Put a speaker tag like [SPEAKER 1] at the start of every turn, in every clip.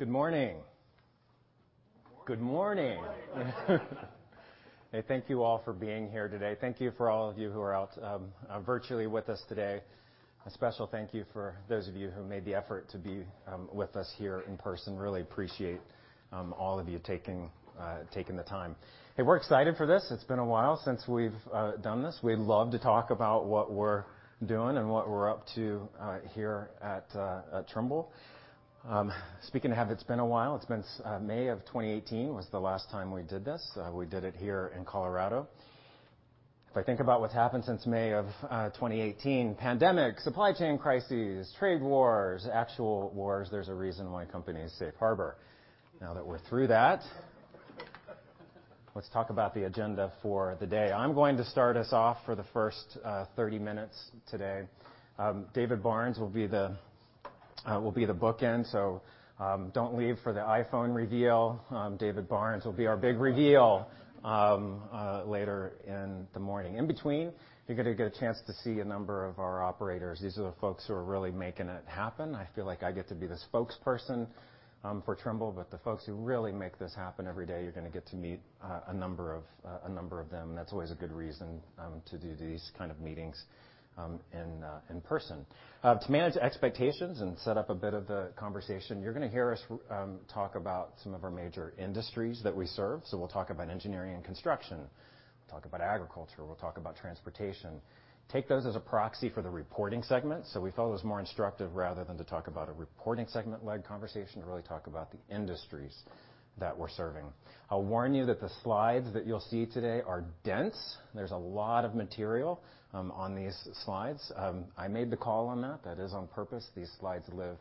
[SPEAKER 1] Hey, thank you all for being here today. Thank you for all of you who are out, virtually with us today. A special thank you for those of you who made the effort to be, with us here in person. Really appreciate all of you taking the time. Hey, we're excited for this. It's been a while since we've done this. We love to talk about what we're doing and what we're up to, here at Trimble. Speaking of how it's been a while, May of 2018 was the last time we did this. We did it here in Colorado. If I think about what's happened since May of 2018, pandemic, supply chain crises, trade wars, actual wars, there's a reason why companies safe harbor. Now that we're through that, let's talk about the agenda for the day. I'm going to start us off for the first 30 minutes today. David Barnes will be the bookend, so don't leave for the iPhone reveal. David Barnes will be our big reveal later in the morning. In between, you're gonna get a chance to see a number of our operators. These are the folks who are really making it happen. I feel like I get to be the spokesperson for Trimble, but the folks who really make this happen every day, you're gonna get to meet a number of them. That's always a good reason to do these kind of meetings in person. To manage expectations and set up a bit of the conversation, you're gonna hear us talk about some of our major industries that we serve. We'll talk about engineering and construction. We'll talk about agriculture. We'll talk about transportation. Take those as a proxy for the reporting segment. We felt it was more instructive rather than to talk about a reporting segment-led conversation, to really talk about the industries that we're serving. I'll warn you that the slides that you'll see today are dense. There's a lot of material on these slides. I made the call on that. That is on purpose. These slides live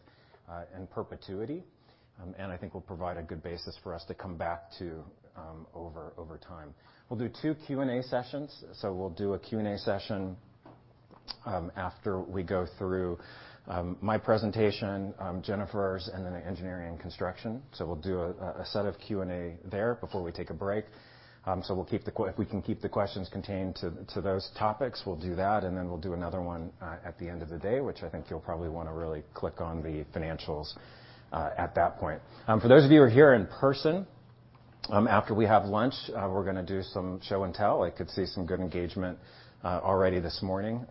[SPEAKER 1] in perpetuity. I think will provide a good basis for us to come back to, over time. We'll do 2 Q&A sessions. We'll do a Q&A session after we go through my presentation, Jennifer's, and then the engineering and construction. We'll do a set of Q&A there before we take a break. We'll keep the questions contained to those topics, and then we'll do another one at the end of the day, which I think you'll probably wanna really click on the financials at that point. For those of you who are here in person, after we have lunch, we're gonna do some show and tell. I could see some good engagement already this morning.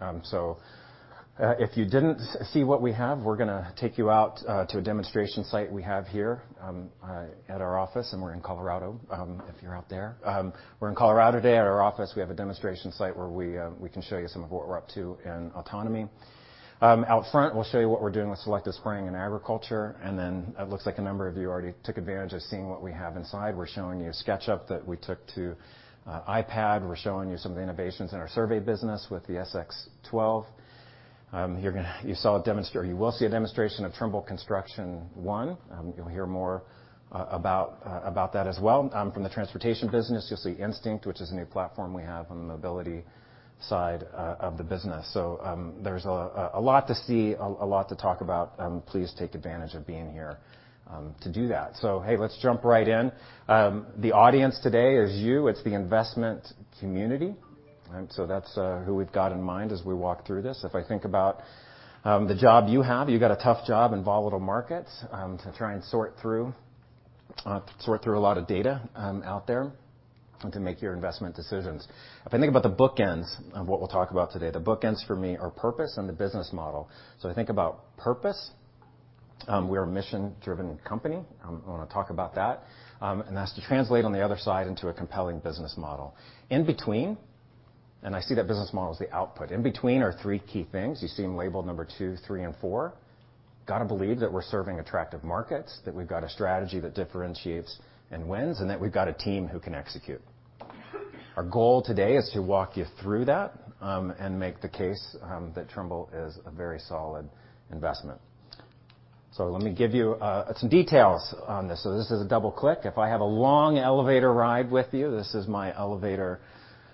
[SPEAKER 1] If you didn't see what we have, we're gonna take you out to a demonstration site we have here at our office, and we're in Colorado if you're out there. We're in Colorado today. At our office, we have a demonstration site where we can show you some of what we're up to in autonomy. Out front, we'll show you what we're doing with selective spraying in agriculture, and then it looks like a number of you already took advantage of seeing what we have inside. We're showing you a SketchUp that we took to iPad. We're showing you some of the innovations in our survey business with the SX12. You saw or you will see a demonstration of Trimble Construction One. You'll hear more about that as well. From the transportation business, you'll see Instinct, which is a new platform we have on the mobility side of the business. There's a lot to see, a lot to talk about. Please take advantage of being here to do that. Hey, let's jump right in. The audience today is you. It's the investment community. That's who we've got in mind as we walk through this. If I think about the job you have, you got a tough job in volatile markets to try and sort through a lot of data out there and to make your investment decisions. If I think about the bookends of what we'll talk about today, the bookends for me are purpose and the business model. I think about purpose. We're a mission-driven company. I wanna talk about that. That's to translate on the other side into a compelling business model. In between, I see that business model as the output. In between are 3 key things. You see them labeled number 2, 3, and 4. Gotta believe that we're serving attractive markets, that we've got a strategy that differentiates and wins, and that we've got a team who can execute. Our goal today is to walk you through that and make the case that Trimble is a very solid investment. Let me give you some details on this. This is a double-click. If I have a long elevator ride with you, this is my elevator,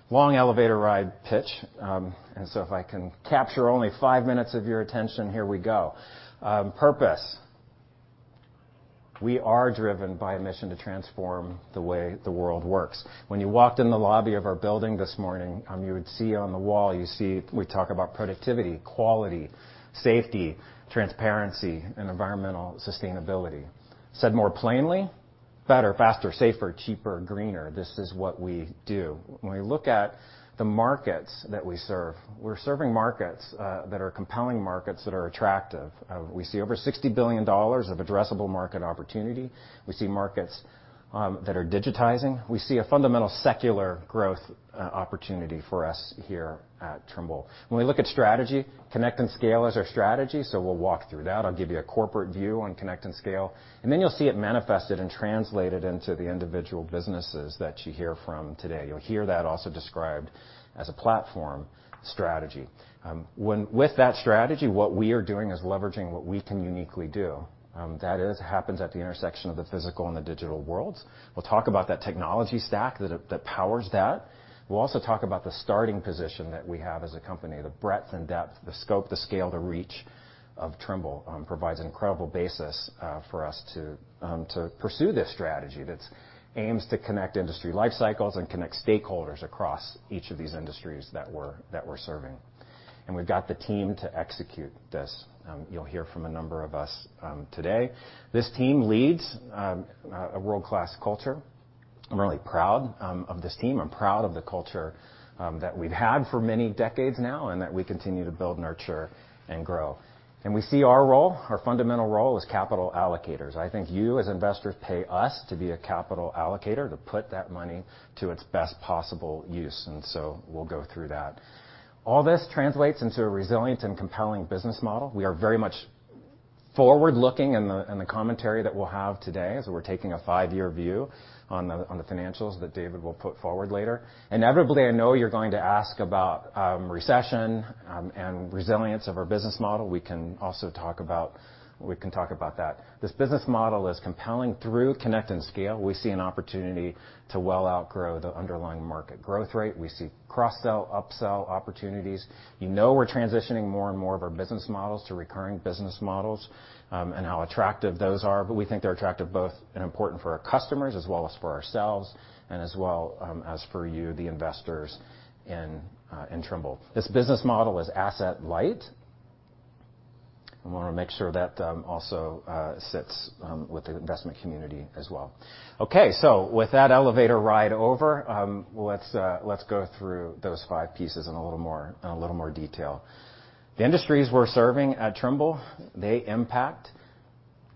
[SPEAKER 1] long elevator ride pitch. If I can capture only 5 minutes of your attention, here we go. Purpose. We are driven by a mission to transform the way the world works. When you walked in the lobby of our building this morning, you would see on the wall, you see we talk about productivity, quality, safety, transparency, and environmental sustainability. Said more plainly, better, faster, safer, cheaper, greener. This is what we do. When we look at the markets that we serve, we're serving markets that are compelling markets that are attractive. We see over $60 billion of addressable market opportunity. We see markets that are digitizing. We see a fundamental secular growth opportunity for us here at Trimble. When we look at strategy, Connect and Scale is our strategy, so we'll walk through that. I'll give you a corporate view on Connect and Scale, and then you'll see it manifested and translated into the individual businesses that you hear from today. You'll hear that also described as a platform strategy. With that strategy, what we are doing is leveraging what we can uniquely do. That is, happens at the intersection of the physical and the digital worlds. We'll talk about that technology stack that powers that. We'll also talk about the starting position that we have as a company. The breadth and depth, the scope, the scale, the reach of Trimble provides an incredible basis for us to pursue this strategy that's aims to connect industry life cycles and connect stakeholders across each of these industries that we're serving. We've got the team to execute this. You'll hear from a number of us today. This team leads a world-class culture. I'm really proud of this team. I'm proud of the culture that we've had for many decades now, and that we continue to build, nurture, and grow. We see our role, our fundamental role, as capital allocators. I think you, as investors, pay us to be a capital allocator, to put that money to its best possible use, and so we'll go through that. All this translates into a resilient and compelling business model. We are very much forward-looking in the commentary that we'll have today, as we're taking a 5-year view on the financials that David will put forward later. Inevitably, I know you're going to ask about recession and resilience of our business model. We can talk about that. This business model is compelling through Connect and Scale. We see an opportunity to well outgrow the underlying market growth rate. We see cross-sell, upsell opportunities. You know we're transitioning more and more of our business models to recurring business models, and how attractive those are, but we think they're attractive both and important for our customers, as well as for ourselves, and as well, as for you, the investors in Trimble. This business model is asset light. I wanna make sure that also sits with the investment community as well. Okay. With that elevator ride over, let's go through those 5 pieces in a little more detail. The industries we're serving at Trimble, they impact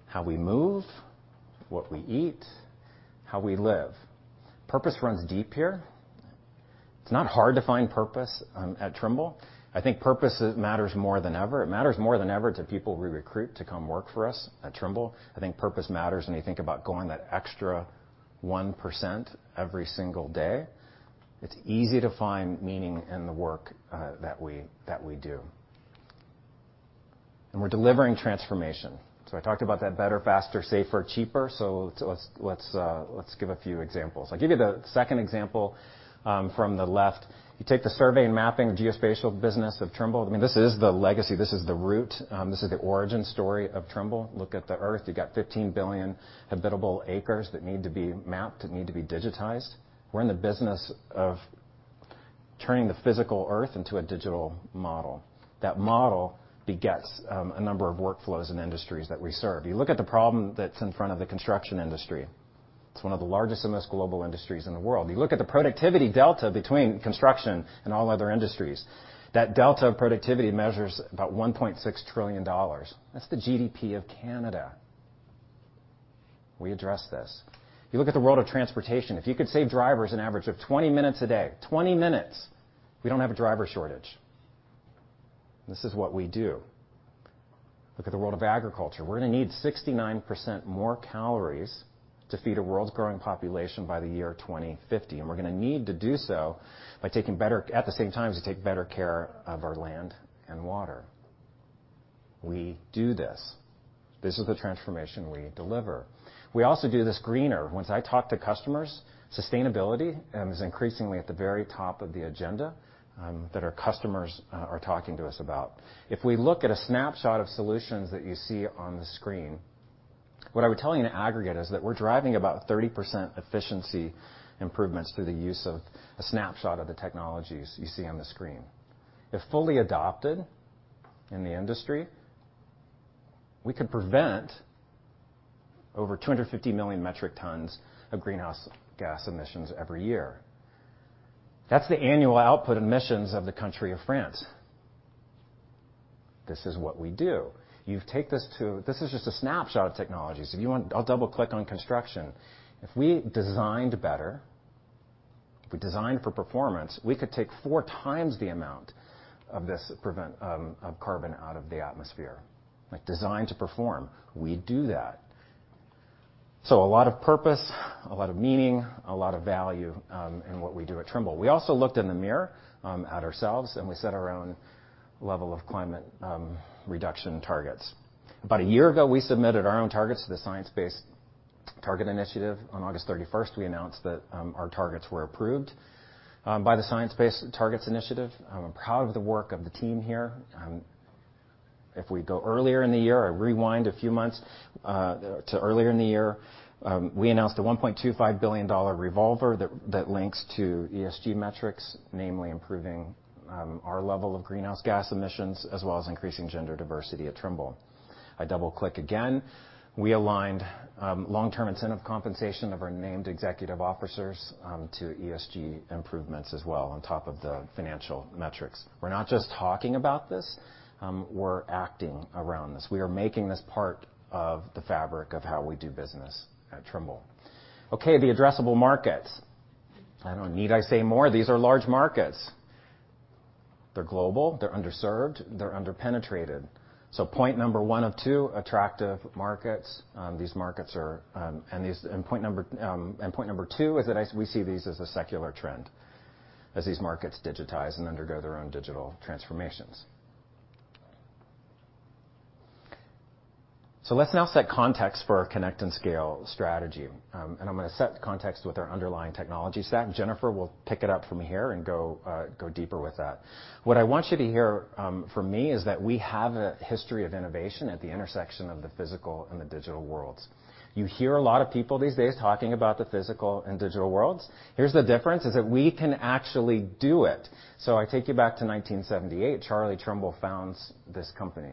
[SPEAKER 1] how we move, what we eat, how we live. Purpose runs deep here. It's not hard to find purpose at Trimble. I think purpose matters more than ever. It matters more than ever to people we recruit to come work for us at Trimble. I think purpose matters when you think about going that extra 1% every single day. It's easy to find meaning in the work that we do. We're delivering transformation. I talked about that better, faster, safer, cheaper. Let's give a few examples. I'll give you the second example from the left. You take the survey and mapping the geospatial business of Trimble. I mean, this is the legacy. This is the root. This is the origin story of Trimble. Look at the Earth. You got 15 billion habitable acres that need to be mapped and need to be digitized. We're in the business of turning the physical Earth into a digital model. That model begets a number of workflows and industries that we serve. You look at the problem that's in front of the construction industry. It's one of the largest and most global industries in the world. You look at the productivity delta between construction and all other industries. That delta of productivity measures about $1.6 trillion. That's the GDP of Canada. We address this. You look at the world of transportation. If you could save drivers an average of 20 minutes a day, we don't have a driver shortage. This is what we do. Look at the world of agriculture. We're gonna need 69% more calories to feed a world's growing population by the year 2050, and we're gonna need to do so at the same time, to take better care of our land and water. We do this. This is the transformation we deliver. We also do this greener. Once I talk to customers, sustainability is increasingly at the very top of the agenda that our customers are talking to us about. If we look at a snapshot of solutions that you see on the screen, what I would tell you in aggregate is that we're driving about 30% efficiency improvements through the use of a snapshot of the technologies you see on the screen. If fully adopted in the industry, we could prevent over 250 million metric tons of greenhouse gas emissions every year. That's the annual output emissions of the country of France. This is what we do. This is just a snapshot of technologies. If you want, I'll double-click on construction. If we designed better, if we designed for performance, we could take 4 times the amount of carbon out of the atmosphere. Like, design to perform, we do that. A lot of purpose, a lot of meaning, a lot of value in what we do at Trimble. We also looked in the mirror at ourselves, and we set our own level of climate reduction targets. About a year ago, we submitted our own targets to the Science Based Targets initiative. On August 31st, we announced that our targets were approved by the Science Based Targets initiative. I'm proud of the work of the team here. If we go earlier in the year or rewind a few months to earlier in the year, we announced a $1.25 billion revolver that links to ESG metrics, namely improving our level of greenhouse gas emissions as well as increasing gender diversity at Trimble. I double-click again. We aligned long-term incentive compensation of our named executive officers to ESG improvements as well on top of the financial metrics. We're not just talking about this, we're acting around this. We are making this part of the fabric of how we do business at Trimble. Okay, the addressable markets. I don't need to say more. These are large markets. They're global, they're underserved, they're under-penetrated. Point number 1 of 2, attractive markets. These markets are and point number 2 is that we see these as a secular trend as these markets digitize and undergo their own digital transformations. Let's now set context for our Connect and Scale strategy. I'm gonna set context with our underlying technology stack. Jennifer will pick it up from here and go deeper with that. What I want you to hear from me is that we have a history of innovation at the intersection of the physical and the digital worlds. You hear a lot of people these days talking about the physical and digital worlds. Here's the difference, is that we can actually do it. I take you back to 1978. Charlie Trimble founds this company.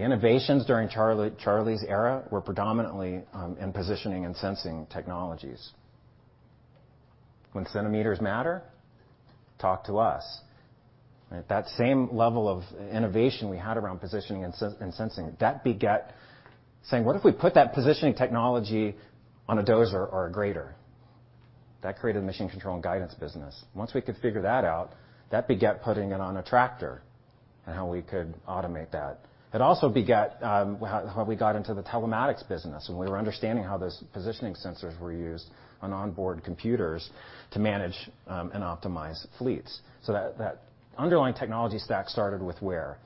[SPEAKER 1] The innovations during Charlie's era were predominantly in positioning and sensing technologies. When centimeters matter, talk to us. That same level of innovation we had around positioning and sensing, that begat saying, "What if we put that positioning technology on a dozer or a grader?" That created the machine control and guidance business. Once we could figure that out, that begat putting it on a tractor and how we could automate that. It also begat how we got into the telematics business, when we were understanding how those positioning sensors were used on onboard computers to manage and optimize fleets. That underlying technology stack started with where.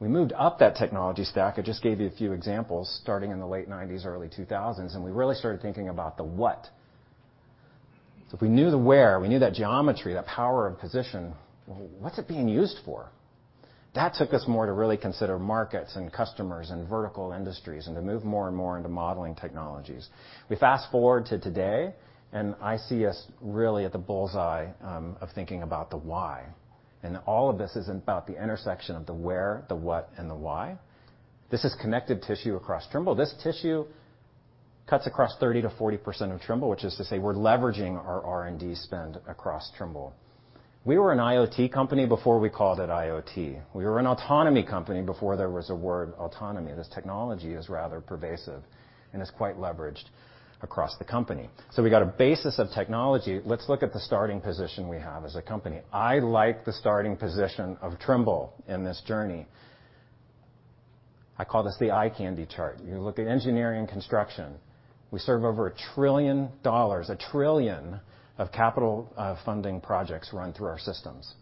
[SPEAKER 1] We moved up that technology stack. I just gave you a few examples, starting in the late 90's, early 2000's, and we really started thinking about the what. If we knew the where, we knew that geometry, that power of position, what's it being used for? That took us more to really consider markets and customers and vertical industries, and to move more and more into modeling technologies. We fast-forward to today, and I see us really at the bull's eye of thinking about the why. All of this is about the intersection of the where, the what, and the why. This is connected tissue across Trimble. This tissue cuts across 30% to 40% of Trimble, which is to say we're leveraging our R&D spend across Trimble. We were an IoT company before we called it IoT. We were an autonomy company before there was a word autonomy. This technology is rather pervasive and is quite leveraged across the company. We've got a basis of technology. Let's look at the starting position we have as a company. I like the starting position of Trimble in this journey. I call this the eye candy chart. You look at engineering and construction. We serve over $1 trillion, $1 trillion of capital funding projects run through our systems.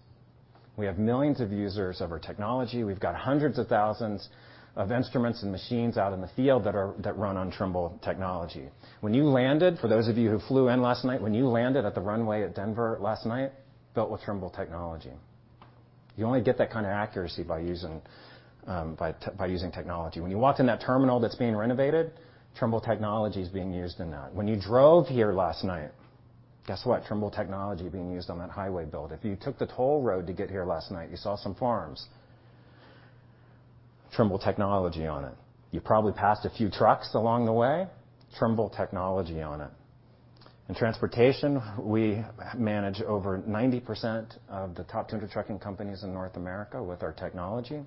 [SPEAKER 1] We have millions of users of our technology. We've got hundreds of thousands of instruments and machines out in the field that run on Trimble technology. When you landed, for those of you who flew in last night, when you landed at the runway at Denver last night, built with Trimble technology. You only get that kind of accuracy by using technology. When you walked in that terminal that's being renovated, Trimble technology is being used in that. When you drove here last night, guess what? Trimble technology being used on that highway build. If you took the toll road to get here last night, you saw some farms. Trimble technology on it. You probably passed a few trucks along the way, Trimble technology on it. In transportation, we manage over 90% of the top 200 trucking companies in North America with our technology. In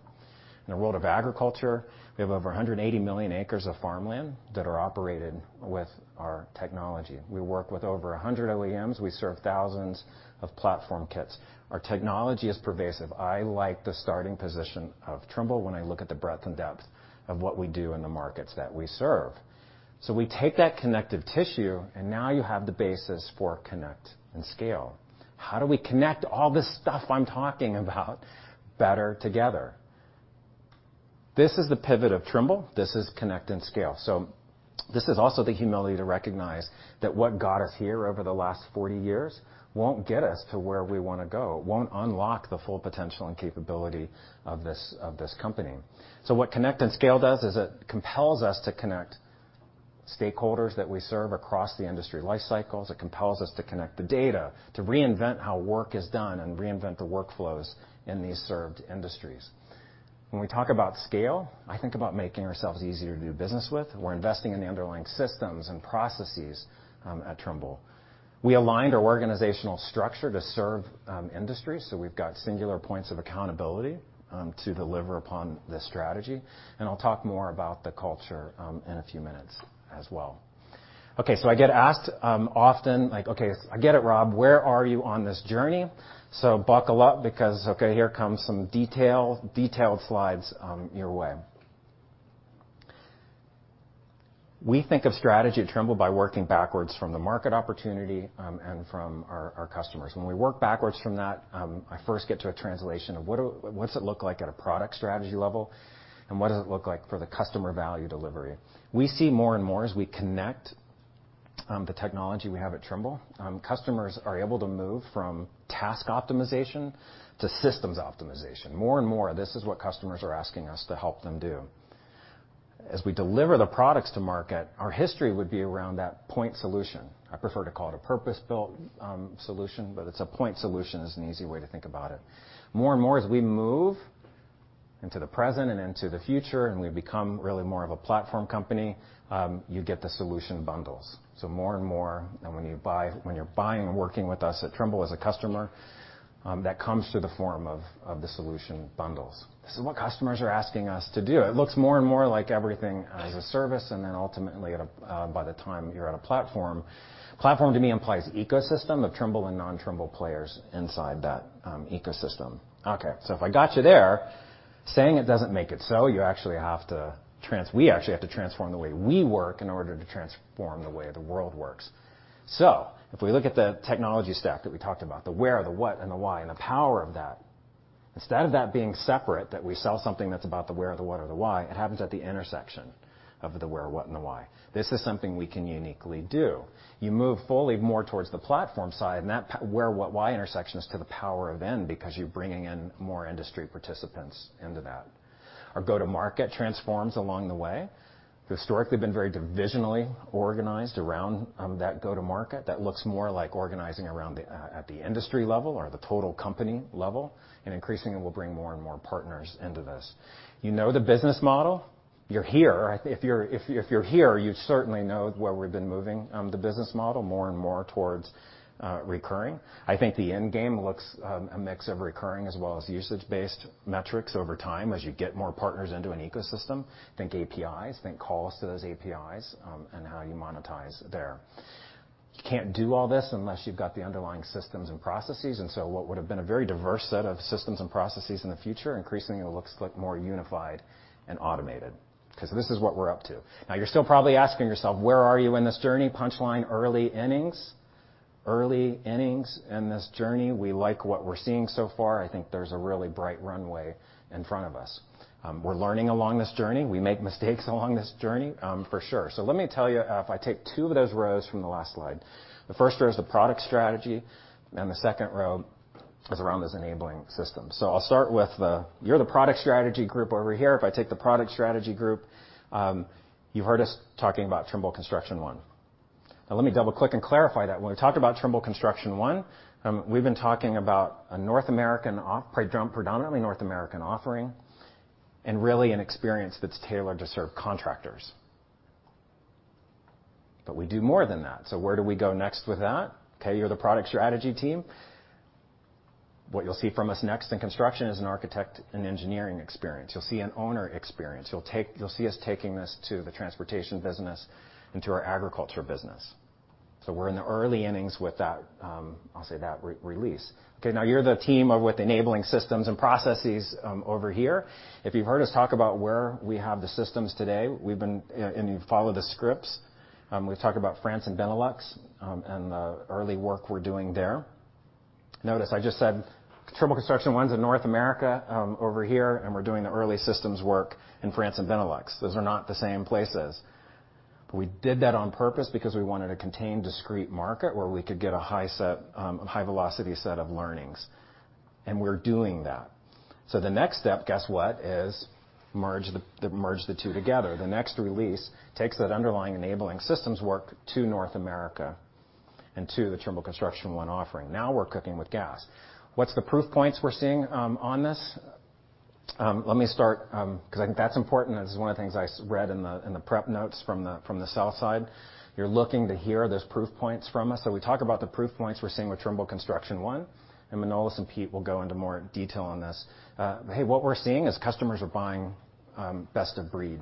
[SPEAKER 1] the world of agriculture, we have over 180 million acres of farmland that are operated with our technology. We work with over 100 OEMs, we serve thousands of platform kits. Our technology is pervasive. I like the starting position of Trimble when I look at the breadth and depth of what we do in the markets that we serve. We take that connective tissue, and now you have the basis for Connect and Scale. How do we connect all this stuff I'm talking about better together? This is the pivot of Trimble. This is Connect and Scale. This is also the humility to recognize that what got us here over the last 40 years won't get us to where we wanna go. It won't unlock the full potential and capability of this company. What Connect and Scale does is it compels us to connect stakeholders that we serve across the industry life cycles. It compels us to connect the data, to reinvent how work is done and reinvent the workflows in these served industries. When we talk about Scale, I think about making ourselves easier to do business with. We're investing in the underlying systems and processes at Trimble. We aligned our organizational structure to serve industries. We've got singular points of accountability to deliver upon this strategy. I'll talk more about the culture in a few minutes as well. Okay, I get asked often, like, "Okay, I get it, Rob, where are you on this journey?" Buckle up because, okay, here comes some detailed slides your way. We think of strategy at Trimble by working backwards from the market opportunity and from our customers. When we work backwards from that, I first get to a translation of what's it look like at a product strategy level, and what does it look like for the customer value delivery? We see more and more as we connect the technology we have at Trimble. Customers are able to move from task optimization to systems optimization. More and more, this is what customers are asking us to help them do. As we deliver the products to market, our history would be around that point solution. I prefer to call it a purpose-built solution, but a point solution is an easy way to think about it. More and more as we move into the present and into the future, and we become really more of a platform company, you get the solution bundles. More and more, when you're buying and working with us at Trimble as a customer, that comes to the form of the solution bundles. This is what customers are asking us to do. It looks more and more like everything as a service, and then ultimately by the time you're at a platform. Platform to me implies ecosystem of Trimble and non-Trimble players inside that ecosystem. Okay, so if I got you there, saying it doesn't make it so. You actually have to transform the way we work in order to transform the way the world works. If we look at the technology stack that we talked about, the where, the what, and the why, and the power of that, instead of that being separate, that we sell something that's about the where, the what, or the why, it happens at the intersection of the where, what, and the why. This is something we can uniquely do. You move fully more towards the platform side, and that where, what, why intersection is to the power of N because you're bringing in more industry participants into that. Our go-to-market transforms along the way. We've historically been very divisionally organized around that go-to-market. That looks more like organizing at the industry level or the total company level, and increasingly, we'll bring more and more partners into this. You know the business model. You're here. If you're here, you certainly know where we've been moving the business model more and more towards recurring. I think the end game looks a mix of recurring as well as usage-based metrics over time as you get more partners into an ecosystem. Think APIs, think calls to those APIs, and how you monetize there. You can't do all this unless you've got the underlying systems and processes. What would have been a very diverse set of systems and processes in the future, increasingly, it looks like more unified and automated 'cause this is what we're up to. Now, you're still probably asking yourself, where are you in this journey? Punchline, early innings. Early innings in this journey. We like what we're seeing so far. I think there's a really bright runway in front of us. We're learning along this journey. We make mistakes along this journey, for sure. Let me tell you, if I take 2 of those rows from the last slide. The first row is the product strategy, and the second row is around this enabling system. I'll start with the product strategy group over here. If I take the product strategy group, you heard us talking about Trimble Construction One. Now, let me double-click and clarify that. When we talk about Trimble Construction One, we've been talking about a predominantly North American offering, and really an experience that's tailored to serve contractors. We do more than that. Where do we go next with that? Okay, you're the product strategy team. What you'll see from us next in construction is an architect and engineering experience. You'll see an owner experience. You'll see us taking this to the transportation business and to our agriculture business. We're in the early innings with that, I'll say that re-release. Okay, now you're the team with enabling systems and processes, over here. If you've heard us talk about where we have the systems today, and you follow the scripts, we've talked about France and Benelux, and the early work we're doing there. Notice I just said Trimble Construction One's in North America, over here, and we're doing the early systems work in France and Benelux. Those are not the same places. We did that on purpose because we wanted a contained, discrete market where we could get a high set, high velocity set of learnings, and we're doing that. The next step, guess what, is merge the 2 together. The next release takes that underlying enabling systems work to North America and to the Trimble Construction One offering. Now we're cooking with gas. What's the proof points we're seeing on this? Let me start, 'cause I think that's important. This is one of the things I read in the prep notes from the sell-side. You're looking to hear those proof points from us. We talk about the proof points we're seeing with Trimble Construction One, and Manolis and Pete will go into more detail on this. Hey, what we're seeing is customers are buying best of breed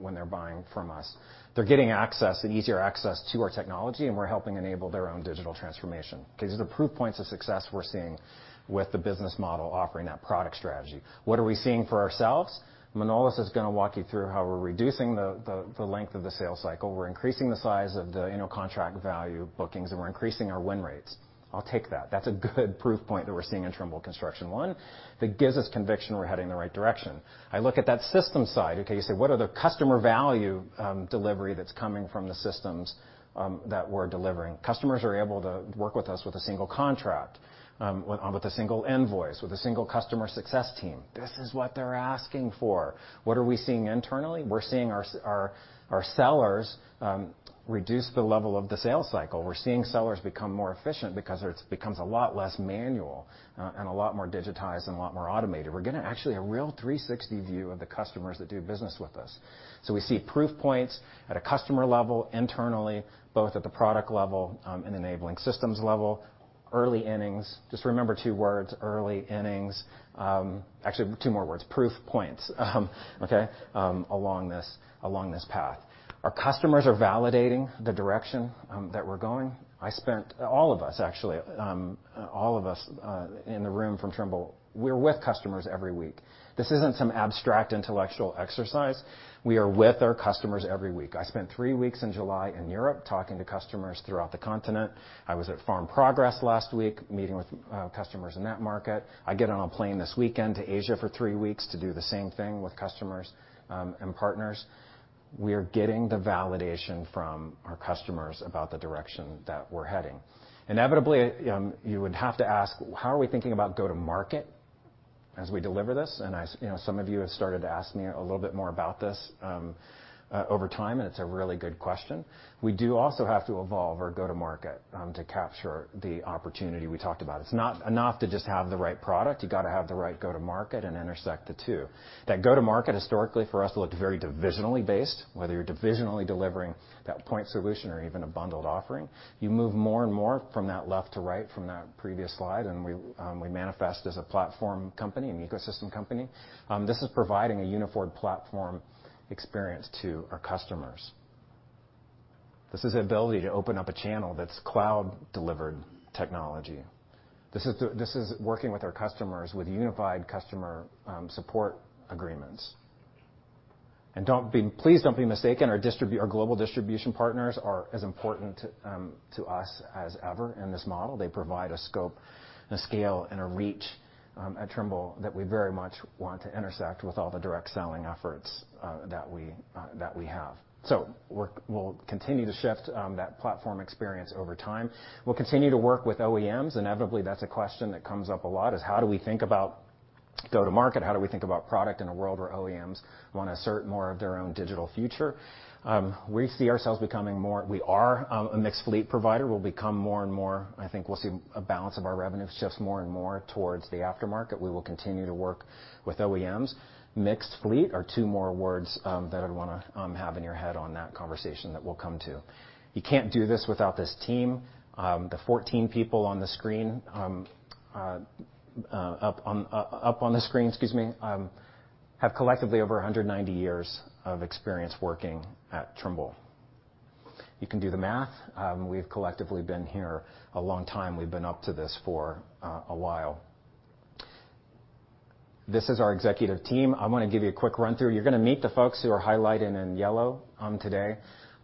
[SPEAKER 1] when they're buying from us. They're getting access and easier access to our technology, and we're helping enable their own digital transformation. Okay, these are the proof points of success we're seeing with the business model offering that product strategy. What are we seeing for ourselves? Manolis is gonna walk you through how we're reducing the length of the sales cycle. We're increasing the size of the, you know, contract value bookings, and we're increasing our win rates. I'll take that. That's a good proof point that we're seeing in Trimble Construction One that gives us conviction we're heading in the right direction. I look at that system side. Okay, you say, what are the customer value delivery that's coming from the systems that we're delivering? Customers are able to work with us with a single contract, with a single invoice, with a single customer success team. This is what they're asking for. What are we seeing internally? We're seeing our sellers reduce the level of the sales cycle. We're seeing sellers become more efficient because it becomes a lot less manual, and a lot more digitized and a lot more automated. We're getting actually a real 360 view of the customers that do business with us. We see proof points at a customer level internally, both at the product level, and enabling systems level, early innings. Just remember 2 words, early innings. Actually 2 more words, proof points, okay, along this path. Our customers are validating the direction that we're going. All of us actually in the room from Trimble, we're with customers every week. This isn't some abstract intellectual exercise. We are with our customers every week. I spent 3 weeks in July in Europe talking to customers throughout the continent. I was at Farm Progress last week, meeting with customers in that market. I get on a plane this weekend to Asia for 3 weeks to do the same thing with customers and partners. We are getting the validation from our customers about the direction that we're heading. Inevitably you would have to ask, how are we thinking about go-to-market as we deliver this? You know, some of you have started to ask me a little bit more about this over time, and it's a really good question. We do also have to evolve our go-to-market to capture the opportunity we talked about. It's not enough to just have the right product. You gotta have the right go-to-market and intersect the 2. That go-to-market historically for us looked very divisionally based, whether you're divisionally delivering that point solution or even a bundled offering. You move more and more from that left to right, from that previous slide, and we manifest as a platform company, an ecosystem company. This is providing a unified platform experience to our customers. This is the ability to open up a channel that's cloud-delivered technology. This is working with our customers with unified customer support agreements. Please don't be mistaken, our global distribution partners are as important to us as ever in this model. They provide a scope, a scale, and a reach at Trimble that we very much want to intersect with all the direct selling efforts that we have. We'll continue to shift that platform experience over time. We'll continue to work with OEMs. Inevitably, that's a question that comes up a lot, is how do we think about go-to-market. How do we think about product in a world where OEMs wanna assert more of their own digital future? We see ourselves becoming more. We are a mixed fleet provider. We'll become more and more. I think we'll see a balance of our revenue shifts more and more towards the aftermarket. We will continue to work with OEMs. Mixed fleet are 2 more words that I'd wanna have in your head on that conversation that we'll come to. You can't do this without this team. The 14 people on the screen up on the screen, excuse me, have collectively over 190 years of experience working at Trimble. You can do the math. We've collectively been here a long time. We've been up to this for a while. This is our executive team. I wanna give you a quick run-through. You're gonna meet the folks who are highlighted in yellow today.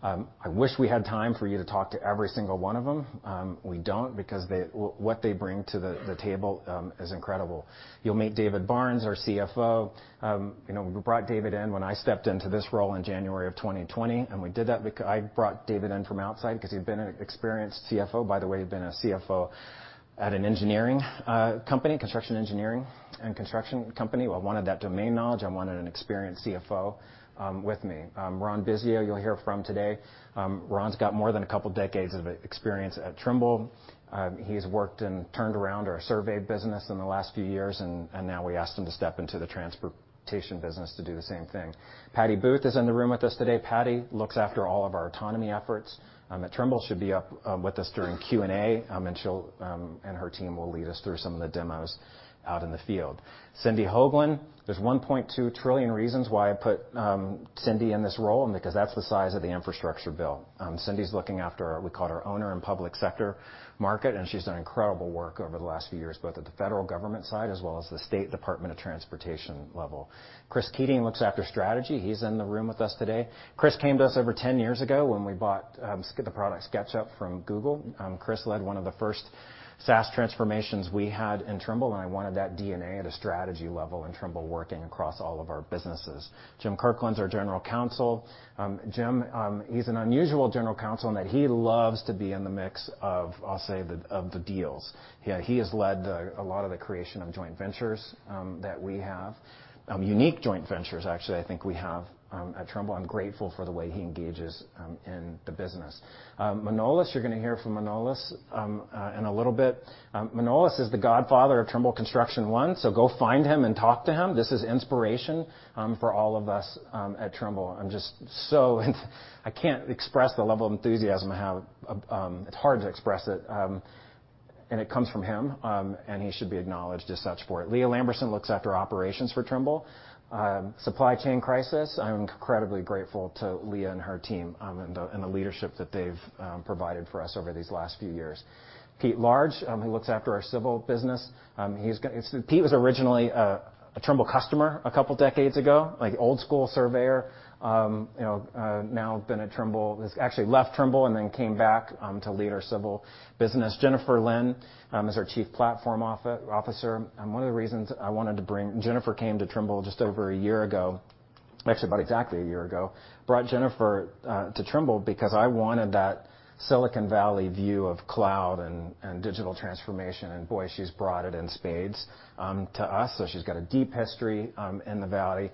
[SPEAKER 1] I wish we had time for you to talk to every single one of them. We don't, because what they bring to the table is incredible. You'll meet David Barnes, our CFO. You know, we brought David in when I stepped into this role in January of 2020, and we did that. I brought David in from outside 'cause he'd been an experienced CFO. By the way, he'd been a CFO at an engineering and construction company. I wanted that domain knowledge. I wanted an experienced CFO with me. Ron Bisio, you'll hear from today. Ron's got more than a couple decades of experience at Trimble. He's worked and turned around our survey business in the last few years, and now we asked him to step into the transportation business to do the same thing. Patty Boothe is in the room with us today. Patty looks after all of our autonomy efforts at Trimble. should be up with us during Q&A, and she'll and her team will lead us through some of the demos out in the field. Cyndee Hoagland. There's $1.2 trillion reasons why I put Cyndee in this role, and because that's the size of the infrastructure bill. Cyndee's looking after, we call it, our owner and public sector market, and she's done incredible work over the last few years, both at the federal government side as well as the state department of transportation level. Chris Keating looks after strategy. He's in the room with us today. Chris came to us over 10 years ago when we bought the product SketchUp from Google. Chris led one of the first SaaS transformations we had in Trimble, and I wanted that DNA at a strategy level in Trimble working across all of our businesses. Jim Kirkland's our General Counsel. Jim, he's an unusual General Counsel in that he loves to be in the mix of, I'll say, the deals. He has led a lot of the creation of joint ventures that we have. Unique joint ventures, actually, I think we have at Trimble. I'm grateful for the way he engages in the business. Manolis, you're gonna hear from Manolis in a little bit. Manolis is the godfather of Trimble Construction One, so go find him and talk to him. This is inspiration for all of us at Trimble. I'm just so. I can't express the level of enthusiasm I have. It's hard to express it. It comes from him, and he should be acknowledged as such for it. Leah Lamberson looks after operations for Trimble. Supply chain crisis, I'm incredibly grateful to Leah and her team, and the leadership that they've provided for us over these last few years. Pete Large, he looks after our civil business. Pete was originally a Trimble customer a couple decades ago, like old school surveyor. You know, now been at Trimble. Has actually left Trimble and then came back to lead our civil business. Jennifer Lin is our Chief Platform Officer, Jennifer came to Trimble just over a year ago. Actually, about exactly a year ago. Brought Jennifer to Trimble because I wanted that Silicon Valley view of cloud and digital transformation, and boy, she's brought it in spades to us. She's got a deep history in the valley,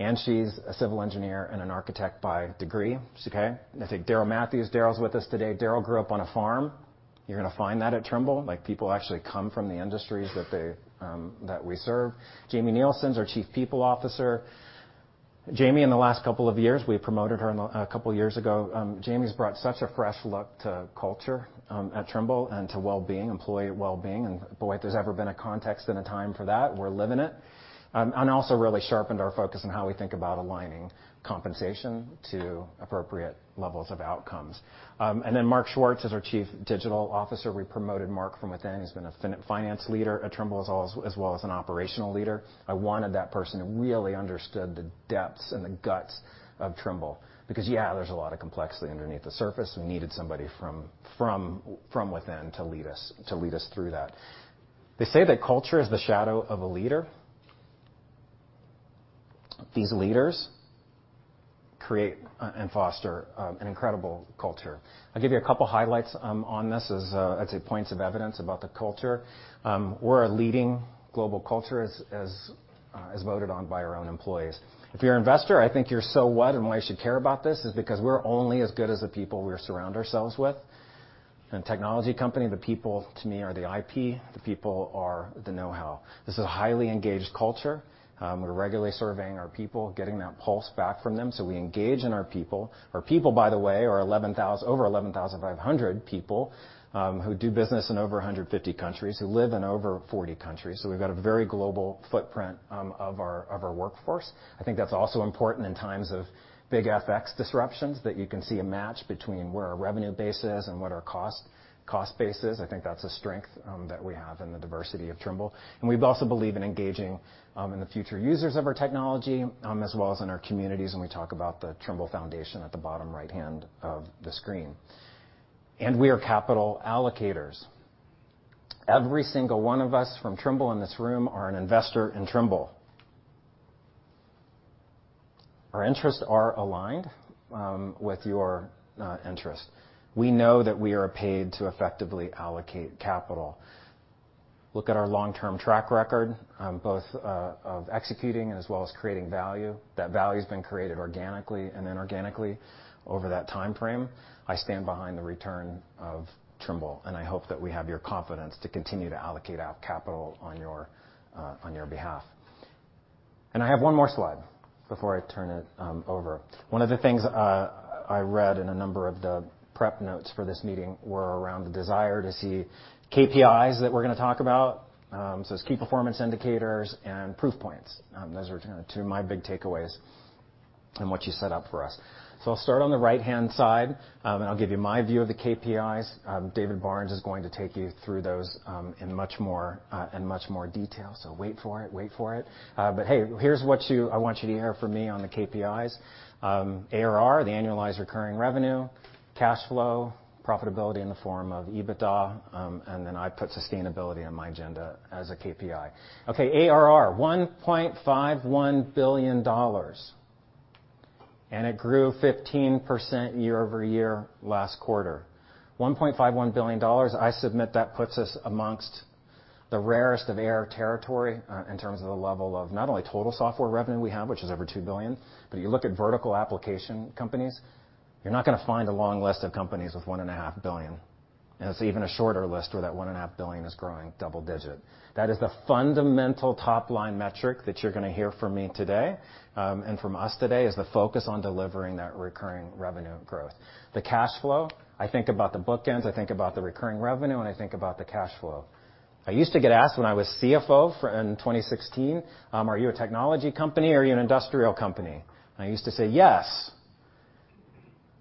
[SPEAKER 1] and she's a civil engineer and an architect by degree. Darryl Matthews. Darryl's with us today. Darryl grew up on a farm. You're gonna find that at Trimble, like, people actually come from the industries that we serve. Jaime Nielsen's our Chief People Officer. Jaime, in the last couple of years, we promoted her a couple years ago. Jaime's brought such a fresh look to culture at Trimble and to well-being, employee well-being, and, boy, if there's ever been a context and a time for that, we're living it. Also really sharpened our focus on how we think about aligning compensation to appropriate levels of outcomes. Mark Schwartz is our Chief Digital Officer. We promoted Mark from within. He's been a finance leader at Trimble as well as an operational leader. I wanted that person who really understood the depths and the guts of Trimble because there's a lot of complexity underneath the surface. We needed somebody from within to lead us through that. They say that culture is the shadow of a leader. These leaders create and foster an incredible culture. I'll give you a couple highlights on this as, I'd say, points of evidence about the culture. We're a leading global culture as voted on by our own employees. If you're an investor, I think so. What and why you should care about this is because we're only as good as the people we surround ourselves with. In a technology company, the people to me are the IP. The people are the know-how. This is a highly engaged culture. We're regularly surveying our people, getting that pulse back from them, so we engage in our people. Our people, by the way, are 11,000, over 11,500 people, who do business in over 150 countries, who live in over 40 countries, so we've got a very global footprint of our workforce. I think that's also important in times of big FX disruptions, that you can see a match between where our revenue base is and what our cost base is. I think that's a strength that we have in the diversity of Trimble. We also believe in engaging in the future users of our technology as well as in our communities, and we talk about the Trimble Foundation at the bottom right-hand of the screen. We are capital allocators. Every single one of us from Trimble in this room are an investor in Trimble. Our interests are aligned with your interests. We know that we are paid to effectively allocate capital. Look at our long-term track record both of executing as well as creating value. That value has been created organically and inorganically over that timeframe. I stand behind the return of Trimble, and I hope that we have your confidence to continue to allocate our capital on your behalf. I have 1 more slide before I turn it over. One of the things I read in a number of the prep notes for this meeting were around the desire to see KPIs that we're gonna talk about, so it's key performance indicators and proof points. Those are 2 of my big takeaways in what you set up for us. I'll start on the right-hand side, and I'll give you my view of the KPIs. David Barnes is going to take you through those in much more detail. Wait for it, wait for it. Hey, here's what I want you to hear from me on the KPIs. ARR, the annualized recurring revenue, cash flow, profitability in the form of EBITDA, and then I put sustainability on my agenda as a KPI. Okay, ARR, $1.51 billion, and it grew 15% year-over-year last quarter. $1.51 billion, I submit that puts us amongst the rarest of ARR territory, in terms of the level of not only total software revenue we have, which is over $2 billion, but you look at vertical application companies, you're not gonna find a long list of companies with $1.5 billion. It's even a shorter list where that $1.5 billion is growing double-digit. That is the fundamental top-line metric that you're gonna hear from me today, and from us today, is the focus on delivering that recurring revenue growth. The cash flow, I think about the bookends, I think about the recurring revenue, and I think about the cash flow. I used to get asked when I was CFO in 2016, "Are you a technology company or are you an industrial company?" I used to say, "Yes."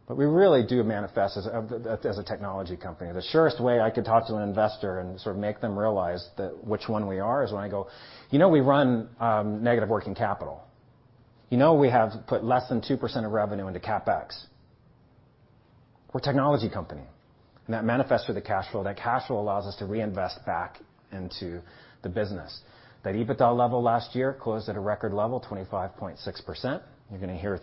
[SPEAKER 1] We really do manifest as a technology company. The surest way I could talk to an investor and sort of make them realize that which one we are is when I go, "You know we run negative working capital. You know we have put less than 2% of revenue into CapEx. We're a technology company." That manifests through the cash flow. That cash flow allows us to reinvest back into the business. That EBITDA level last year closed at a record level, 25.6%. You're gonna hear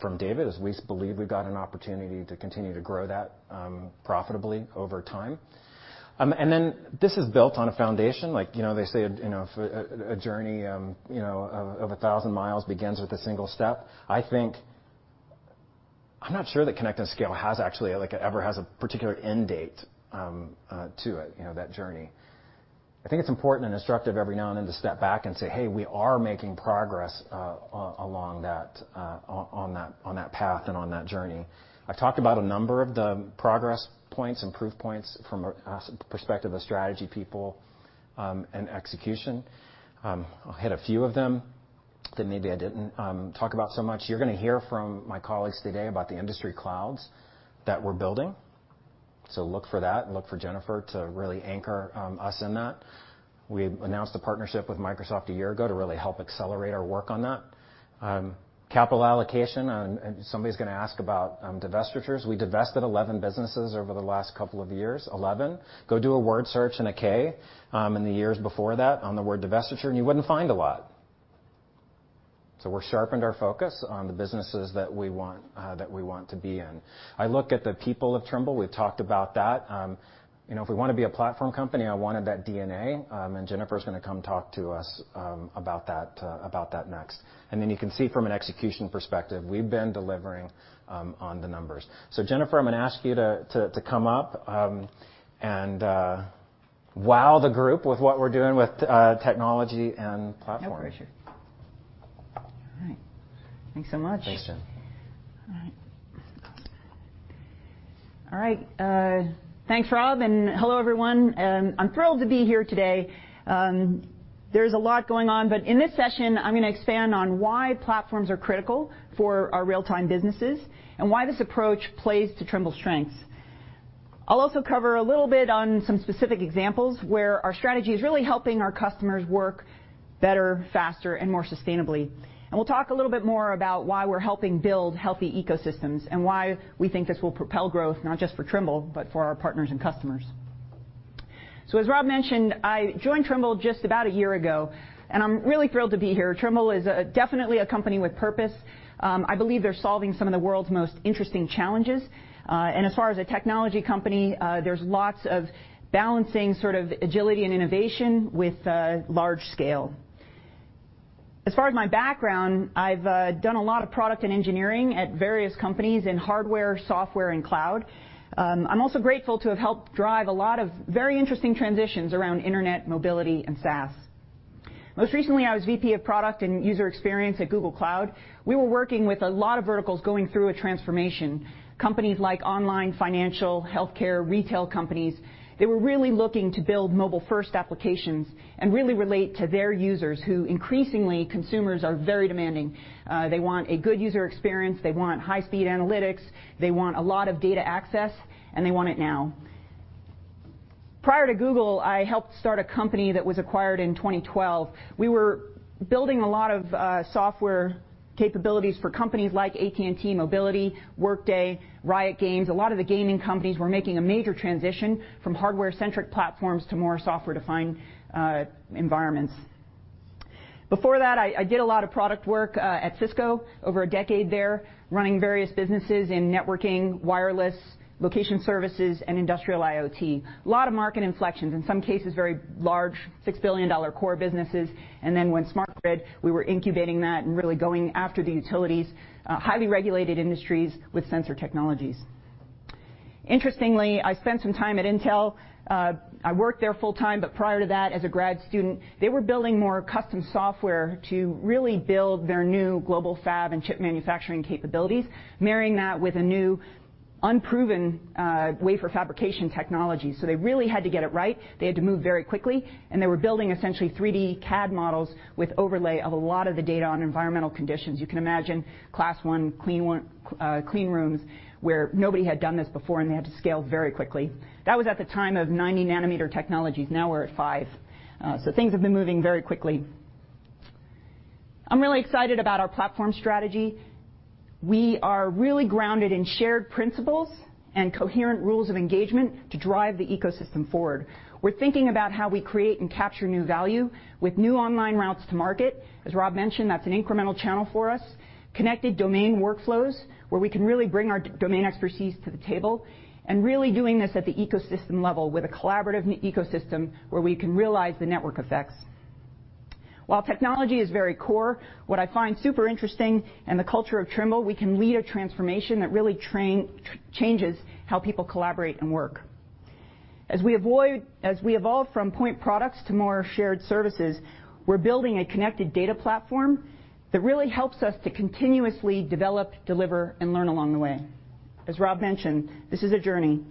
[SPEAKER 1] from David, as we believe we've got an opportunity to continue to grow that profitably over time. This is built on a foundation like, you know, they say, you know, a journey of 1,000 miles begins with a single step. I think I'm not sure that Connect and Scale has actually, like, ever has a particular end date to it, you know, that journey. I think it's important and instructive every now and then to step back and say, "Hey, we are making progress on that path and on that journey." I've talked about a number of the progress points and proof points from a perspective of strategy people and execution. I'll hit a few of them that maybe I didn't talk about so much. You're gonna hear from my colleagues today about the industry clouds that we're building. Look for that and look for Jennifer to really anchor us in that. We announced a partnership with Microsoft a year ago to really help accelerate our work on that. Capital allocation, and somebody's gonna ask about divestitures. We divested 11 businesses over the last couple of years. 11. Go do a word search in a 10-K, in the years before that on the word divestiture, and you wouldn't find a lot. We've sharpened our focus on the businesses that we want to be in. I look at the people of Trimble. We've talked about that. You know, if we wanna be a platform company, I wanted that DNA, and Jennifer's gonna come talk to us about that next. Then you can see from an execution perspective, we've been delivering on the numbers. Jennifer, I'm gonna ask you to come up and wow the group with what we're doing with technology and platform.
[SPEAKER 2] No pressure. All right. Thanks so much.
[SPEAKER 1] Thank you.
[SPEAKER 2] All right. Thanks, Rob, and hello, everyone. I'm thrilled to be here today. There's a lot going on, but in this session, I'm gonna expand on why platforms are critical for our real-time businesses and why this approach plays to Trimble's strengths. I'll also cover a little bit on some specific examples where our strategy is really helping our customers work better, faster, and more sustainably. We'll talk a little bit more about why we're helping build healthy ecosystems and why we think this will propel growth not just for Trimble, but for our partners and customers. As Rob mentioned, I joined Trimble just about a year ago, and I'm really thrilled to be here. Trimble is definitely a company with purpose. I believe they're solving some of the world's most interesting challenges. As far as a technology company, there's lots of balancing sort of agility and innovation with large scale. As far as my background, I've done a lot of product and engineering at various companies in hardware, software, and cloud. I'm also grateful to have helped drive a lot of very interesting transitions around internet, mobility, and SaaS. Most recently, I was VP of Product and User Experience at Google Cloud. We were working with a lot of verticals going through a transformation. Companies like online financial, healthcare, retail companies, they were really looking to build mobile-first applications and really relate to their users who, increasingly, consumers are very demanding. They want a good user experience, they want high-speed analytics, they want a lot of data access, and they want it now. Prior to Google, I helped start a company that was acquired in 2012. We were building a lot of software capabilities for companies like AT&T Mobility, Workday, Riot Games. A lot of the gaming companies were making a major transition from hardware-centric platforms to more software-defined environments. Before that, I did a lot of product work at Cisco over a decade there, running various businesses in networking, wireless, location services, and industrial IoT. Lot of market inflections, in some cases, very large, $6 billion core businesses. When Smart Grid, we were incubating that and really going after the utilities, highly regulated industries with sensor technologies. Interestingly, I spent some time at Intel. I worked there full time, but prior to that, as a grad student, they were building more custom software to really build their new global fab and chip manufacturing capabilities, marrying that with a new unproven wafer fabrication technology. They really had to get it right. They had to move very quickly, and they were building essentially 3D CAD models with overlay of a lot of the data on environmental conditions. You can imagine Class 1 clean rooms where nobody had done this before, and they had to scale very quickly. That was at the time of 90 nanometer technologies. Now we're at 5. Things have been moving very quickly. I'm really excited about our platform strategy. We are really grounded in shared principles and coherent rules of engagement to drive the ecosystem forward. We're thinking about how we create and capture new value with new online routes to market. As Rob mentioned, that's an incremental channel for us. Connected domain workflows, where we can really bring our domain expertise to the table, and really doing this at the ecosystem level with a collaborative ecosystem where we can realize the network effects. While technology is very core, what I find super interesting in the culture of Trimble, we can lead a transformation that really changes how people collaborate and work. As we evolve from point products to more shared services, we're building a connected data platform that really helps us to continuously develop, deliver, and learn along the way. As Rob mentioned, this is a journey.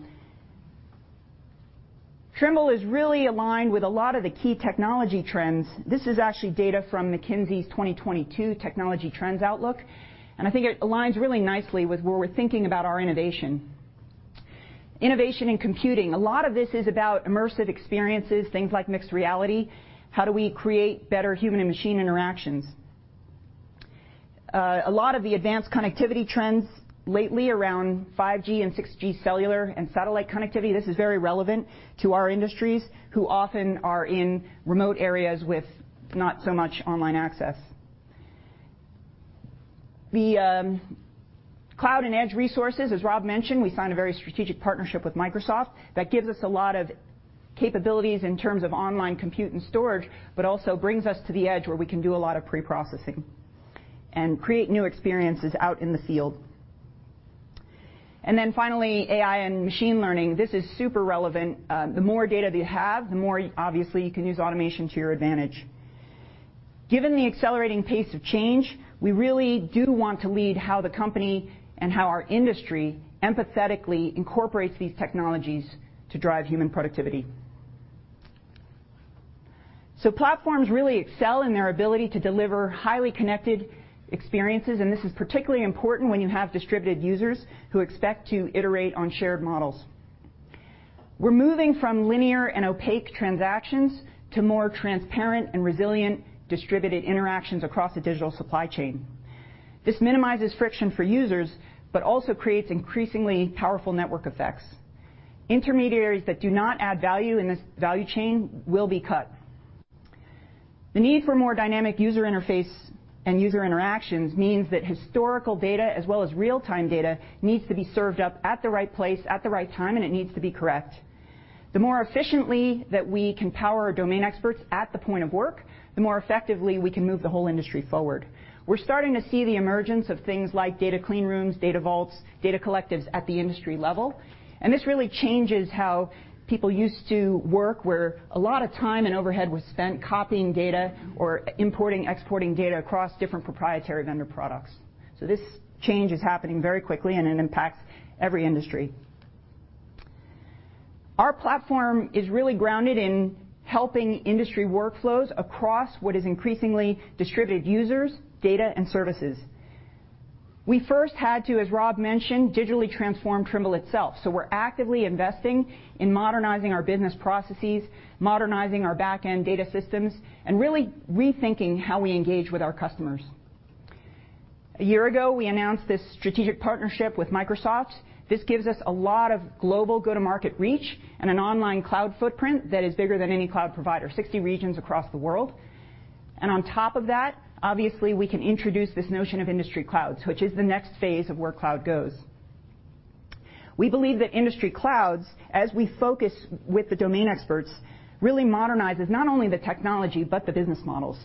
[SPEAKER 2] Trimble is really aligned with a lot of the key technology trends. This is actually data from McKinsey's 2022 Technology Trends Outlook, and I think it aligns really nicely with where we're thinking about our innovation. Innovation in computing. A lot of this is about immersive experiences, things like mixed reality. How do we create better human and machine interactions? A lot of the advanced connectivity trends lately around 5G and 6G cellular and satellite connectivity, this is very relevant to our industries who often are in remote areas with not so much online access. The cloud and edge resources, as Rob mentioned, we signed a very strategic partnership with Microsoft that gives us a lot of capabilities in terms of online compute and storage, but also brings us to the edge where we can do a lot of pre-processing and create new experiences out in the field. Finally, AI and machine learning. This is super relevant. The more data that you have, the more, obviously, you can use automation to your advantage. Given the accelerating pace of change, we really do want to lead how the company and how our industry empathetically incorporates these technologies to drive human productivity. Platforms really excel in their ability to deliver highly connected experiences, and this is particularly important when you have distributed users who expect to iterate on shared models. We're moving from linear and opaque transactions to more transparent and resilient distributed interactions across the digital supply chain. This minimizes friction for users, but also creates increasingly powerful network effects. Intermediaries that do not add value in this value chain will be cut. The need for more dynamic user interface and user interactions means that historical data as well as real-time data needs to be served up at the right place, at the right time, and it needs to be correct. The more efficiently that we can power our domain experts at the point of work, the more effectively we can move the whole industry forward. We're starting to see the emergence of things like data clean rooms, data vaults, data collectives at the industry level, and this really changes how people used to work, where a lot of time and overhead was spent copying data or importing, exporting data across different proprietary vendor products. This change is happening very quickly, and it impacts every industry. Our platform is really grounded in helping industry workflows across what is increasingly distributed users, data, and services. We first had to, as Rob mentioned, digitally transform Trimble itself. We're actively investing in modernizing our business processes, modernizing our back-end data systems, and really rethinking how we engage with our customers. A year ago, we announced this strategic partnership with Microsoft. This gives us a lot of global go-to-market reach and an online cloud footprint that is bigger than any cloud provider, 60 regions across the world. On top of that, obviously, we can introduce this notion of industry clouds, which is the next phase of where cloud goes. We believe that industry clouds, as we focus with the domain experts, really modernizes not only the technology, but the business models.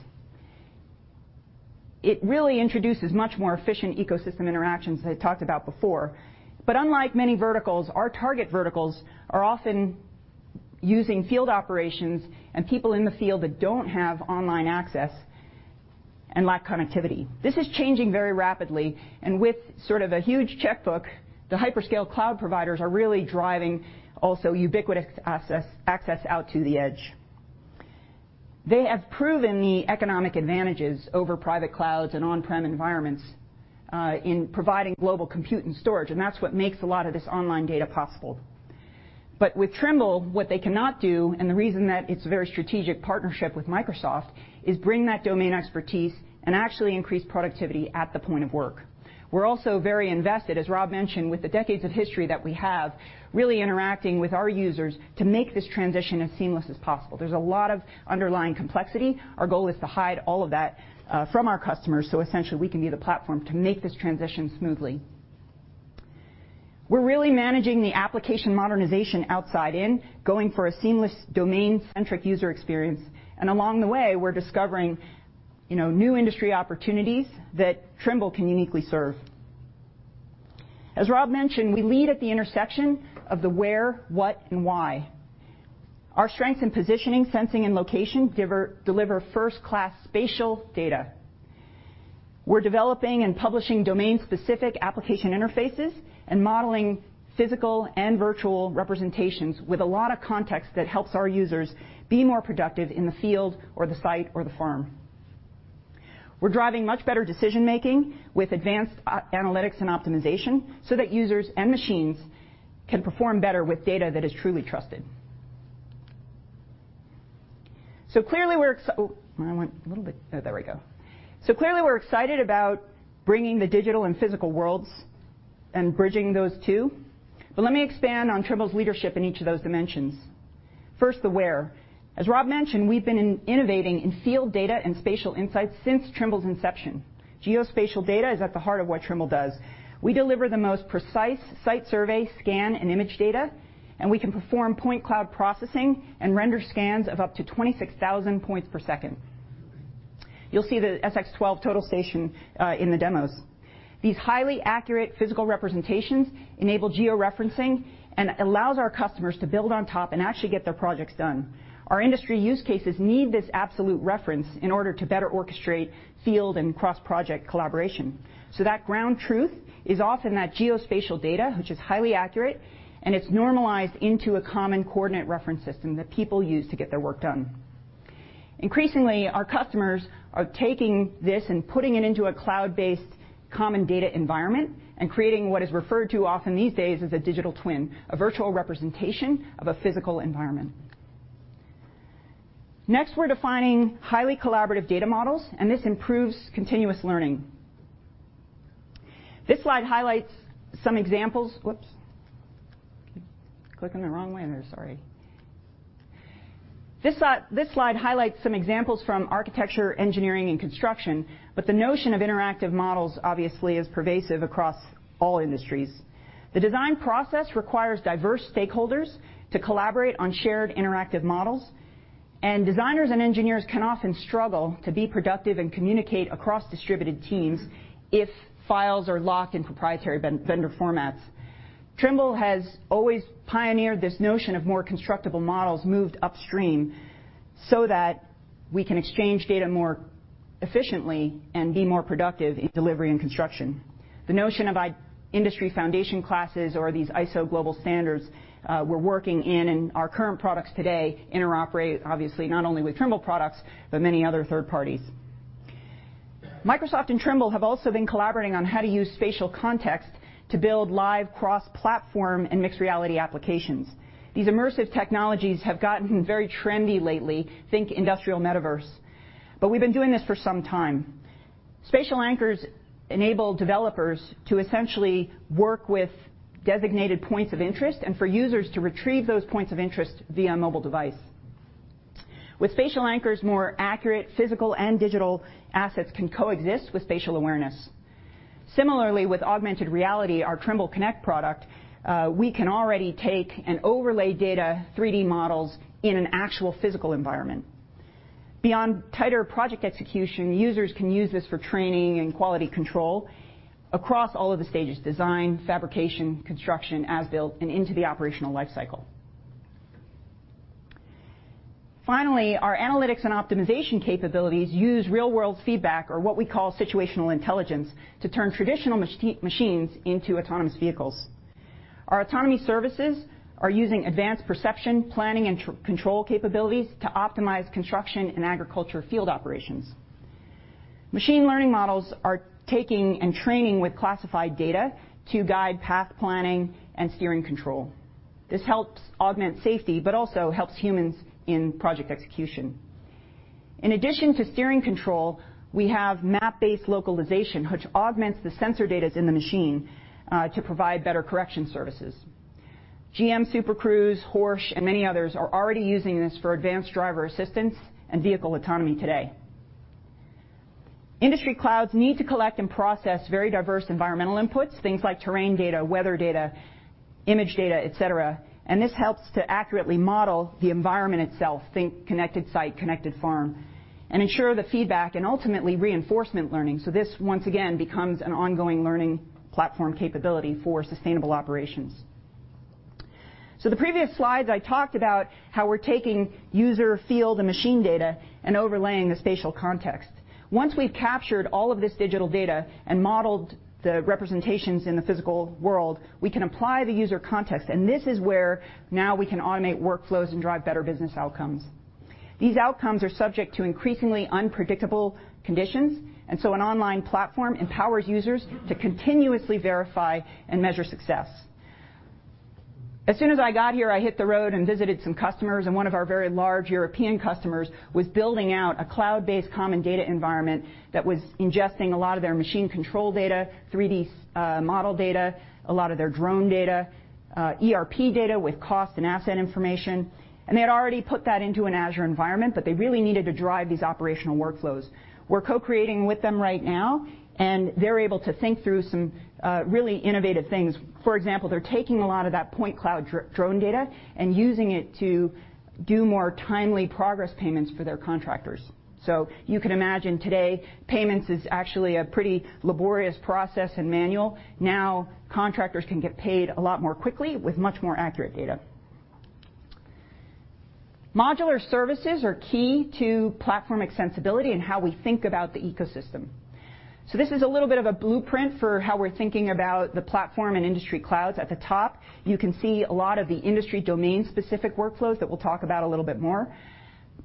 [SPEAKER 2] It really introduces much more efficient ecosystem interactions that I talked about before. Unlike many verticals, our target verticals are often using field operations and people in the field that don't have online access and lack connectivity. This is changing very rapidly, and with sort of a huge checkbook, the hyperscale cloud providers are really driving also ubiquitous access out to the edge. They have proven the economic advantages over private clouds and on-prem environments in providing global compute and storage, and that's what makes a lot of this online data possible. With Trimble, what they cannot do, and the reason that it's a very strategic partnership with Microsoft, is bring that domain expertise and actually increase productivity at the point of work. We're also very invested, as Rob mentioned, with the decades of history that we have, really interacting with our users to make this transition as seamless as possible. There's a lot of underlying complexity. Our goal is to hide all of that from our customers, so essentially we can be the platform to make this transition smoothly. We're really managing the application modernization outside in, going for a seamless domain-centric user experience. Along the way, we're discovering, you know, new industry opportunities that Trimble can uniquely serve. As Rob mentioned, we lead at the intersection of the where, what, and why. Our strengths in positioning, sensing, and location deliver first-class spatial data. We're developing and publishing domain-specific application interfaces and modeling physical and virtual representations with a lot of context that helps our users be more productive in the field or the site or the firm. We're driving much better decision-making with advanced analytics and optimization so that users and machines can perform better with data that is truly trusted. Clearly, we're Oh, there we go. Clearly, we're excited about bringing the digital and physical worlds and bridging those two. Let me expand on Trimble's leadership in each of those dimensions. First, the where. As Rob mentioned, we've been innovating in field data and spatial insights since Trimble's inception. Geospatial data is at the heart of what Trimble does. We deliver the most precise site survey, scan, and image data, and we can perform point cloud processing and render scans of up to 26,000 points per second. You'll see the SX12 total station in the demos. These highly accurate physical representations enable georeferencing and allows our customers to build on top and actually get their projects done. Our industry use cases need this absolute reference in order to better orchestrate field and cross-project collaboration. That ground truth is often that geospatial data, which is highly accurate, and it's normalized into a common coordinate reference system that people use to get their work done. Increasingly, our customers are taking this and putting it into a cloud-based common data environment and creating what is referred to often these days as a digital twin, a virtual representation of a physical environment. Next, we're defining highly collaborative data models, and this improves continuous learning. This slide highlights some examples. Whoops. Clicking the wrong way here. Sorry. This slide highlights some examples from architecture, engineering, and construction, but the notion of interactive models, obviously, is pervasive across all industries. The design process requires diverse stakeholders to collaborate on shared interactive models, and designers and engineers can often struggle to be productive and communicate across distributed teams if files are locked in proprietary vendor formats. Trimble has always pioneered this notion of more constructible models moved upstream so that we can exchange data more efficiently and be more productive in delivery and construction. The notion of Industry Foundation Classes or these ISO global standards, we're working in and our current products today interoperate obviously not only with Trimble products, but many other third parties. Microsoft and Trimble have also been collaborating on how to use spatial context to build live cross-platform and mixed reality applications. These immersive technologies have gotten very trendy lately. Think industrial metaverse. We've been doing this for some time. Spatial anchors enable developers to essentially work with designated points of interest and for users to retrieve those points of interest via mobile device. With spatial anchors, more accurate physical and digital assets can coexist with spatial awareness. Similarly, with augmented reality, our Trimble Connect product, we can already take and overlay data, 3D models in an actual physical environment. Beyond tighter project execution, users can use this for training and quality control across all of the stages, design, fabrication, construction, as-built, and into the operational life cycle. Finally, our analytics and optimization capabilities use real-world feedback or what we call situational intelligence to turn traditional machines into autonomous vehicles. Our autonomy services are using advanced perception, planning, and control capabilities to optimize construction and agriculture field operations. Machine learning models are taking and training with classified data to guide path planning and steering control. This helps augment safety but also helps humans in project execution. In addition to steering control, we have map-based localization, which augments the sensor data in the machine, to provide better correction services. GM Super Cruise, HORSCH, and many others are already using this for advanced driver assistance and vehicle autonomy today. Industry clouds need to collect and process very diverse environmental inputs, things like terrain data, weather data, image data, et cetera, and this helps to accurately model the environment itself, think connected site, connected farm, and ensure the feedback and ultimately reinforcement learning. This, once again, becomes an ongoing learning platform capability for sustainable operations. The previous slides, I talked about how we're taking user field and machine data and overlaying the spatial context. Once we've captured all of this digital data and modeled the representations in the physical world, we can apply the user context, and this is where now we can automate workflows and drive better business outcomes. These outcomes are subject to increasingly unpredictable conditions, and so an online platform empowers users to continuously verify and measure success. As soon as I got here, I hit the road and visited some customers, and one of our very large European customers was building out a cloud-based common data environment that was ingesting a lot of their machine control data, 3D model data, a lot of their drone data, ERP data with cost and asset information. They had already put that into an Azure environment, but they really needed to drive these operational workflows. We're co-creating with them right now, and they're able to think through some really innovative things. For example, they're taking a lot of that point cloud drone data and using it to do more timely progress payments for their contractors. You can imagine today, payments is actually a pretty laborious process and manual. Now, contractors can get paid a lot more quickly with much more accurate data. Modular services are key to platform extensibility and how we think about the ecosystem. This is a little bit of a blueprint for how we're thinking about the platform and industry clouds. At the top, you can see a lot of the industry domain-specific workflows that we'll talk about a little bit more.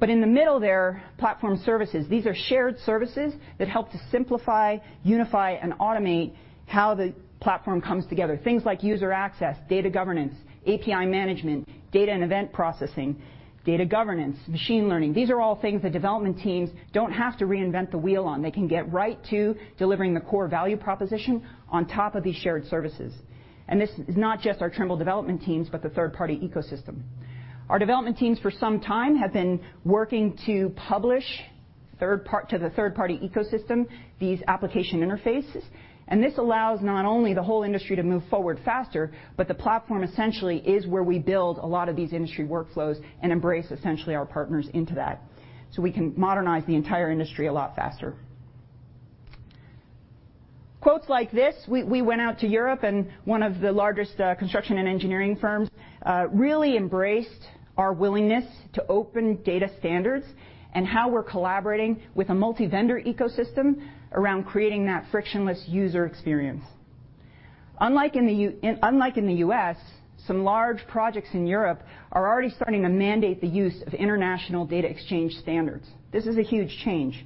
[SPEAKER 2] In the middle there, platform services. These are shared services that help to simplify, unify, and automate how the platform comes together. Things like user access, data governance, API management, data and event processing, data governance, machine learning. These are all things the development teams don't have to reinvent the wheel on. They can get right to delivering the core value proposition on top of these shared services. This is not just our Trimble development teams, but the third-party ecosystem. Our development teams for some time have been working to publish to the third-party ecosystem, these application interfaces. This allows not only the whole industry to move forward faster, but the platform essentially is where we build a lot of these industry workflows and embrace essentially our partners into that, so we can modernize the entire industry a lot faster. Quotes like this, we went out to Europe and one of the largest construction and engineering firms really embraced our willingness to open data standards and how we're collaborating with a multi-vendor ecosystem around creating that frictionless user experience. Unlike in the U Unlike in the U.S., some large projects in Europe are already starting to mandate the use of international data exchange standards. This is a huge change.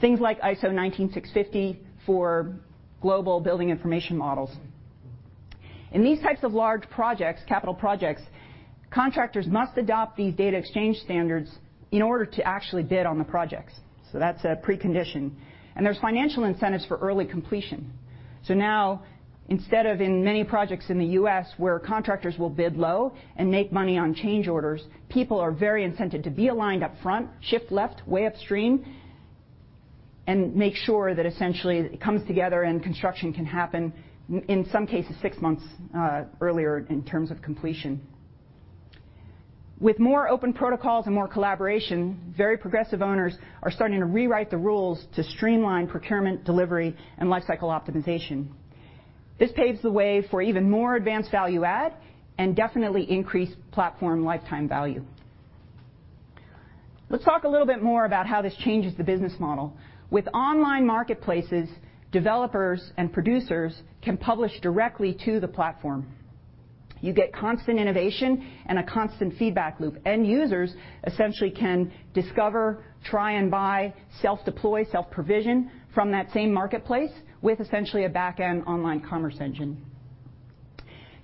[SPEAKER 2] Things like ISO 19650 for global building information models. In these types of large projects, capital projects, contractors must adopt these data exchange standards in order to actually bid on the projects. That's a precondition. There's financial incentives for early completion. Now, instead of in many projects in the U.S. where contractors will bid low and make money on change orders, people are very incented to be aligned up front, shift left way upstream, and make sure that essentially it comes together and construction can happen in some cases, 6 months earlier in terms of completion. With more open protocols and more collaboration, very progressive owners are starting to rewrite the rules to streamline procurement, delivery, and lifecycle optimization. This paves the way for even more advanced value add and definitely increased platform lifetime value. Let's talk a little bit more about how this changes the business model. With online marketplaces, developers and producers can publish directly to the platform. You get constant innovation and a constant feedback loop. End users essentially can discover, try and buy, self-deploy, self-provision from that same marketplace with essentially a back-end online commerce engine.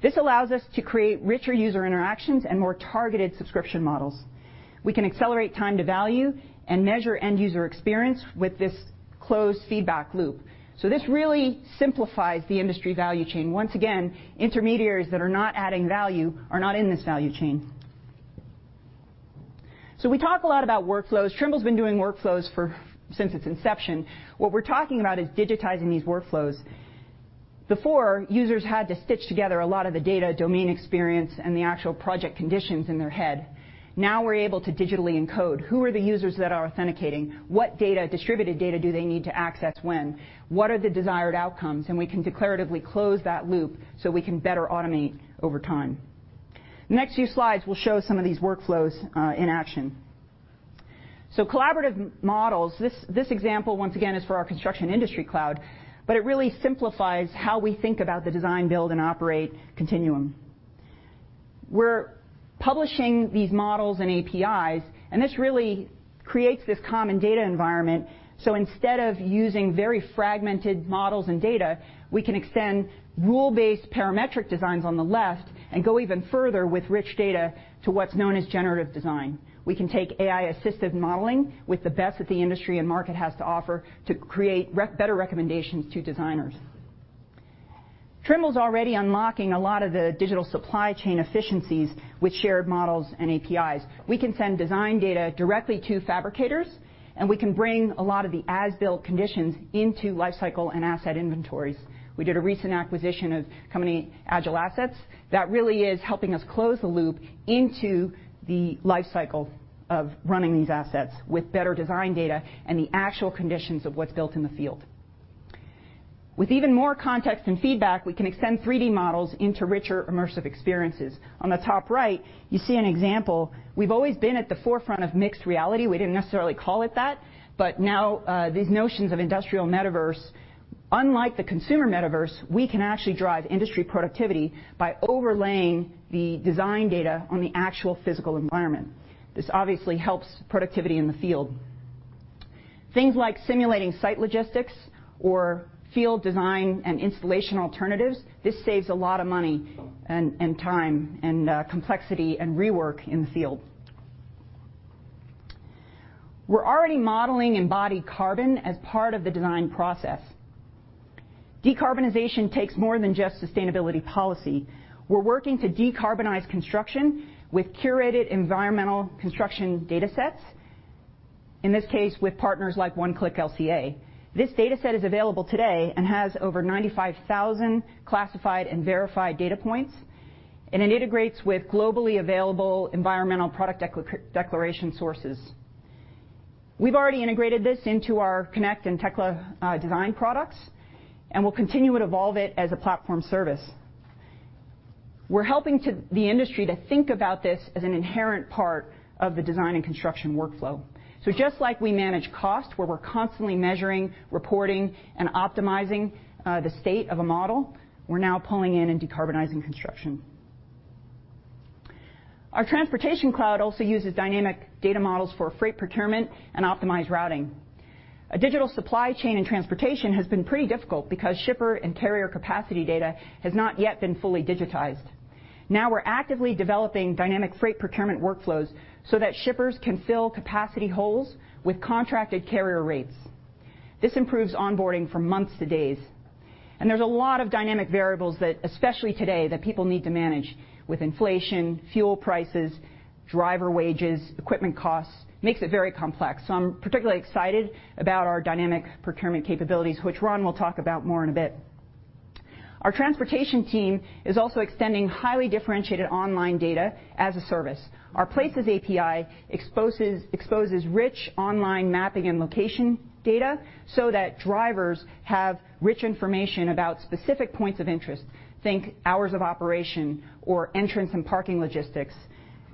[SPEAKER 2] This allows us to create richer user interactions and more targeted subscription models. We can accelerate time to value and measure end user experience with this closed feedback loop. This really simplifies the industry value chain. Once again, intermediaries that are not adding value are not in this value chain. We talk a lot about workflows. Trimble's been doing workflows for since its inception. What we're talking about is digitizing these workflows. Before, users had to stitch together a lot of the data domain experience and the actual project conditions in their head. Now we're able to digitally encode who are the users that are authenticating, what data, distributed data do they need to access when, what are the desired outcomes, and we can declaratively close that loop so we can better automate over time. The next few slides will show some of these workflows in action. Collaborative models, this example once again is for our Construction Cloud, but it really simplifies how we think about the design, build, and operate continuum. We're publishing these models and APIs, and this really creates this common data environment, so instead of using very fragmented models and data, we can extend rule-based parametric designs on the left and go even further with rich data to what's known as generative design. We can take AI-assisted modeling with the best that the industry and market has to offer to create better recommendations to designers. Trimble's already unlocking a lot of the digital supply chain efficiencies with shared models and APIs. We can send design data directly to fabricators, and we can bring a lot of the as-built conditions into life cycle and asset inventories. We did a recent acquisition of a company, AgileAssets, that really is helping us close the loop into the life cycle of running these assets with better design data and the actual conditions of what's built in the field. With even more context and feedback, we can extend 3D models into richer immersive experiences. On the top right, you see an example. We've always been at the forefront of mixed reality. We didn't necessarily call it that, but now, these notions of industrial metaverse, unlike the consumer metaverse, we can actually drive industry productivity by overlaying the design data on the actual physical environment. This obviously helps productivity in the field. Things like simulating site logistics or field design and installation alternatives. This saves a lot of money and time and complexity and rework in the field. We're already modeling embodied carbon as part of the design process. Decarbonization takes more than just sustainability policy. We're working to decarbonize construction with curated environmental construction datasets, in this case, with partners like One Click LCA. This dataset is available today and has over 95,000 classified and verified data points, and it integrates with globally available environmental product EPD-declaration sources. We've already integrated this into our Connect and Tekla design products, and we'll continue to evolve it as a platform service. We're helping the industry to think about this as an inherent part of the design and construction workflow. Just like we manage cost, where we're constantly measuring, reporting, and optimizing the state of a model, we're now pulling in and decarbonizing construction. Our transportation cloud also uses dynamic data models for freight procurement and optimized routing. A digital supply chain in transportation has been pretty difficult because shipper and carrier capacity data has not yet been fully digitized. Now we're actively developing dynamic freight procurement workflows so that shippers can fill capacity holes with contracted carrier rates. This improves onboarding from months to days. There's a lot of dynamic variables that, especially today, that people need to manage with inflation, fuel prices, driver wages, equipment costs. Makes it very complex. I'm particularly excited about our dynamic procurement capabilities, which Ron will talk about more in a bit. Our transportation team is also extending highly differentiated online data as a service. Our Places API exposes rich online mapping and location data so that drivers have rich information about specific points of interest. Think hours of operation or entrance and parking logistics,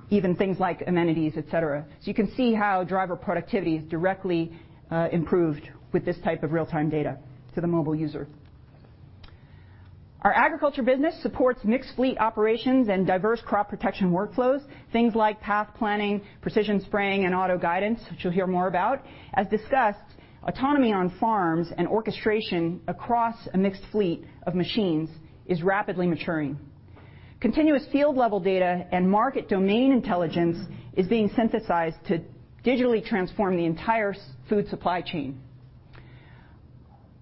[SPEAKER 2] even things like amenities, et cetera. You can see how driver productivity is directly improved with this type of real-time data to the mobile user. Our agriculture business supports mixed fleet operations and diverse crop protection workflows, things like path planning, precision spraying, and auto guidance, which you'll hear more about. As discussed, autonomy on farms and orchestration across a mixed fleet of machines is rapidly maturing. Continuous field-level data and market domain intelligence is being synthesized to digitally transform the entire food supply chain.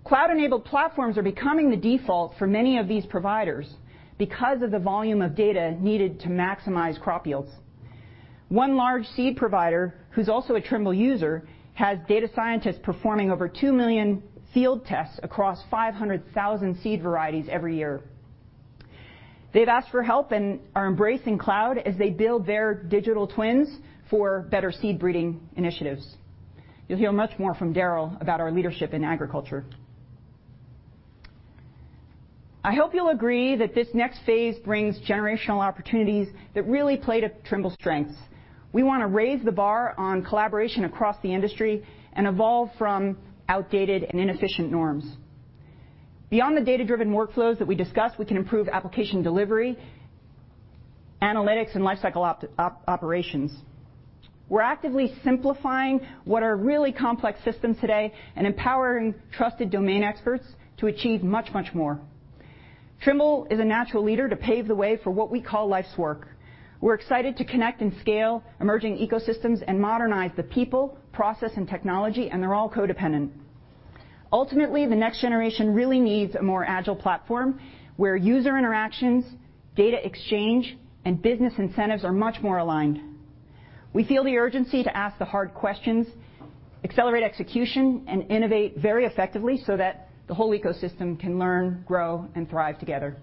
[SPEAKER 2] Cloud-enabled platforms are becoming the default for many of these providers because of the volume of data needed to maximize crop yields. 1 large seed provider, who's also a Trimble user, has data scientists performing over 2 million field tests across 500,000 seed varieties every year. They've asked for help and are embracing cloud as they build their digital twins for better seed breeding initiatives. You'll hear much more from Darryl about our leadership in agriculture. I hope you'll agree that this next phase brings generational opportunities that really play to Trimble's strengths. We wanna raise the bar on collaboration across the industry and evolve from outdated and inefficient norms. Beyond the data-driven workflows that we discussed, we can improve application delivery, analytics, and lifecycle operations. We're actively simplifying what are really complex systems today and empowering trusted domain experts to achieve much, much more. Trimble is a natural leader to pave the way for what we call life's work. We're excited to Connect and Scale emerging ecosystems and modernize the people, process, and technology, and they're all codependent. Ultimately, the next generation really needs a more agile platform where user interactions, data exchange, and business incentives are much more aligned. We feel the urgency to ask the hard questions, accelerate execution, and innovate very effectively so that the whole ecosystem can learn, grow, and thrive together.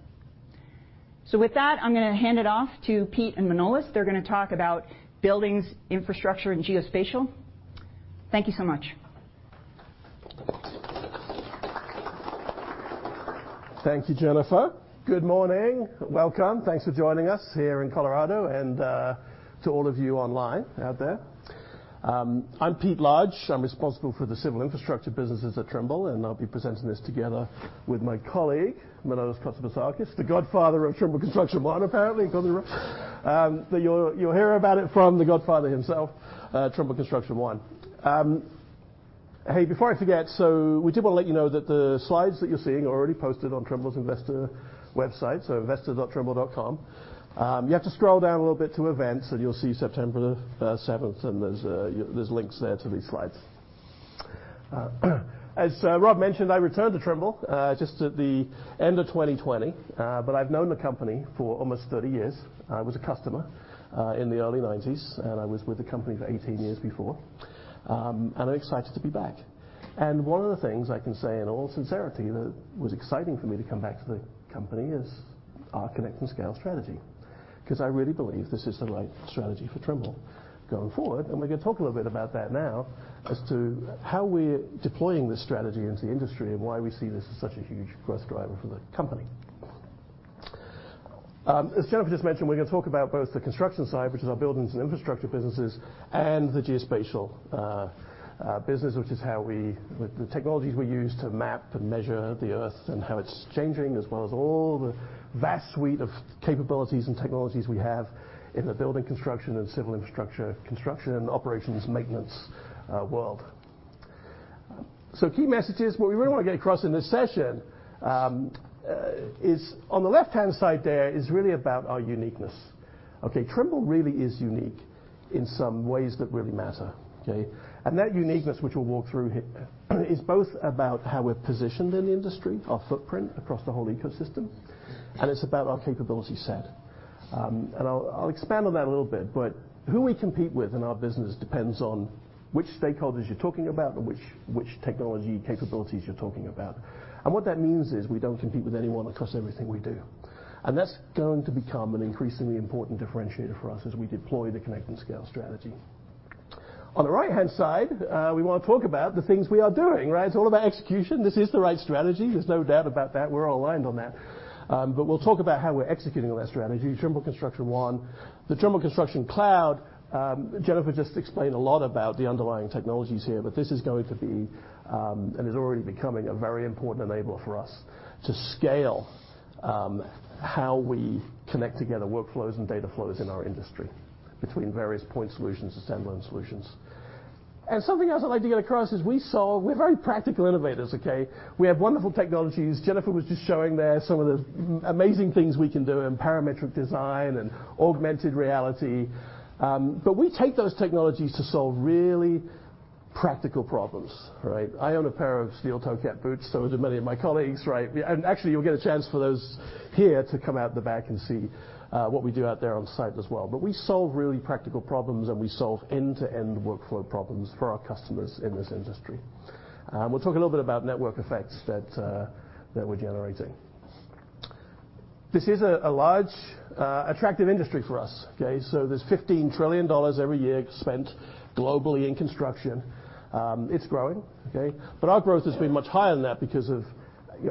[SPEAKER 2] With that, I'm gonna hand it off to Pete and Manolis. They're gonna talk about buildings, infrastructure, and geospatial. Thank you so much.
[SPEAKER 3] Thank you, Jennifer. Good morning. Welcome. Thanks for joining us here in Colorado and to all of you online out there. I'm Pete Large. I'm responsible for the civil infrastructure businesses at Trimble, and I'll be presenting this together with my colleague, Manolis Kotzabasakis, the godfather of Trimble Construction One, apparently. You'll hear about it from the godfather himself, Trimble Construction One. Hey, before I forget, so we did want to let you know that the slides that you're seeing are already posted on Trimble's investor website, so investor.trimble.com. You have to scroll down a little bit to Events, and you'll see September the 7th, and there's links there to these slides. As Rob mentioned, I returned to Trimble just at the end of 2020. I've known the company for almost 30 years. I was a customer in the early 90's, and I was with the company for 18 years before. I'm excited to be back. One of the things I can say in all sincerity that was exciting for me to come back to the company is our Connect and Scale strategy, 'cause I really believe this is the right strategy for Trimble going forward. We're gonna talk a little bit about that now as to how we're deploying this strategy into the industry and why we see this as such a huge growth driver for the company. As Jennifer just mentioned, we're gonna talk about both the construction side, which is our buildings and infrastructure businesses, and the geospatial business, with the technologies we use to map and measure the Earth and how it's changing, as well as all the vast suite of capabilities and technologies we have in the building construction and civil infrastructure construction and operations maintenance world. Key messages, what we really want to get across in this session, is on the left-hand side there, really about our uniqueness. Okay? Trimble really is unique in some ways that really matter. Okay? And that uniqueness, which we'll walk through here, is both about how we're positioned in the industry, our footprint across the whole ecosystem, and it's about our capability set. I'll expand on that a little bit, but who we compete with in our business depends on which stakeholders you're talking about and which technology capabilities you're talking about. What that means is we don't compete with anyone across everything we do. That's going to become an increasingly important differentiator for us as we deploy the Connect and Scale strategy. On the right-hand side, we wanna talk about the things we are doing, right? It's all about execution. This is the right strategy. There's no doubt about that. We're all aligned on that. We'll talk about how we're executing on that strategy. Trimble Construction One. The Trimble Construction Cloud, Jennifer just explained a lot about the underlying technologies here, but this is going to be, and is already becoming a very important enabler for us to scale, how we connect together workflows and data flows in our industry between various point solutions, assembly, and solutions. Something else I'd like to get across is we're very practical innovators, okay? We have wonderful technologies. Jennifer was just showing there some of the amazing things we can do in parametric design and augmented reality. We take those technologies to solve really practical problems, right? I own a pair of steel-toe CAT boots, so do many of my colleagues, right? Actually, you'll get a chance for those here to come out the back and see what we do out there on site as well. We solve really practical problems, and we solve end-to-end workflow problems for our customers in this industry. We'll talk a little bit about network effects that that we're generating. This is a large attractive industry for us, okay? There's $15 trillion every year spent globally in construction. It's growing, okay? Our growth has been much higher than that.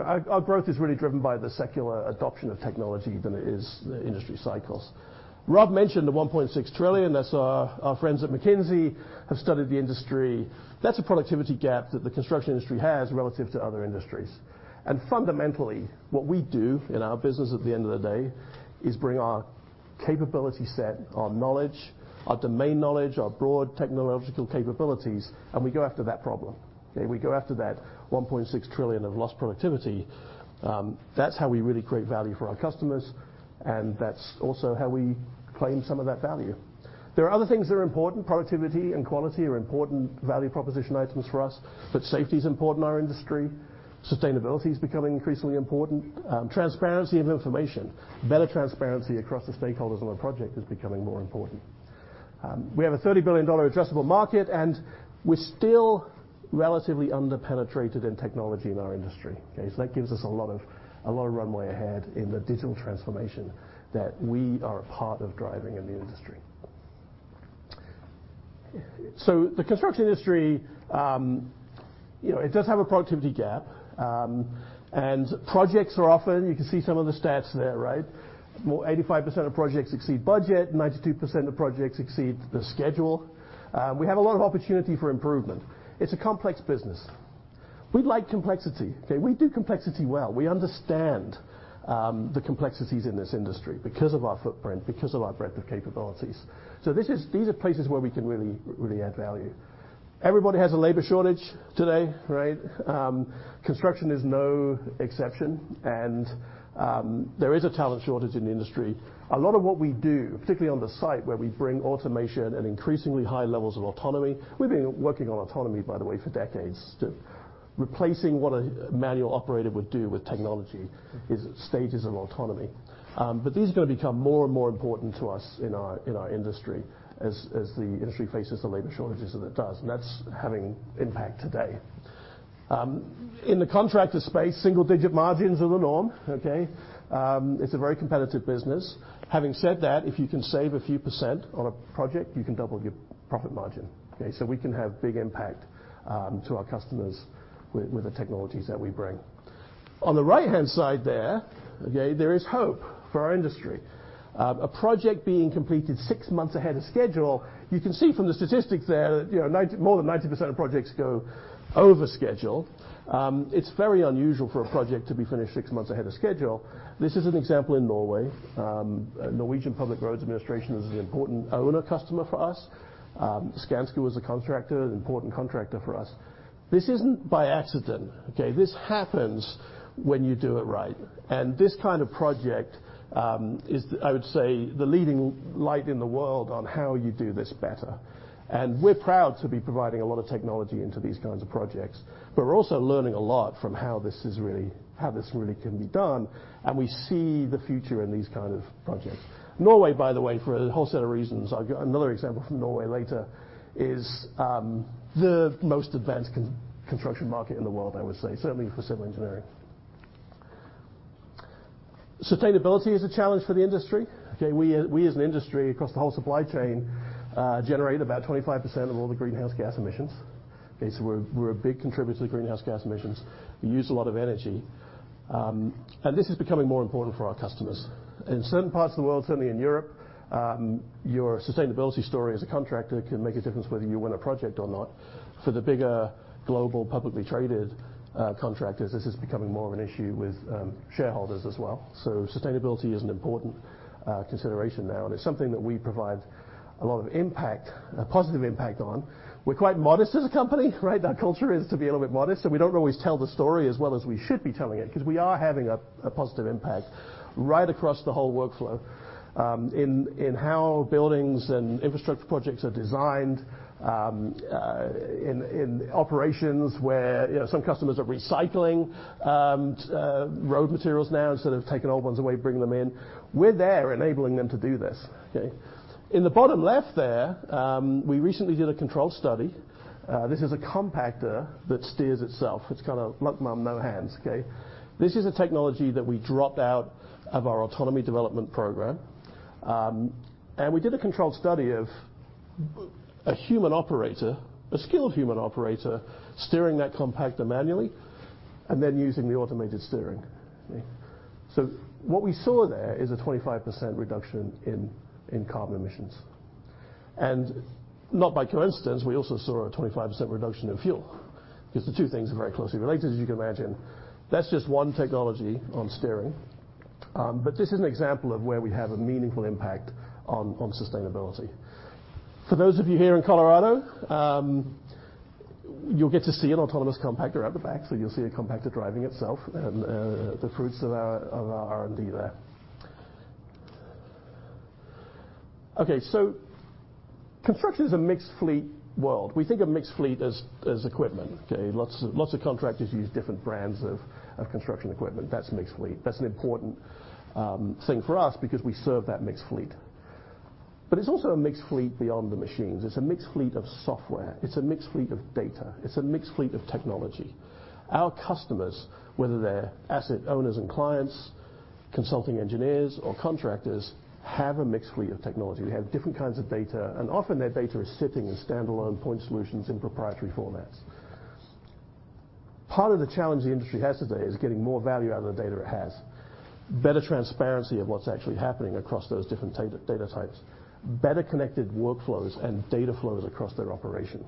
[SPEAKER 3] Our growth is really driven by the secular adoption of technology than it is the industry cycles. Rob mentioned the $1.6 trillion. That's our friends at McKinsey have studied the industry. That's a productivity gap that the construction industry has relative to other industries. Fundamentally, what we do in our business at the end of the day is bring our capability set, our knowledge, our domain knowledge, our broad technological capabilities, and we go after that problem, okay? We go after that 1.6 trillion of lost productivity. That's how we really create value for our customers, and that's also how we claim some of that value. There are other things that are important. Productivity and quality are important value proposition items for us, but safety is important in our industry. Sustainability is becoming increasingly important. Transparency of information, better transparency across the stakeholders on a project is becoming more important. We have a $30 billion addressable market, and we're still relatively under-penetrated in technology in our industry. Okay? That gives us a lot of runway ahead in the digital transformation that we are a part of driving in the industry. The construction industry, you know, it does have a productivity gap. You can see some of the stats there, right? More than 85% of projects exceed budget, 92% of projects exceed the schedule. We have a lot of opportunity for improvement. It's a complex business. We like complexity. Okay. We do complexity well. We understand the complexities in this industry because of our footprint, because of our breadth of capabilities. These are places where we can really add value. Everybody has a labor shortage today, right? Construction is no exception. There is a talent shortage in the industry. A lot of what we do, particularly on the site where we bring automation and increasingly high levels of autonomy, we've been working on autonomy, by the way, for decades, replacing what a manual operator would do with technology in stages of autonomy. These are gonna become more and more important to us in our industry as the industry faces the labor shortages that it does, and that's having impact today. In the contractor space, single-digit margins are the norm, okay. It's a very competitive business. Having said that, if you can save a few percent on a project, you can double your profit margin. Okay. We can have big impact to our customers with the technologies that we bring. On the right-hand side there, okay, there is hope for our industry. A project being completed 6 months ahead of schedule, you can see from the statistics there that, you know, more than 90% of projects go over schedule. It's very unusual for a project to be finished 6 months ahead of schedule. This is an example in Norway. Norwegian Public Roads Administration is an important owner customer for us. Skanska was a contractor, an important contractor for us. This isn't by accident, okay? This happens when you do it right. This kind of project is, I would say, the leading light in the world on how you do this better. We're proud to be providing a lot of technology into these kinds of projects, but we're also learning a lot from how this really can be done, and we see the future in these kind of projects. Norway, by the way, for a whole set of reasons, I've got another example from Norway later, is the most advanced construction market in the world, I would say, certainly for civil engineering. Sustainability is a challenge for the industry. We as an industry across the whole supply chain generate about 25% of all the greenhouse gas emissions. We're a big contributor to greenhouse gas emissions. We use a lot of energy. This is becoming more important for our customers. In certain parts of the world, certainly in Europe, your sustainability story as a contractor can make a difference whether you win a project or not. For the bigger global publicly traded contractors, this is becoming more of an issue with shareholders as well. Sustainability is an important consideration now, and it's something that we provide a lot of impact, a positive impact on. We're quite modest as a company, right? Our culture is to be a little bit modest, so we don't always tell the story as well as we should be telling it, 'cause we are having a positive impact right across the whole workflow, in how buildings and infrastructure projects are designed, in operations where, you know, some customers are recycling road materials now instead of taking old ones away, bringing them in. We're there enabling them to do this, okay? In the bottom left there, we recently did a controlled study. This is a compactor that steers itself. It's kind of mum-mum, no hands, okay? This is a technology that we dropped out of our autonomy development program. We did a controlled study of a human operator, a skilled human operator, steering that compactor manually and then using the automated steering. What we saw there is a 25% reduction in carbon emissions. Not by coincidence, we also saw a 25% reduction in fuel, 'cause the 2 things are very closely related, as you can imagine. That's just 1 technology on steering. This is an example of where we have a meaningful impact on sustainability. For those of you here in Colorado, you'll get to see an autonomous compactor out the back. You'll see a compactor driving itself and the fruits of our R&D there. Okay. Construction is a mixed fleet world. We think of mixed fleet as equipment, okay. Lots of contractors use different brands of construction equipment. That's mixed fleet. That's an important thing for us because we serve that mixed fleet. It's also a mixed fleet beyond the machines. It's a mixed fleet of software. It's a mixed fleet of data. It's a mixed fleet of technology. Our customers, whether they're asset owners and clients, consulting engineers or contractors, have a mixed fleet of technology. They have different kinds of data, and often their data is sitting in standalone point solutions in proprietary formats. Part of the challenge the industry has today is getting more value out of the data it has, better transparency of what's actually happening across those different data types, better connected workflows and data flows across their operation.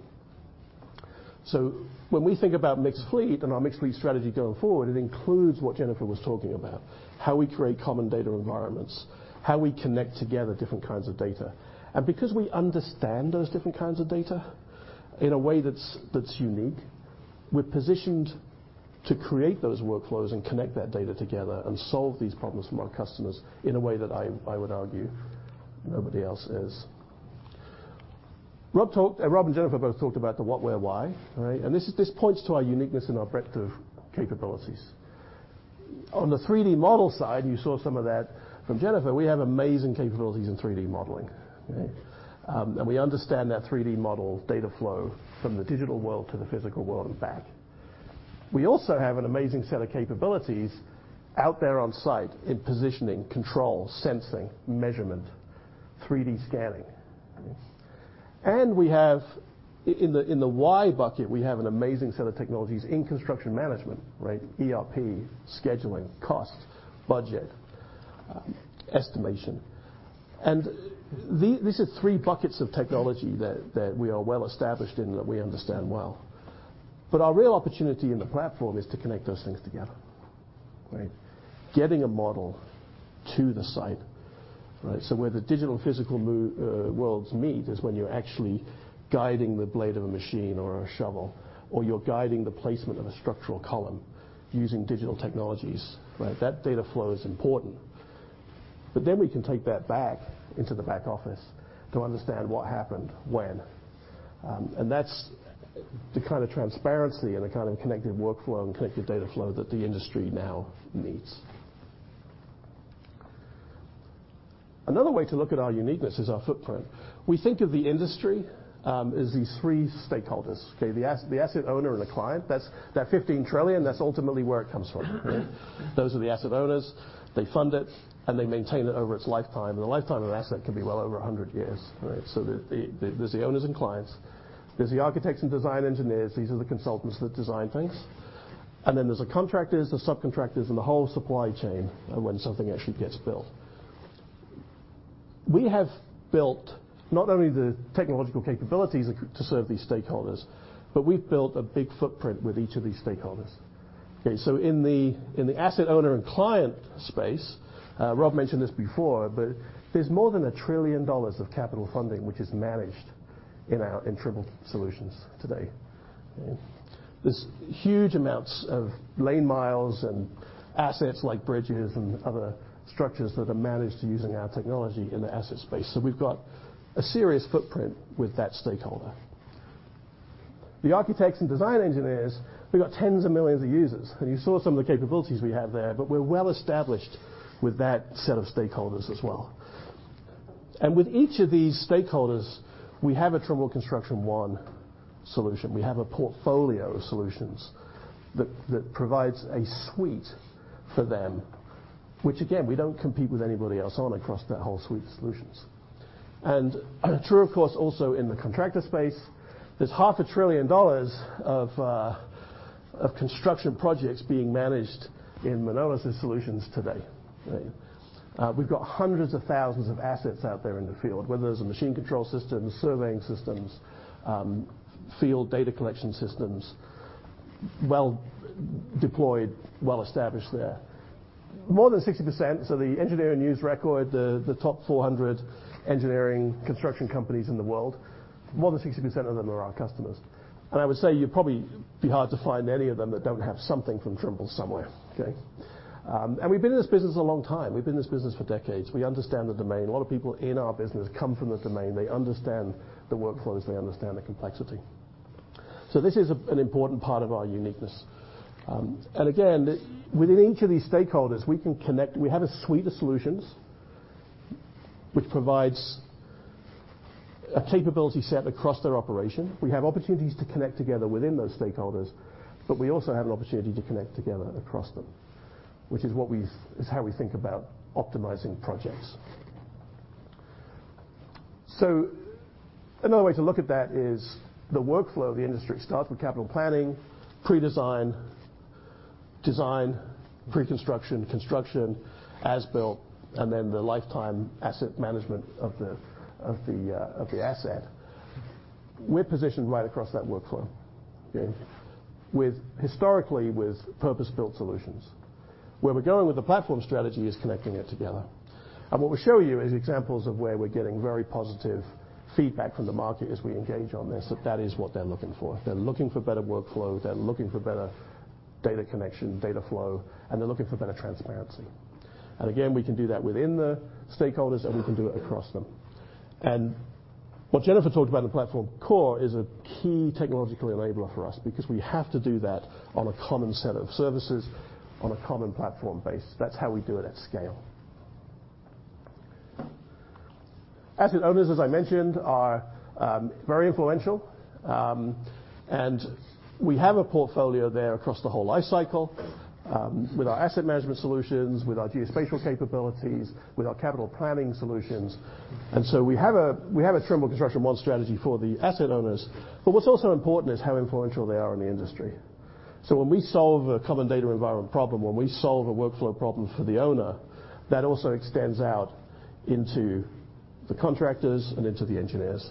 [SPEAKER 3] When we think about mixed fleet and our mixed fleet strategy going forward, it includes what Jennifer was talking about, how we create common data environments, how we connect together different kinds of data. Because we understand those different kinds of data in a way that's unique, we're positioned to create those workflows and connect that data together and solve these problems for our customers in a way that I would argue nobody else is. Rob talked. Rob and Jennifer both talked about the what, where, why, right? This points to our uniqueness and our breadth of capabilities. On the 3D model side, you saw some of that from Jennifer. We have amazing capabilities in 3D modeling, okay? We understand that 3D model data flow from the digital world to the physical world and back. We also have an amazing set of capabilities out there on site in positioning, control, sensing, measurement, 3D scanning. We have in the why bucket an amazing set of technologies in construction management, right? ERP, scheduling, cost, budget, estimation. These are 3 buckets of technology that we are well established in that we understand well. Our real opportunity in the platform is to connect those things together, right? Getting a model to the site, right? Where the digital and physical worlds meet is when you're actually guiding the blade of a machine or a shovel, or you're guiding the placement of a structural column using digital technologies, right? That data flow is important. We can take that back into the back office to understand what happened when. That's the kind of transparency and the kind of connected workflow and connected data flow that the industry now needs. Another way to look at our uniqueness is our footprint. We think of the industry as these 3 stakeholders. Okay. The asset owner and the client, that's. That $15 trillion, that's ultimately where it comes from. Those are the asset owners. They fund it, and they maintain it over its lifetime. The lifetime of an asset can be well over 100 years, right? There's the owners and clients. There's the architects and design engineers. These are the consultants that design things. Then there's the contractors, the subcontractors and the whole supply chain when something actually gets built. We have built not only the technological capabilities to serve these stakeholders, but we've built a big footprint with each of these stakeholders. Okay. In the asset owner and client space, Rob mentioned this before, but there's more than $1 trillion of capital funding, which is managed in our Trimble solutions today. There's huge amounts of lane miles and assets like bridges and other structures that are managed using our technology in the asset space. We've got a serious footprint with that stakeholder. The architects and design engineers, we've got 10's of millions of users, and you saw some of the capabilities we have there, but we're well established with that set of stakeholders as well. With each of these stakeholders, we have a Trimble Construction One solution. We have a portfolio of solutions that provides a suite for them, which again, we don't compete with anybody else on across that whole suite of solutions. True, of course, also in the contractor space, there's $500,000,000,000 Of construction projects being managed in Manolis' solutions today. We've got hundreds of thousands of assets out there in the field, whether those are machine control systems, surveying systems, field data collection systems, well deployed, well established there. More than 60%, so the Engineering News-Record, the top 400 engineering construction companies in the world, more than 60% of them are our customers. I would say you'd probably be hard to find any of them that don't have something from Trimble somewhere, okay? We've been in this business a long time. We've been in this business for decades. We understand the domain. A lot of people in our business come from the domain. They understand the workflows. They understand the complexity. This is an important part of our uniqueness. Again, within each of these stakeholders, we can connect. We have a suite of solutions which provides a capability set across their operation. We have opportunities to connect together within those stakeholders, but we also have an opportunity to connect together across them, which is how we think about optimizing projects. Another way to look at that is the workflow of the industry. It starts with capital planning, pre-design, design, pre-construction, construction, as built, and then the lifetime asset management of the asset. We're positioned right across that workflow, okay? Historically, with purpose-built solutions. Where we're going with the platform strategy is connecting it together. What we'll show you is examples of where we're getting very positive feedback from the market as we engage on this, that that is what they're looking for. They're looking for better workflow. They're looking for better data connection, data flow, and they're looking for better transparency. Again, we can do that within the stakeholders, and we can do it across them. What Jennifer talked about in Platform Core is a key technological enabler for us because we have to do that on a common set of services on a common platform base. That's how we do it at scale. Asset owners, as I mentioned, are very influential. We have a portfolio there across the whole life cycle, with our asset management solutions, with our geospatial capabilities, with our capital planning solutions. We have a Trimble Construction One strategy for the asset owners. What's also important is how influential they are in the industry. When we solve a common data environment problem, when we solve a workflow problem for the owner, that also extends out into the contractors and into the engineers.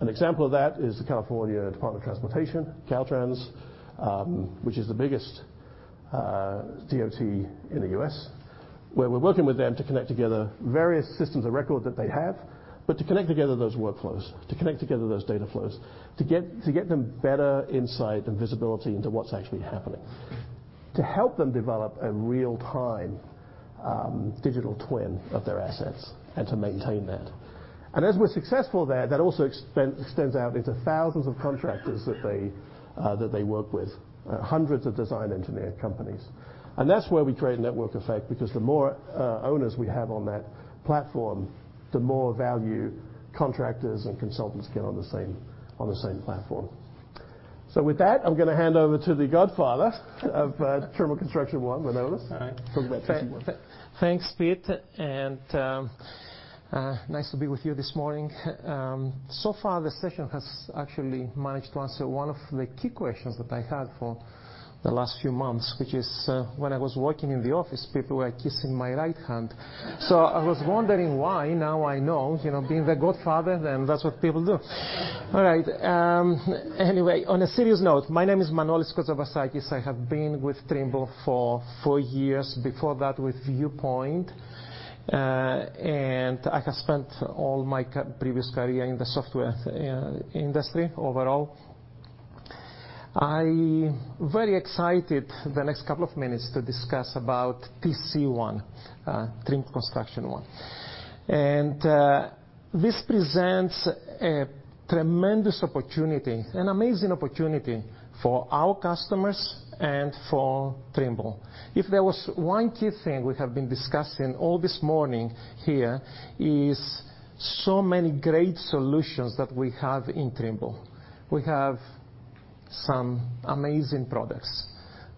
[SPEAKER 3] An example of that is the California Department of Transportation, Caltrans, which is the biggest DOT in the U.S., where we're working with them to connect together various systems of record that they have, but to connect together those workflows, to connect together those data flows, to get them better insight and visibility into what's actually happening. To help them develop a real-time digital twin of their assets and to maintain that. As we're successful there, that also extends out into thousands of contractors that they work with. Hundreds of design engineer companies. That's where we create a network effect because the more owners we have on that platform, the more value contractors and consultants get on the same platform. With that, I'm gonna hand over to the godfather of Trimble Construction One, Manolis Kotzabasakis.
[SPEAKER 4] All right.
[SPEAKER 3] From that perspective.
[SPEAKER 4] Thanks, Pete, and nice to be with you this morning. So far the session has actually managed to answer one of the key questions that I had for the last few months, which is, when I was working in the office, people were kissing my right hand. I was wondering why. Now I know. You know, being the godfather, then that's what people do. All right. Anyway, on a serious note, my name is Manolis Kotzabasakis. I have been with Trimble for 4 years. Before that, with Viewpoint. I have spent all my previous career in the software industry overall. I very excited the next couple of minutes to discuss about TC1, Trimble Construction One. This presents a tremendous opportunity, an amazing opportunity for our customers and for Trimble. If there was 1 key thing we have been discussing all this morning, here is so many great solutions that we have in Trimble. We have some amazing products,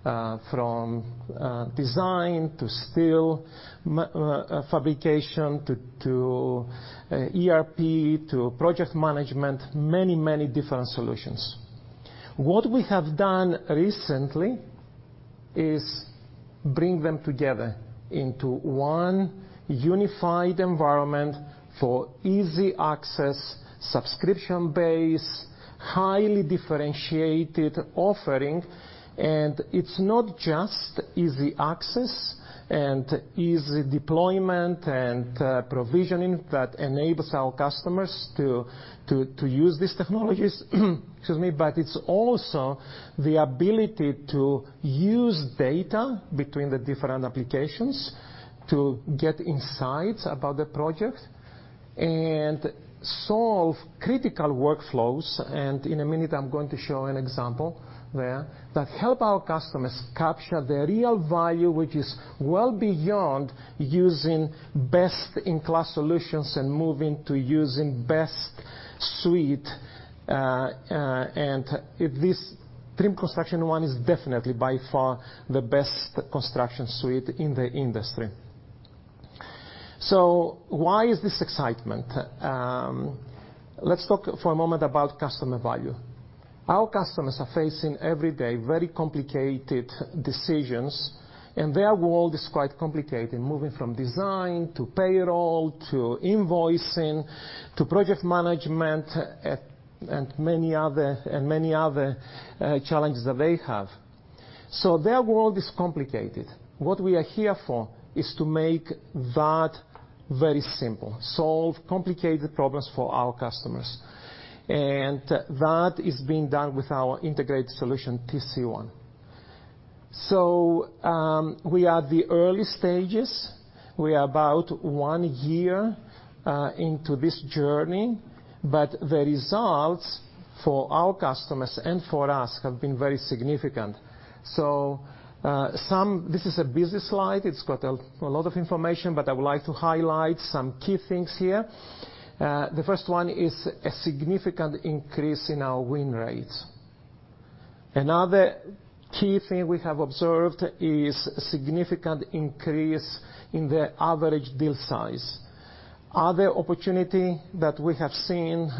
[SPEAKER 4] from design to steel fabrication, to ERP, to project management, many different solutions. What we have done recently is bring them together into 1 unified environment for easy access, subscription-based, highly differentiated offering. It's not just easy access and easy deployment and provisioning that enables our customers to use these technologies. Excuse me. It's also the ability to use data between the different applications to get insights about the project and solve critical workflows. In a minute, I'm going to show an example there that help our customers capture the real value which is well beyond using best-in-class solutions and moving to using best-in-class suite, and this Trimble Construction One is definitely by far the best construction suite in the industry. Why is this excitement? Let's talk for a moment about customer value. Our customers are facing every day very complicated decisions, and their world is quite complicated, moving from design to payroll, to invoicing, to project management, and many other challenges that they have. Their world is complicated. What we are here for is to make that very simple, solve complicated problems for our customers. That is being done with our integrated solution, TC1. We are at the early stages. We are about 1 year into this journey, but the results for our customers and for us have been very significant. This is a busy slide. It's got a lot of information, but I would like to highlight some key things here. The first one is a significant increase in our win rates. Another key thing we have observed is significant increase in the average deal size. Other opportunity that we have seen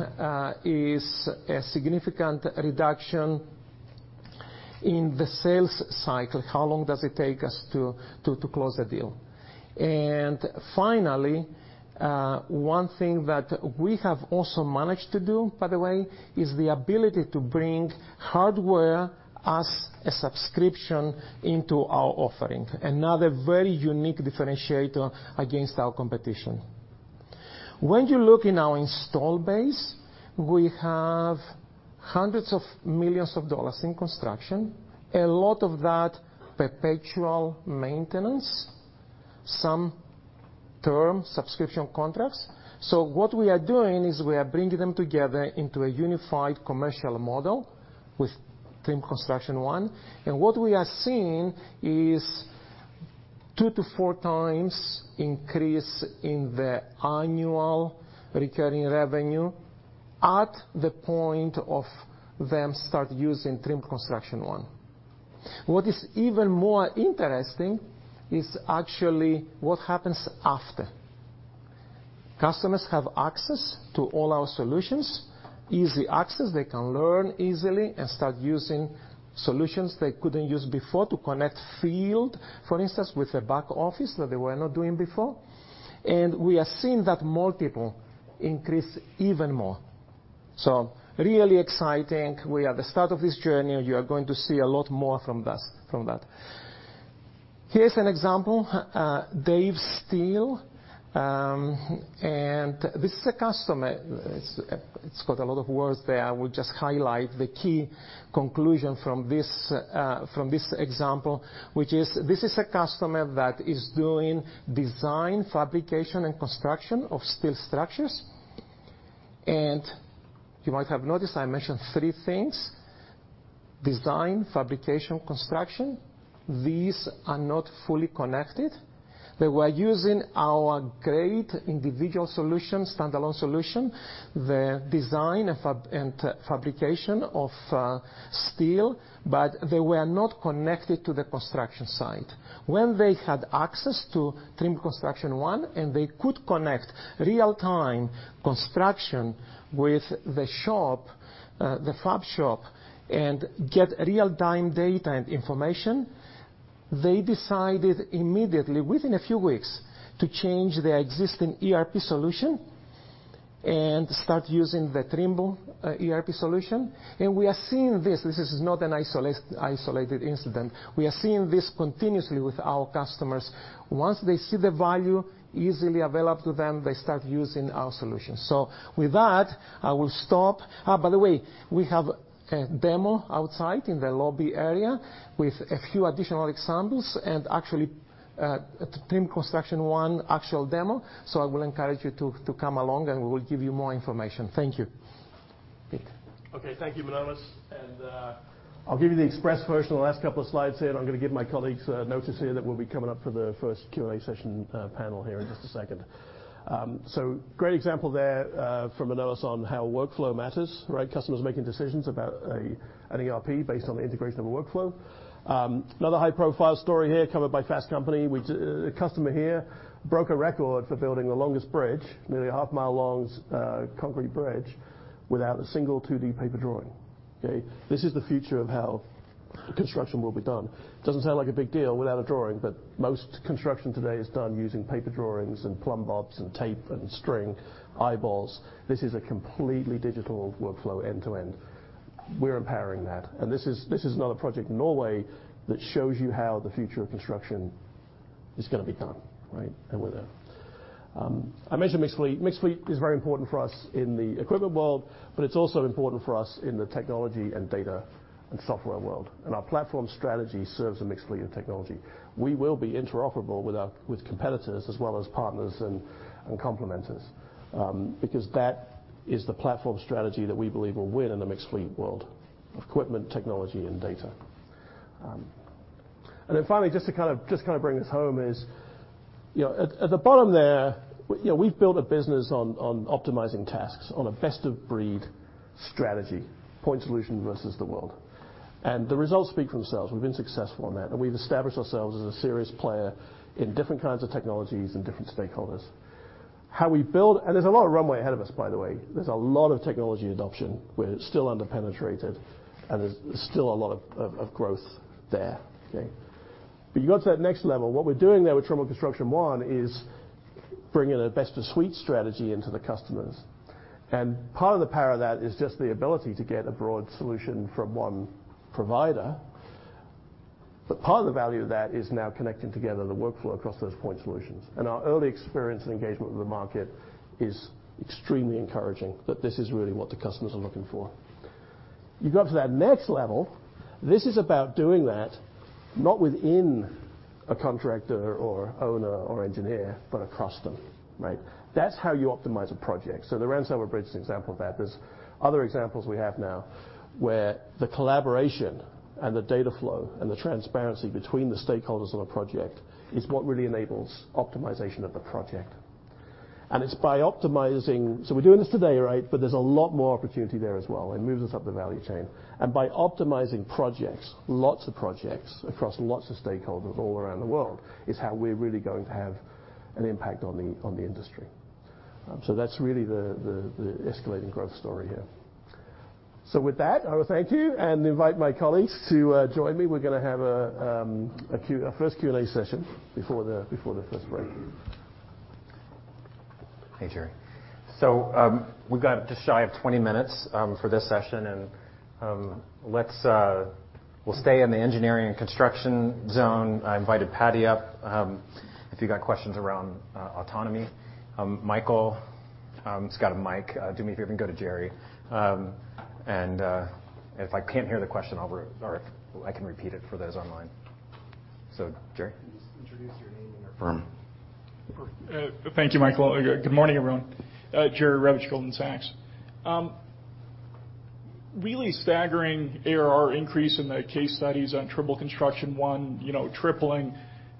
[SPEAKER 4] is a significant reduction in the sales cycle, how long does it take us to close a deal. Finally, 1 thing that we have also managed to do, by the way, is the ability to bring hardware as a subscription into our offering. Another very unique differentiator against our competition. When you look in our installed base, we have hundreds of millions dollars in construction, a lot of that perpetual maintenance, some term subscription contracts. What we are doing is we are bringing them together into a unified commercial model with Trimble Construction One, and what we are seeing is 2 to 4 times increase in the annual recurring revenue at the point of them start using Trimble Construction One. What is even more interesting is actually what happens after. Customers have access to all our solutions. Easy access, they can learn easily and start using solutions they couldn't use before to connect field, for instance, with the back office that they were not doing before. We are seeing that multiple increase even more. Really exciting. We are the start of this journey. You are going to see a lot more from this, from that. Here's an example, Dave Steel. This is a customer. It's got a lot of words there. I will just highlight the key conclusion from this example, which is, this is a customer that is doing design, fabrication, and construction of steel structures. You might have noticed, I mentioned 3 things, design, fabrication, construction. These are not fully connected. They were using our great individual solution, standalone solution, the design of fab, and fabrication of steel, but they were not connected to the construction site. When they had access to Trimble Construction One and they could connect real-time construction with the shop, the fab shop, and get real-time data and information, they decided immediately, within a few weeks, to change their existing ERP solution and start using the Trimble ERP solution. We are seeing this. This is not an isolated incident. We are seeing this continuously with our customers. Once they see the value easily available to them, they start using our solution. With that, I will stop. By the way, we have a demo outside in the lobby area with a few additional examples, and actually, a Trimble Construction One actual demo, so I will encourage you to come along, and we will give you more information. Thank you. Pete.
[SPEAKER 3] Okay, thank you, Manolis. I'll give you the express version of the last couple of slides here, and I'm gonna give my colleagues a notice here that we'll be coming up for the first Q&A session, panel here in just a second. Great example there from Manolis on how workflow matters, right? Customers making decisions about an ERP based on the integration of a workflow. Another high-profile story here covered by Fast Company. A customer here broke a record for building the longest bridge, nearly a half-mile long concrete bridge without a single 2D paper drawing. Okay? This is the future of how construction will be done. Doesn't sound like a big deal without a drawing, but most construction today is done using paper drawings and plumb bobs and tape and string, eyeballs. This is a completely digital workflow end to end. We're empowering that, and this is another project in Norway that shows you how the future of construction is gonna be done, right? We're there. I mentioned mixed fleet. Mixed fleet is very important for us in the equipment world, but it's also important for us in the technology and data and software world, and our platform strategy serves a mixed fleet of technology. We will be interoperable with competitors as well as partners and complementors, because that is the platform strategy that we believe will win in the mixed fleet world of equipment, technology, and data. Then finally, just to kind of bring this home is, you know, at the bottom there, you know, we've built a business on optimizing tasks on a best-of-breed strategy, point solution versus the world. The results speak for themselves. We've been successful on that, and we've established ourselves as a serious player in different kinds of technologies and different stakeholders. There's a lot of runway ahead of us, by the way. There's a lot of technology adoption where it's still under-penetrated, and there's still a lot of growth there. Okay? You go to that next level, what we're doing there with Trimble Construction One is bringing a best-of-suite strategy into the customers. Part of the power of that is just the ability to get a broad solution from 1 provider. Part of the value of that is now connecting together the workflow across those point solutions. Our early experience and engagement with the market is extremely encouraging that this is really what the customers are looking for. You go to that next level, this is about doing that not within a contractor or owner or engineer, but across them, right? That's how you optimize a project. The Randselva Bridge is an example of that. There's other examples we have now, where the collaboration and the data flow and the transparency between the stakeholders on a project is what really enables optimization of the project. It's by optimizing. We're doing this today, right? There's a lot more opportunity there as well, and moves us up the value chain. By optimizing projects, lots of projects across lots of stakeholders all around the world, is how we're really going to have an impact on the industry. That's really the escalating growth story here. With that, I will thank you and invite my colleagues to join me. We're gonna have our first Q&A session before the first break.
[SPEAKER 1] Hey, Gerry. We've got just shy of 20 minutes for this session and we'll stay in the engineering and construction zone. I invited Patty up if you got questions around autonomy. Michael, he's got a mic. Do me a favor and go to Gerry. If I can't hear the question, or I can repeat it for those online. Gerry.
[SPEAKER 5] Please introduce your name and your firm.
[SPEAKER 6] Thank you, Michael. Good morning, everyone. Jerry Revich, Goldman Sachs. Really staggering ARR increase in the case studies on Trimble Construction One, you know, tripling.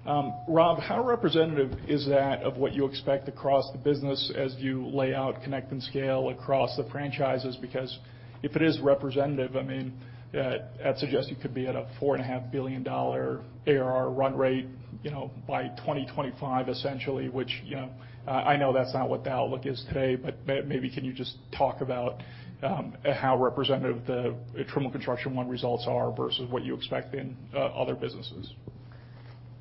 [SPEAKER 6] Rob, how representative is that of what you expect across the business as you lay out Connect and Scale across the franchises? Because if it is representative, I mean, I'd suggest it could be at a $4.5 billion ARR run rate, you know, by 2025, essentially, which, you know, I know that's not what the outlook is today, but maybe can you just talk about how representative the Trimble Construction One results are versus what you expect in other businesses?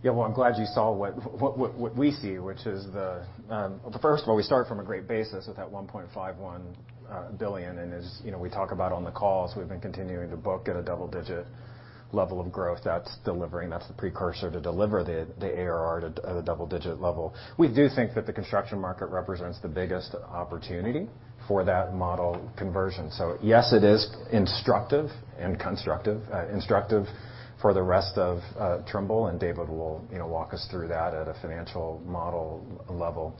[SPEAKER 1] Yeah. Well, I'm glad you saw what we see, which is the. Well, first of all, we start from a great basis at that $1.51 billion. As you know, we talk about on the calls, we've been continuing to book at a double-digit level of growth that's delivering. That's the precursor to deliver the ARR at a double-digit level. We do think that the construction market represents the biggest opportunity for that model conversion. Yes, it is instructive and constructive for the rest of Trimble, and David will walk us through that at a financial model level.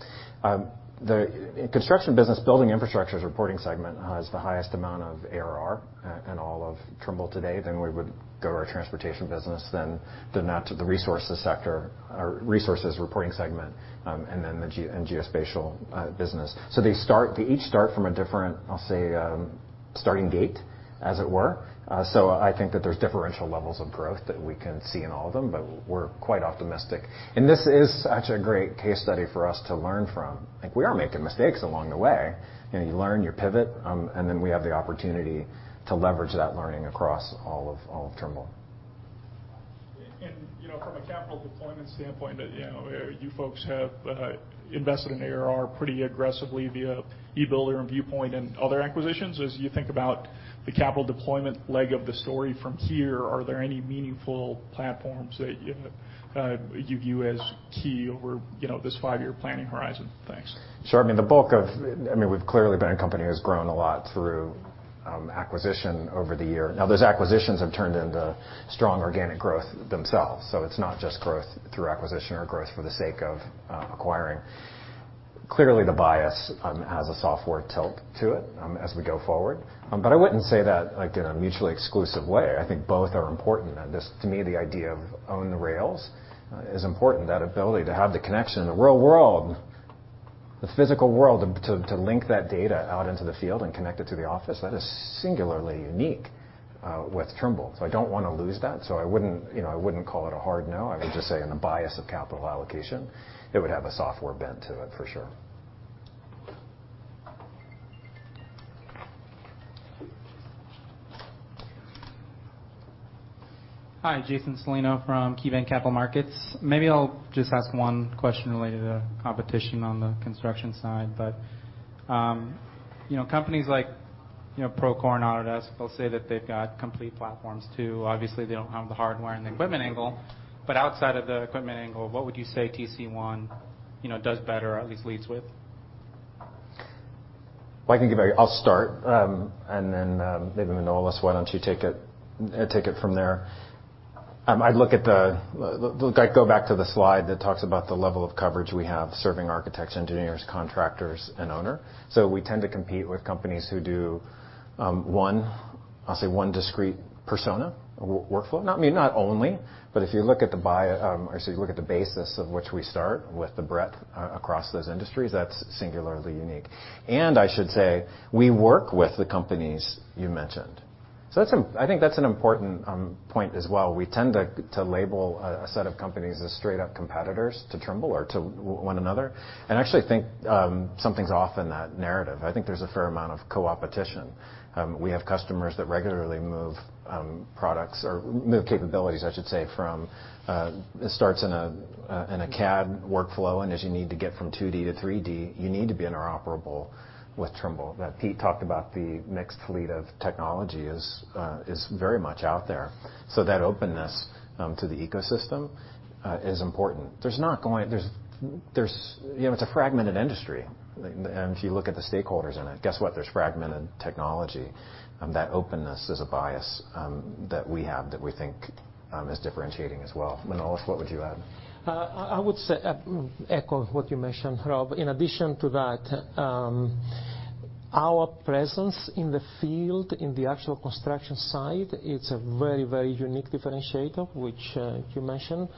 [SPEAKER 1] In the construction business, Buildings and Infrastructure reporting segment has the highest amount of ARR in all of Trimble today. We would go to our transportation business, then that to the resources sector, or resources reporting segment, and then the geospatial business. They each start from a different, I'll say, starting gate, as it were. I think that there's differential levels of growth that we can see in all of them, but we're quite optimistic. This is such a great case study for us to learn from. Like, we are making mistakes along the way. You know, you learn, you pivot, and then we have the opportunity to leverage that learning across all of Trimble.
[SPEAKER 6] You know, from a capital deployment standpoint, you know, you folks have invested in ARR pretty aggressively via e-Builder and Viewpoint and other acquisitions. As you think about the capital deployment leg of the story from here, are there any meaningful platforms that you view as key over, you know, this 5-year planning horizon? Thanks.
[SPEAKER 1] Sure. I mean, the bulk of I mean, we've clearly been a company that has grown a lot through acquisition over the year. Now, those acquisitions have turned into strong organic growth themselves, so it's not just growth through acquisition or growth for the sake of acquiring. Clearly, the bias has a software tilt to it as we go forward. I wouldn't say that, like, in a mutually exclusive way. I think both are important. This, to me, the idea of own the rails is important. That ability to have the connection in the real world, the physical world, to link that data out into the field and connect it to the office, that is singularly unique with Trimble. I don't wanna lose that. I wouldn't, you know, I wouldn't call it a hard no. I would just say in the bias of capital allocation, it would have a software bent to it for sure.
[SPEAKER 7] Hi, Jason Celino from KeyBanc Capital Markets. Maybe I'll just ask 1 question related to competition on the construction side. You know, companies like, you know, Procore and Autodesk, they'll say that they've got complete platforms too. Obviously, they don't have the hardware and the equipment angle. Outside of the equipment angle, what would you say TC1, you know, does better or at least leads with?
[SPEAKER 1] Well, I'll start, and then maybe, Manolis, why don't you take it from there? Look, I'd go back to the slide that talks about the level of coverage we have serving architects, engineers, contractors, and owners. We tend to compete with companies who do 1, I'll say, discrete persona workflow. Not only, but if you look at the basis on which we start with the breadth across those industries, that's singularly unique. I should say, we work with the companies you mentioned. I think that's an important point as well. We tend to label a set of companies as straight up competitors to Trimble or to one another, and I actually think something's off in that narrative. I think there's a fair amount of co-opetition. We have customers that regularly move products or move capabilities, I should say, from it starts in a CAD workflow, and as you need to get from 2D to 3D, you need to be interoperable with Trimble. That Pete talked about the mixed fleet of technology is very much out there. That openness to the ecosystem is important. There's you know, it's a fragmented industry. If you look at the stakeholders in it, guess what? There's fragmented technology. That openness is a bias that we have that we think is differentiating as well. Manolis, what would you add?
[SPEAKER 4] I would say echo what you mentioned, Rob. In addition to that, our presence in the field, in the actual construction site, it's a very, very unique differentiator, which you mentioned.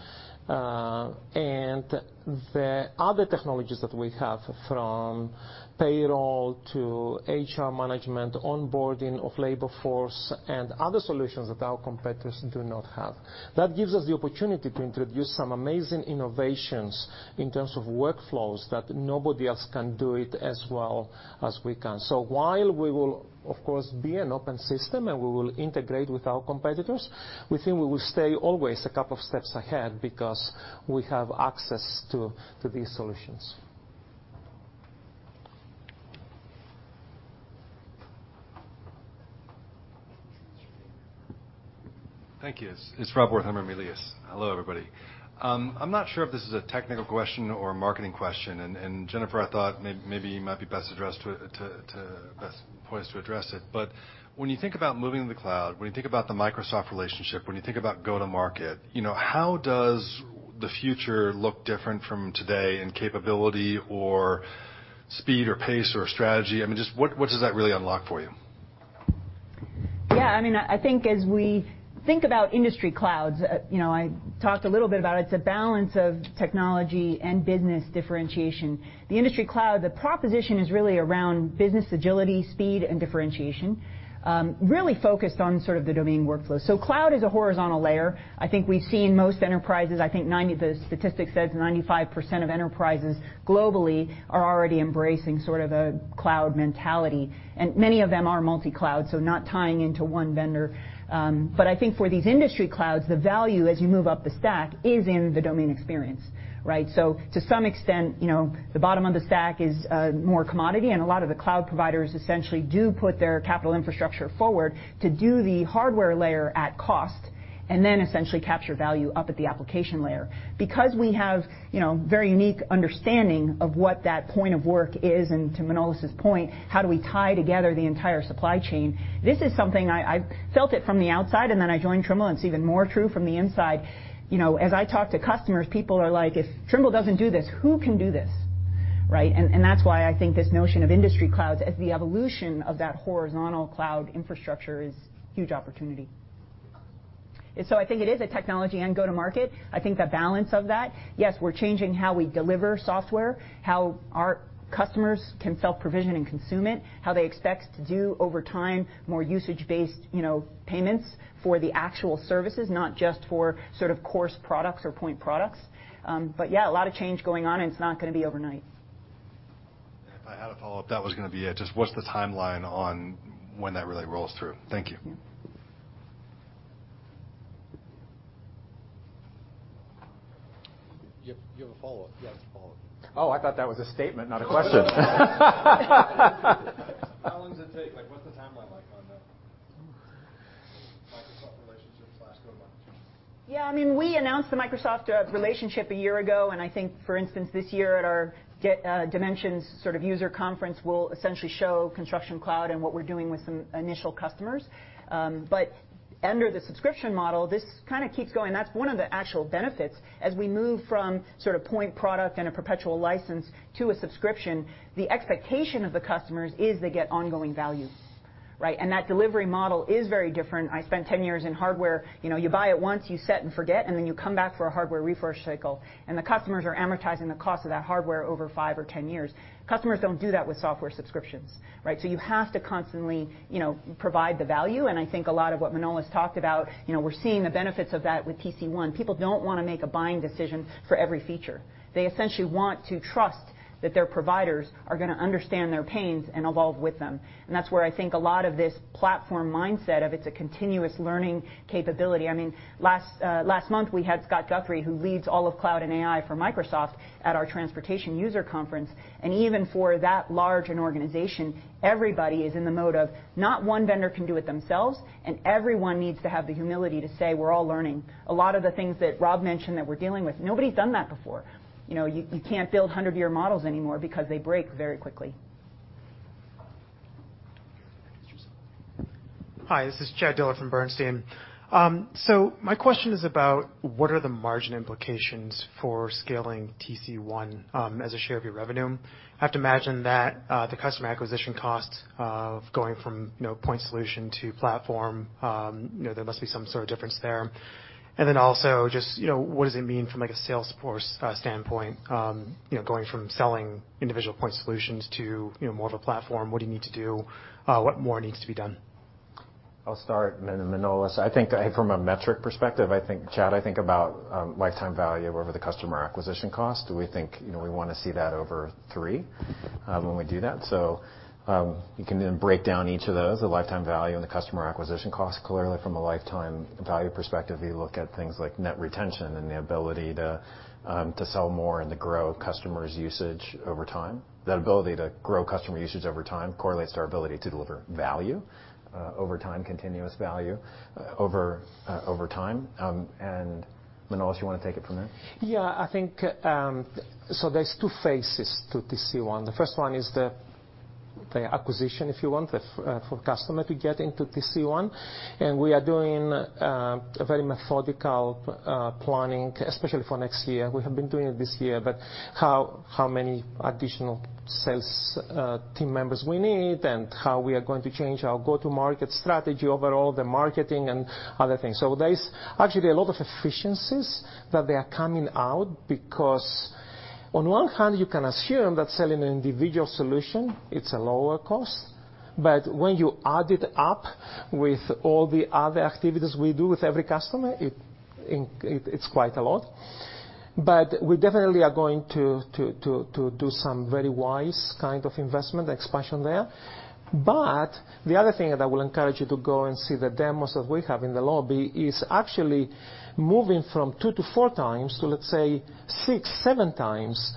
[SPEAKER 4] The other technologies that we have from payroll to HR management, onboarding of labor force and other solutions that our competitors do not have. That gives us the opportunity to introduce some amazing innovations in terms of workflows that nobody else can do it as well as we can. While we will, of course, be an open system, and we will integrate with our competitors, we think we will stay always a couple of steps ahead because we have access to these solutions.
[SPEAKER 8] Thank you. It's Rob Wertheimer, Melius Research. Hello, everybody. I'm not sure if this is a technical question or a marketing question, and Jennifer, I thought maybe you might be best poised to address it. When you think about moving to the cloud, when you think about the Microsoft relationship, when you think about go to market, you know, how does the future look different from today in capability or speed or pace or strategy? I mean, just what does that really unlock for you?
[SPEAKER 2] I mean, I think as we think about industry clouds, you know, I talked a little bit about it. It's a balance of technology and business differentiation. The industry cloud, the proposition is really around business agility, speed, and differentiation, really focused on sort of the domain workflow. Cloud is a horizontal layer. I think we've seen most enterprises, I think the statistic says 95% of enterprises globally are already embracing sort of a cloud mentality, and many of them are multi-cloud, so not tying into 1 vendor. I think for these industry clouds, the value as you move up the stack is in the domain experience, right? To some extent, you know, the bottom of the stack is more commodity, and a lot of the cloud providers essentially do put their capital infrastructure forward to do the hardware layer at cost and then essentially capture value up at the application layer. Because we have, you know, very unique understanding of what that point of work is, and to Manolis' point, how do we tie together the entire supply chain? This is something I felt it from the outside, and then I joined Trimble, and it's even more true from the inside. You know, as I talk to customers, people are like, "If Trimble doesn't do this, who can do this?" Right? That's why I think this notion of industry clouds as the evolution of that horizontal cloud infrastructure is huge opportunity. I think it is a technology and go to market. I think the balance of that, yes, we're changing how we deliver software, how our customers can self-provision and consume it, how they expect to do over time, more usage-based, you know, payments for the actual services, not just for sort of course products or point products. Yeah, a lot of change going on, and it's not gonna be overnight.
[SPEAKER 8] If I had a follow-up, that was gonna be it. Just what's the timeline on when that really rolls through? Thank you.
[SPEAKER 1] You have a follow-up? He has a follow-up.
[SPEAKER 8] Oh, I thought that was a statement, not a question.
[SPEAKER 1] How long does it take? Like, what's the timeline like on the Microsoft relationship/go to market?
[SPEAKER 2] Yeah, I mean, we announced the Microsoft relationship a year ago, and I think, for instance, this year at our Dimensions sort of user conference, we'll essentially show Construction Cloud and what we're doing with some initial customers. Under the subscription model, this kinda keeps going. That's one of the actual benefits. As we move from sort of point product and a perpetual license to a subscription, the expectation of the customers is they get ongoing value, right? That delivery model is very different. I spent 10 years in hardware. You know, you buy it once, you set and forget, and then you come back for a hardware refresh cycle, and the customers are amortizing the cost of that hardware over 5 or 10 years. Customers don't do that with software subscriptions, right? You have to constantly, you know, provide the value, and I think a lot of what Manolis Kotzabasakis talked about, you know, we're seeing the benefits of that with TC1. People don't wanna make a buying decision for every feature. They essentially want to trust that their providers are gonna understand their pains and evolve with them. That's where I think a lot of this platform mindset of it's a continuous learning capability. I mean, last month, we had Scott Guthrie, who leads all of cloud and AI for Microsoft, at our transportation user conference. Even for that large an organization, everybody is in the mode of not 1 vendor can do it themselves, and everyone needs to have the humility to say, "We're all learning." A lot of the things that Rob mentioned that we're dealing with, nobody's done that before. You know, you can't build 100-year models anymore because they break very quickly.
[SPEAKER 9] Hi, this is Chad Dillard from Bernstein. My question is about what are the margin implications for scaling TC1, as a share of your revenue? I have to imagine that, the customer acquisition costs of going from, you know, point solution to platform, you know, there must be some sort of difference there. Also just, you know, what does it mean from, like, a sales force standpoint, you know, going from selling individual point solutions to, you know, more of a platform, what do you need to do? What more needs to be done?
[SPEAKER 1] I'll start, and then Manolis. I think from a metric perspective, Chad, I think about lifetime value over the customer acquisition cost. Do we think, you know, we wanna see that over 3, when we do that? You can then break down each of those, the lifetime value and the customer acquisition cost. Clearly, from a lifetime value perspective, you look at things like net retention and the ability to sell more and to grow customers' usage over time. That ability to grow customer usage over time correlates to our ability to deliver value over time, continuous value over time. Manolis, you wanna take it from there?
[SPEAKER 4] Yeah, I think there's 2 phases to TC1. The first one is the acquisition, if you want, for customer to get into TC1. We are doing a very methodical planning, especially for next year. We have been doing it this year. How many additional sales team members we need, and how we are going to change our go-to-market strategy overall, the marketing and other things. There is actually a lot of efficiencies that they are coming out, because on one hand, you can assume that selling an individual solution, it's a lower cost. When you add it up with all the other activities we do with every customer, it's quite a lot. We definitely are going to do some very wise kind of investment expansion there. The other thing that I will encourage you to go and see the demos that we have in the lobby is actually moving from 2 to 4 times to, let's say, 6, 7 times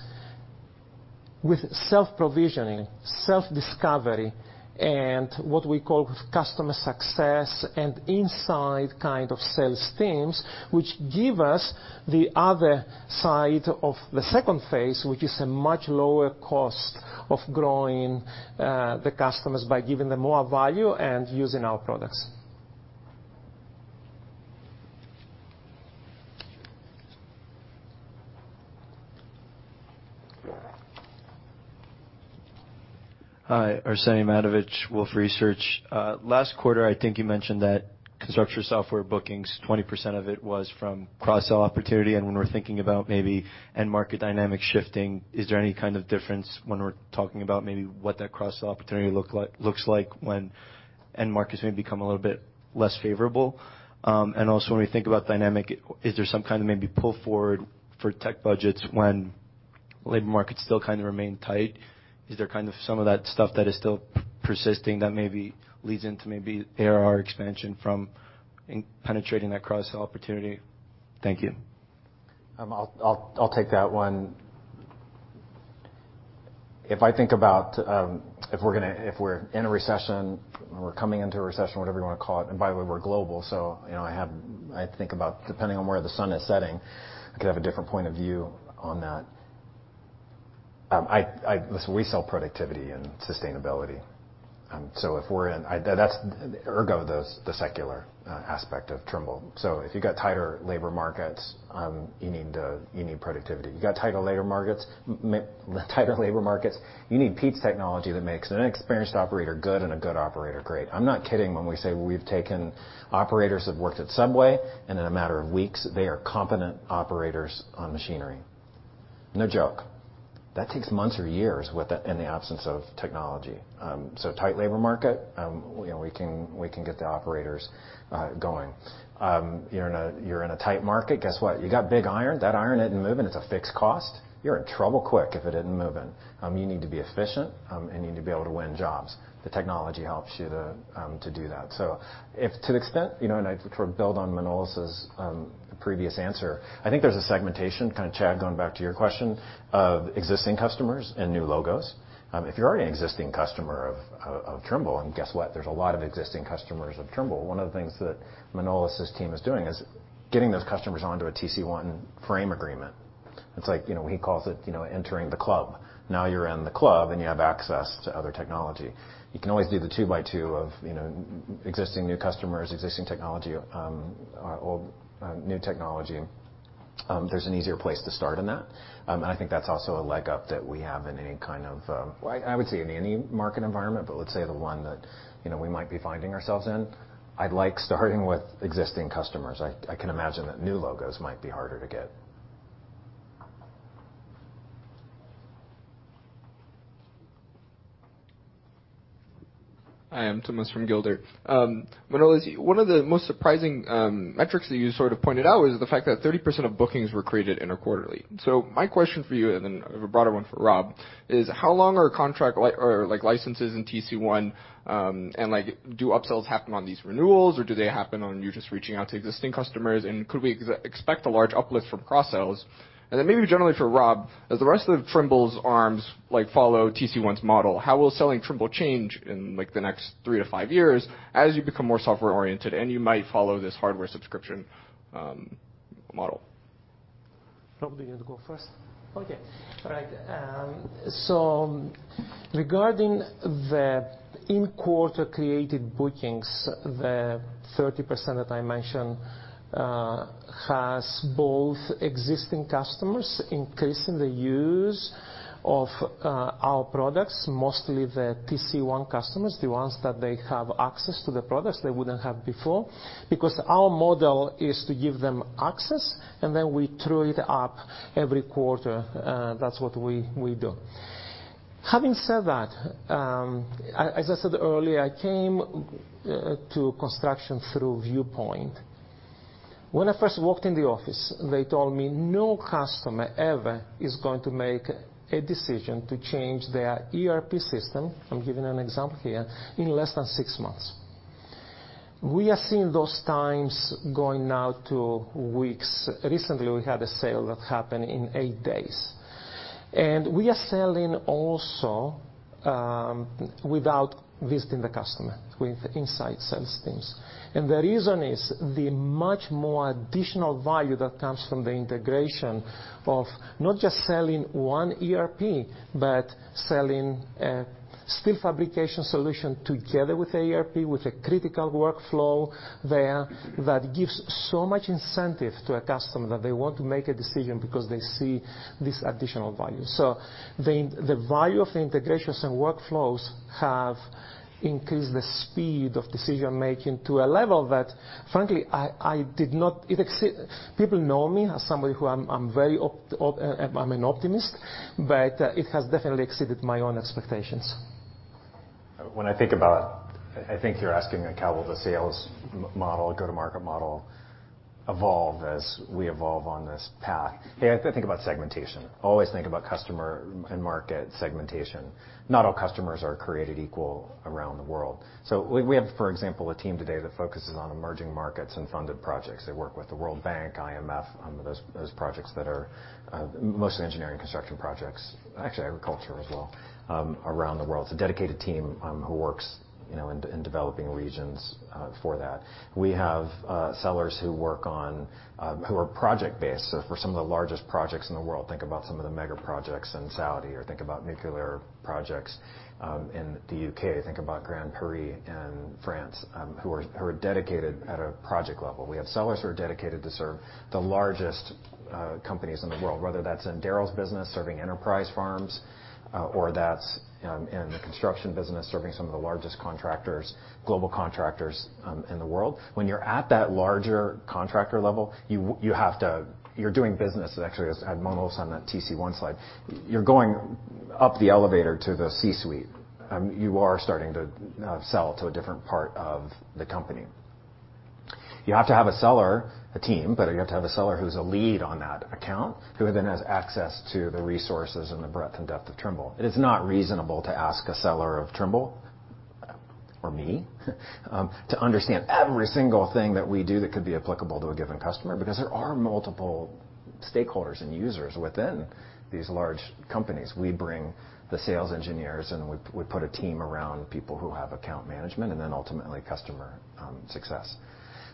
[SPEAKER 4] with self-provisioning, self-discovery, and what we call customer success and inside kind of sales teams, which give us the other side of the phase II, which is a much lower cost of growing the customers by giving them more value and using our products.
[SPEAKER 9] Hi. Arsenije Matovic, Wolfe Research. Last quarter, I think you mentioned that construction software bookings, 20% of it was from cross-sell opportunity. When we're thinking about maybe end market dynamics shifting, is there any kind of difference when we're talking about maybe what that cross-sell opportunity looks like when end markets maybe become a little bit less favorable? Also when we think about dynamic, is there some kind of maybe pull forward for tech budgets when labor markets still kinda remain tight? Is there kind of some of that stuff that is still persisting that maybe leads into maybe ARR expansion from penetrating that cross-sell opportunity? Thank you.
[SPEAKER 1] I'll take that one. If I think about if we're in a recession or we're coming into a recession, whatever you wanna call it, and by the way, we're global, so you know, I have, I think about depending on where the sun is setting, I could have a different point of view on that. Listen, we sell productivity and sustainability. That's ergo the secular aspect of Trimble. If you've got tighter labor markets, you need productivity. You got tighter labor markets, you need Pete's technology that makes an inexperienced operator good and a good operator great. I'm not kidding when we say we've taken operators that worked at Subway, and in a matter of weeks, they are competent operators on machinery. No joke. That takes months or years in the absence of technology. Tight labor market, you know, we can get the operators going. You're in a tight market, guess what? You got big iron. That iron isn't moving, it's a fixed cost, you're in trouble quick if it isn't moving. You need to be efficient, and you need to be able to win jobs. The technology helps you to do that. If to the extent, you know, and I sort of build on Manolis's previous answer, I think there's a segmentation, kinda Chad, going back to your question, of existing customers and new logos. If you're already an existing customer of Trimble, and guess what? There's a lot of existing customers of Trimble. One of the things that Manolis' team is doing is getting those customers onto a TC1 frame agreement. It's like, you know, he calls it, you know, entering the club. Now you're in the club, and you have access to other technology. You can always do the 2 by 2 of, you know, existing new customers, existing technology, or new technology. There's an easier place to start in that. I think that's also a leg up that we have in any kind of, well, I would say in any market environment, but let's say the one that, you know, we might be finding ourselves in. I'd like starting with existing customers. I can imagine that new logos might be harder to get.
[SPEAKER 10] Hi, I'm Thomas from Gildert. Manolis, one of the most surprising metrics that you sort of pointed out was the fact that 30% of bookings were created interquarterly. My question for you, and then I have a broader one for Rob, is how long are contract or, like, licenses in TC1, and, like, do upsells happen on these renewals, or do they happen on you just reaching out to existing customers? Could we expect a large uplift from cross-sells? Then maybe generally for Rob, as the rest of Trimble's arms, like, follow TC1's model, how will selling Trimble change in, like, the next 3 to 5 years as you become more software-oriented and you might follow this hardware subscription model?
[SPEAKER 1] Rob, do you want to go first? Okay. All right. Regarding the in-quarter created bookings, the 30% that I mentioned has both existing customers increasing the use of our products, mostly the TC1 customers, the ones that they have access to the products they wouldn't have before. Our model is to give them access, and then we true it up every quarter, that's what we do. Having said that, as I said earlier, I came to construction through Viewpoint. When I first walked in the office, they told me no customer ever is going to make a decision to change their ERP system, I'm giving an example here, in less than 6 months. We are seeing those times going now to weeks. Recently, we had a sale that happened in 8 days. We are selling also without visiting the customer with inside sales teams. The reason is the much more additional value that comes from the integration of not just selling 1 ERP, but selling a steel fabrication solution together with the ERP, with a critical workflow there that gives so much incentive to a customer that they want to make a decision because they see this additional value. The value of the integrations and workflows have increased the speed of decision-making to a level that, frankly, exceeded my own expectations. People know me as somebody who I'm very optimistic, but it has definitely exceeded my own expectations. I think you're asking how will the sales model go-to-market model evolve as we evolve on this path. Yeah, I think about segmentation. Always think about customer and market segmentation. Not all customers are created equal around the world. We have, for example, a team today that focuses on emerging markets and funded projects. They work with the World Bank, IMF, those projects that are mostly engineering construction projects, actually agriculture as well, around the world. It's a dedicated team who works, you know, in developing regions for that. We have sellers who are project-based. For some of the largest projects in the world, think about some of the mega projects in Saudi, or think about nuclear projects in the UK. Think about Grand Paris in France, who are dedicated at a project level. We have sellers who are dedicated to serve the largest companies in the world, whether that's in Darryl's business serving enterprise farms, or that's in the construction business, serving some of the largest contractors, global contractors, in the world. When you're at that larger contractor level, you have to. You're doing business. Actually, as Manolis Kotzabasakis on that TC1 slide. You're going up the elevator to the C-suite, you are starting to sell to a different part of the company. You have to have a seller, a team, but you have to have a seller who's a lead on that account, who then has access to the resources and the breadth and depth of Trimble. It is not reasonable to ask a seller of Trimble or me to understand every single thing that we do that could be applicable to a given customer, because there are multiple stakeholders and users within these large companies. We bring the sales engineers, and we put a team around people who have account management, and then ultimately customer success.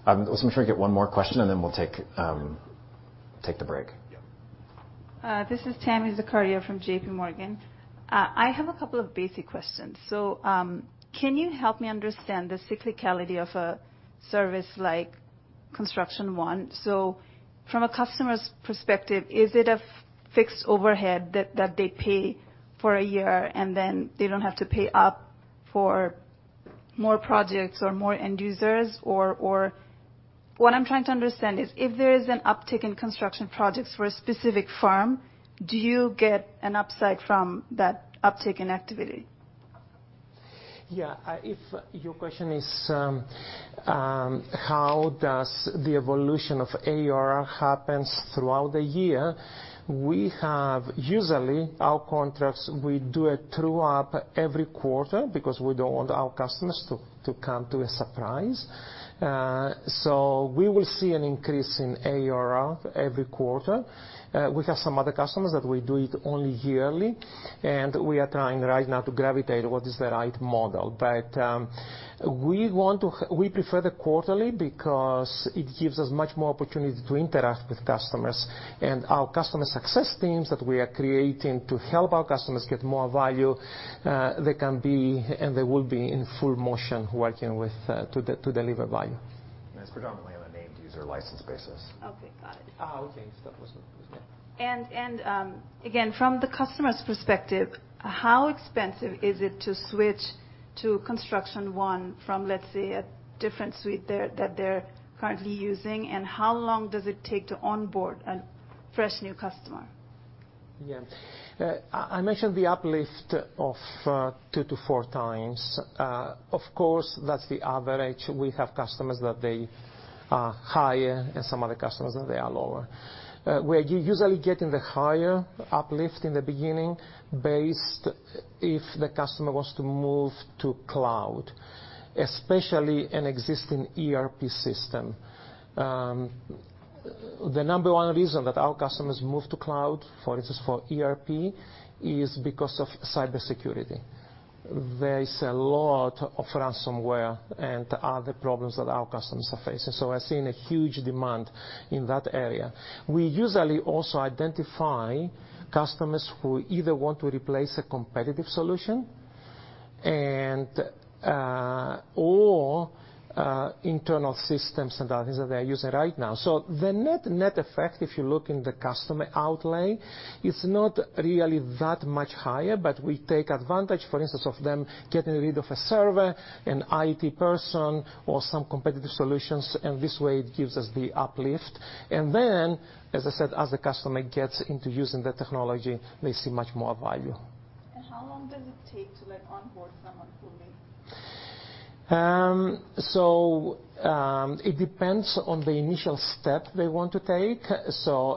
[SPEAKER 1] Let's make sure we get 1 more question, and then we'll take the break.
[SPEAKER 4] Yep.
[SPEAKER 11] This is Tami Zakaria from JPMorgan. I have a couple of basic questions. Can you help me understand the cyclicality of a service like Construction One? From a customer's perspective, is it a fixed overhead that they pay for a year, and then they don't have to pay up for more projects or more end users? What I'm trying to understand is, if there is an uptick in construction projects for a specific firm, do you get an upside from that uptick in activity?
[SPEAKER 4] Yeah. If your question is how does the evolution of ARR happens throughout the year, we have usually our contracts, we do a true-up every quarter because we don't want our customers to come as a surprise. We will see an increase in ARR every quarter. We have some other customers that we do it only yearly, and we are trying right now to gravitate what is the right model. We prefer the quarterly because it gives us much more opportunity to interact with customers. Our customer success teams that we are creating to help our customers get more value, they can be, and they will be in full motion working with to deliver value.
[SPEAKER 1] It's predominantly on a named user license basis.
[SPEAKER 11] Okay, got it.
[SPEAKER 4] Okay.
[SPEAKER 11] Again, from the customer's perspective, how expensive is it to switch to Construction One from, let's say, a different suite that they're currently using, and how long does it take to onboard a fresh new customer?
[SPEAKER 4] Yeah. I mentioned the uplift of 2 to 4 times. Of course, that's the average. We have customers that they are higher and some other customers that they are lower. We are usually getting the higher uplift in the beginning based if the customer wants to move to cloud, especially an existing ERP system. The number 1 reason that our customers move to cloud, for instance, for ERP, is because of cybersecurity. There is a lot of ransomware and other problems that our customers are facing, so we're seeing a huge demand in that area. We usually also identify customers who either want to replace a competitive solution and or internal systems and the other things that they're using right now. The net effect, if you look in the customer outlay, is not really that much higher, but we take advantage, for instance, of them getting rid of a server, an IT person or some competitive solutions, and this way it gives us the uplift. As I said, as the customer gets into using the technology, they see much more value.
[SPEAKER 11] How long does it take to, like, onboard someone fully?
[SPEAKER 4] It depends on the initial step they want to take.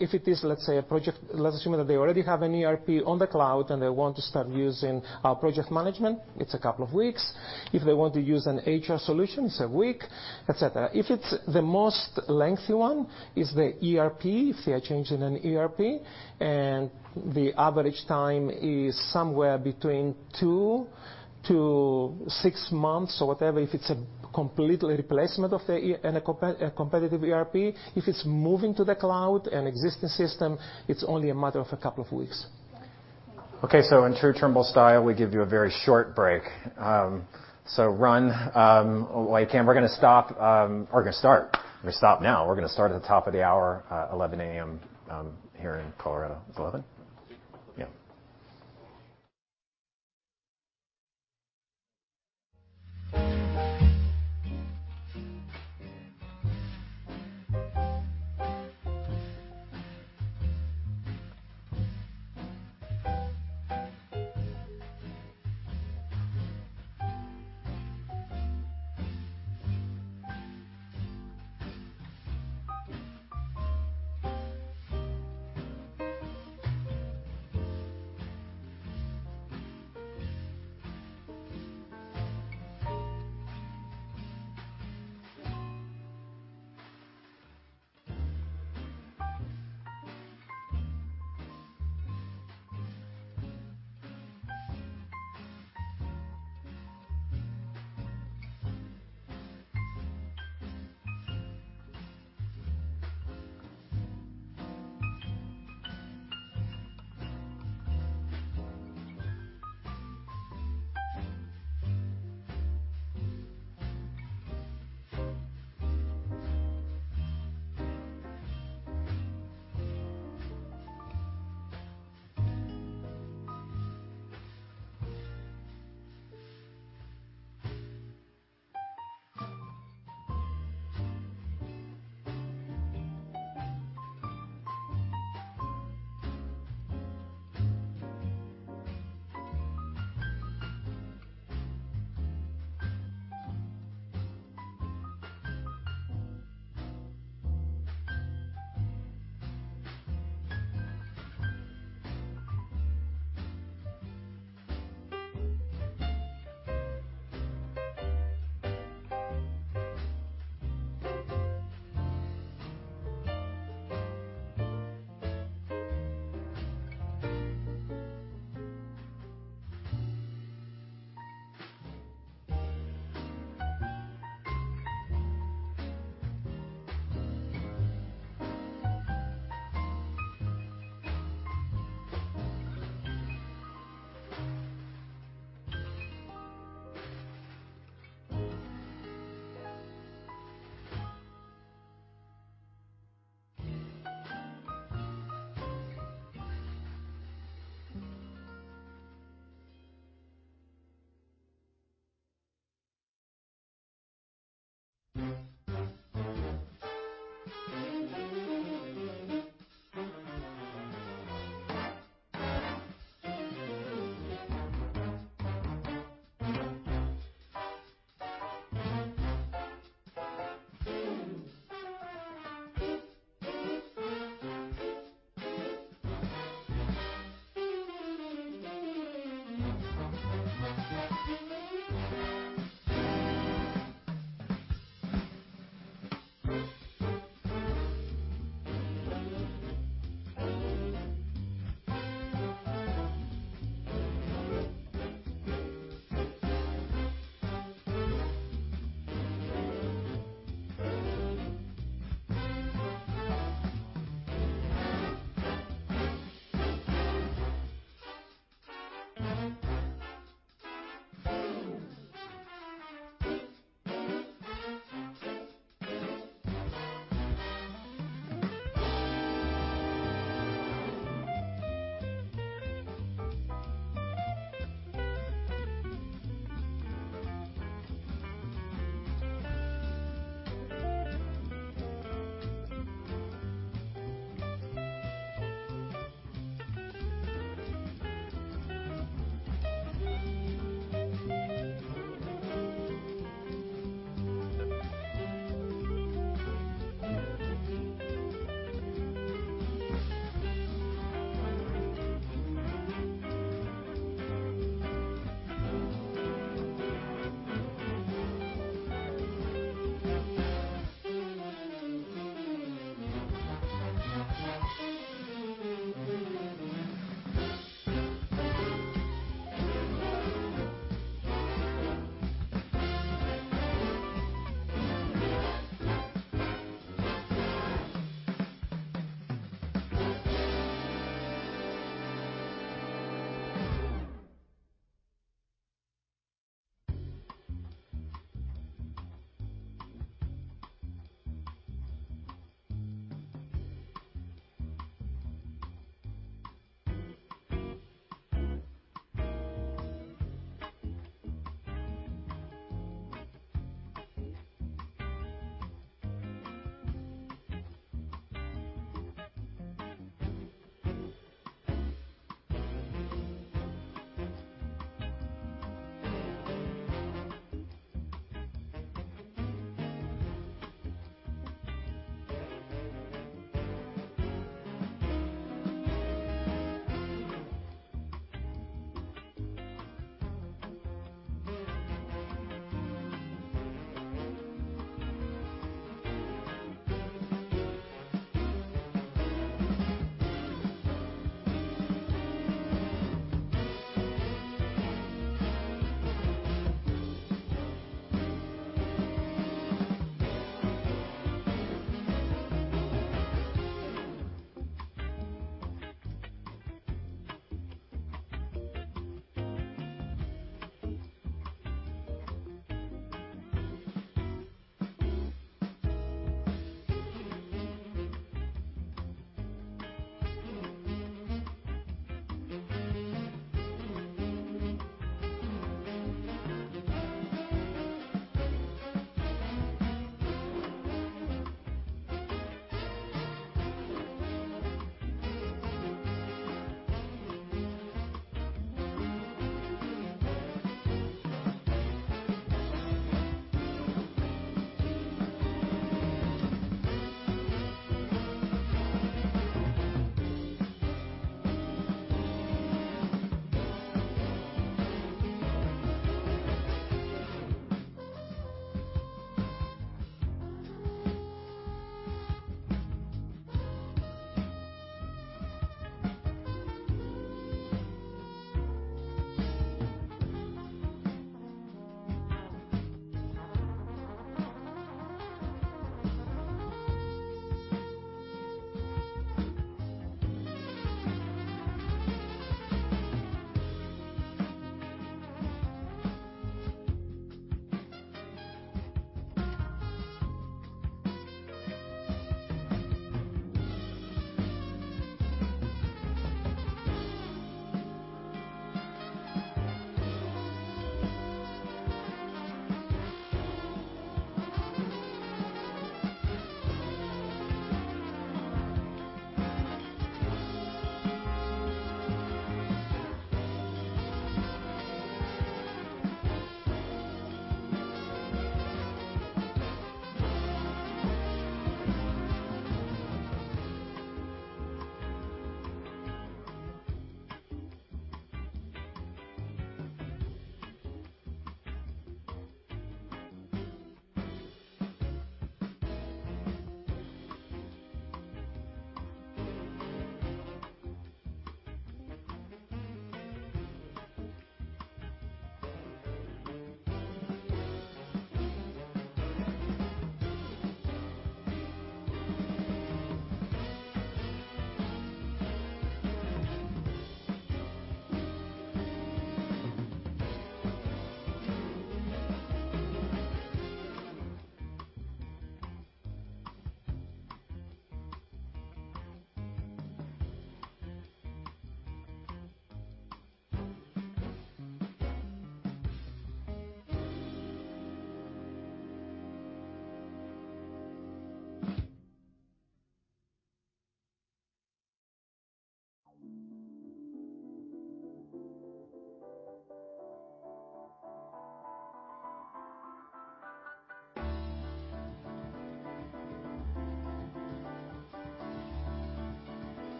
[SPEAKER 4] If it is, let's say, a project. Let's assume that they already have an ERP on the cloud, and they want to start using our project management. It's a couple of weeks. If they want to use an HR solution, it's a week, et cetera. If it's the most lengthy one, it's the ERP, if they are changing an ERP, and the average time is somewhere between 2 to 6 months or whatever, if it's a complete replacement of the ERP and a competitive ERP. If it's moving to the cloud, an existing system, it's only a matter of a couple of weeks.
[SPEAKER 11] Okay.
[SPEAKER 1] Okay. In true Trimble style, we give you a very short break. Run while you can. We're gonna stop now. We're gonna start at the top of the hour, 11:00 A.M., here in Colorado. It's 11?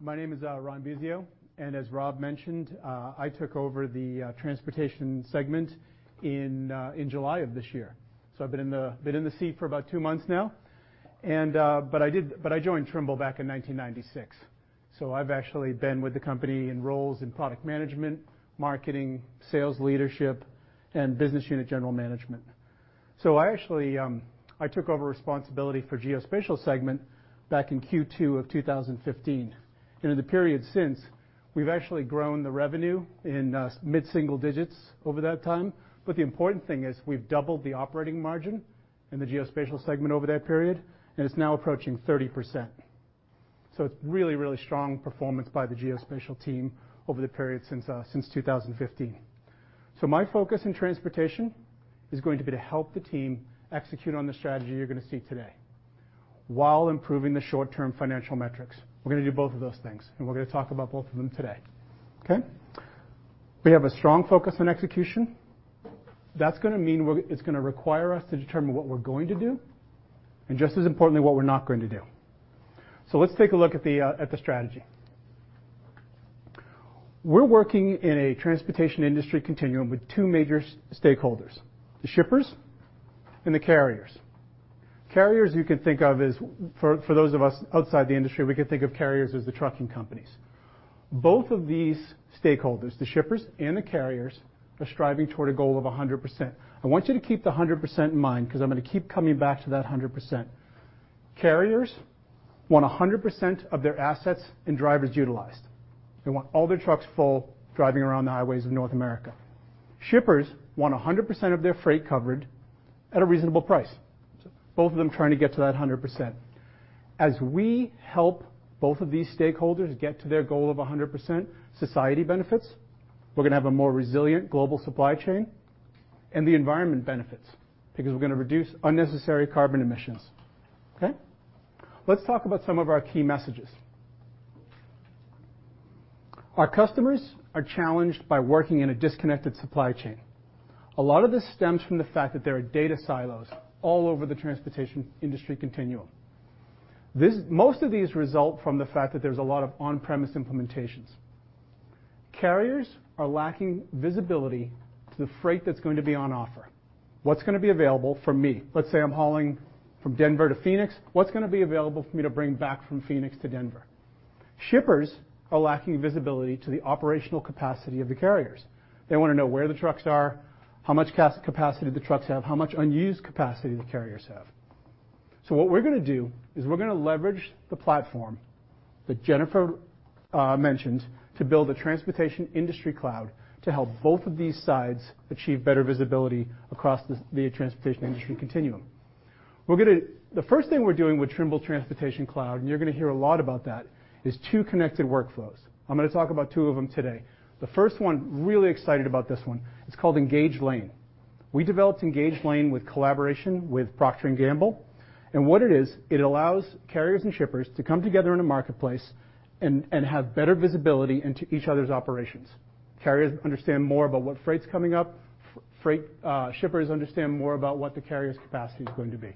[SPEAKER 1] Yeah.
[SPEAKER 12] My name is Ron Bisio, and as Rob mentioned, I took over the Transportation segment in July of this year. I've been in the seat for about 2 months now, and but I joined Trimble back in 1996. I've actually been with the company in roles in product management, marketing, sales leadership, and business unit general management. I actually took over responsibility for Geospatial segment back in Q2 of 2015. In the period since, we've actually grown the revenue in mid-single digits over that time. The important thing is we've doubled the operating margin in the Geospatial segment over that period, and it's now approaching 30%. It's really, really strong performance by the Geospatial team over the period since 2015. My focus in transportation is going to be to help the team execute on the strategy you're gonna see today while improving the short-term financial metrics. We're gonna do both of those things, and we're gonna talk about both of them today. Okay. We have a strong focus on execution. That's gonna mean it's gonna require us to determine what we're going to do and, just as importantly, what we're not going to do. Let's take a look at the strategy. We're working in a transportation industry continuum with 2 major stakeholders, the shippers and the carriers. Carriers you can think of as, for those of us outside the industry, we can think of carriers as the trucking companies. Both of these stakeholders, the shippers and the carriers, are striving toward a goal of 100%. I want you to keep the 100% in mind 'cause I'm gonna keep coming back to that 100%. Carriers want 100% of their assets and drivers utilized. They want all their trucks full, driving around the highways of North America. Shippers want 100% of their freight covered at a reasonable price. Both of them trying to get to that 100%. As we help both of these stakeholders get to their goal of 100%, society benefits, we're gonna have a more resilient global supply chain, and the environment benefits because we're gonna reduce unnecessary carbon emissions. Okay. Let's talk about some of our key messages. Our customers are challenged by working in a disconnected supply chain. A lot of this stems from the fact that there are data silos all over the transportation industry continuum. Most of these result from the fact that there's a lot of on-premise implementations. Carriers are lacking visibility to the freight that's going to be on offer. What's gonna be available for me? Let's say I'm hauling from Denver to Phoenix. What's gonna be available for me to bring back from Phoenix to Denver? Shippers are lacking visibility to the operational capacity of the carriers. They wanna know where the trucks are, how much capacity the trucks have, how much unused capacity the carriers have. What we're gonna do is we're gonna leverage the platform that Jennifer mentioned to build a transportation industry cloud to help both of these sides achieve better visibility across the transportation industry continuum. The first thing we're doing with Trimble Transportation Cloud, and you're gonna hear a lot about that, is 2 connected workflows. I'm gonna talk about 2 of them today. The first one, really excited about this one. It's called Engage Lane. We developed Engage Lane with collaboration with Procter & Gamble. What it is, it allows carriers and shippers to come together in a marketplace and have better visibility into each other's operations. Carriers understand more about what freight's coming up, shippers understand more about what the carrier's capacity is going to be.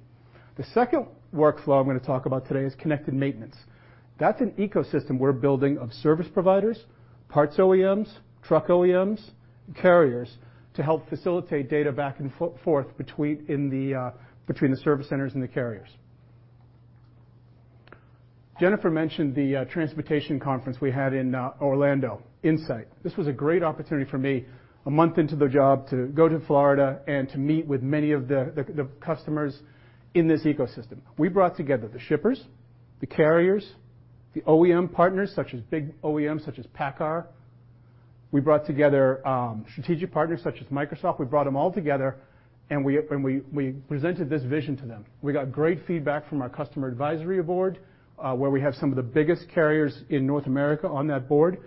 [SPEAKER 12] The second workflow I'm gonna talk about today is Connected Maintenance. That's an ecosystem we're building of service providers, parts OEMs, truck OEMs, carriers to help facilitate data back and forth between the service centers and the carriers. Jennifer mentioned the transportation conference we had in Orlando, Insight. This was a great opportunity for me, a month into the job, to go to Florida and to meet with many of the customers in this ecosystem. We brought together the shippers, the carriers, the OEM partners, such as big OEMs such as PACCAR. We brought together strategic partners such as Microsoft. We brought them all together, and we presented this vision to them. We got great feedback from our customer advisory board, where we have some of the biggest carriers in North America on that board.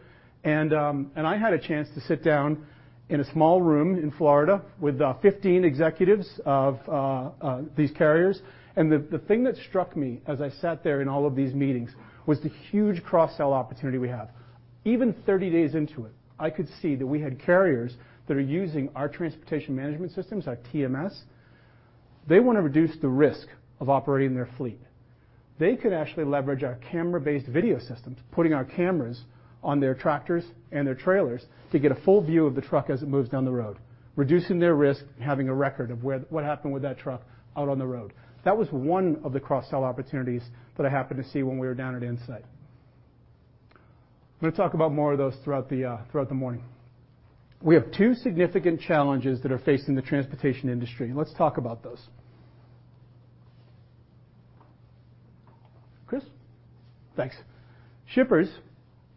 [SPEAKER 12] I had a chance to sit down in a small room in Florida with 15 executives of these carriers, and the thing that struck me as I sat there in all of these meetings was the huge cross-sell opportunity we have. Even 30 days into it, I could see that we had carriers that are using our transportation management systems, our TMS. They wanna reduce the risk of operating their fleet. They could actually leverage our camera-based video systems, putting our cameras on their tractors and their trailers to get a full view of the truck as it moves down the road, reducing their risk and having a record of where what happened with that truck out on the road. That was one of the cross-sell opportunities that I happened to see when we were down at Insight. I'm gonna talk about more of those throughout the morning. We have 2 significant challenges that are facing the transportation industry. Let's talk about those. Chris? Thanks. Shippers.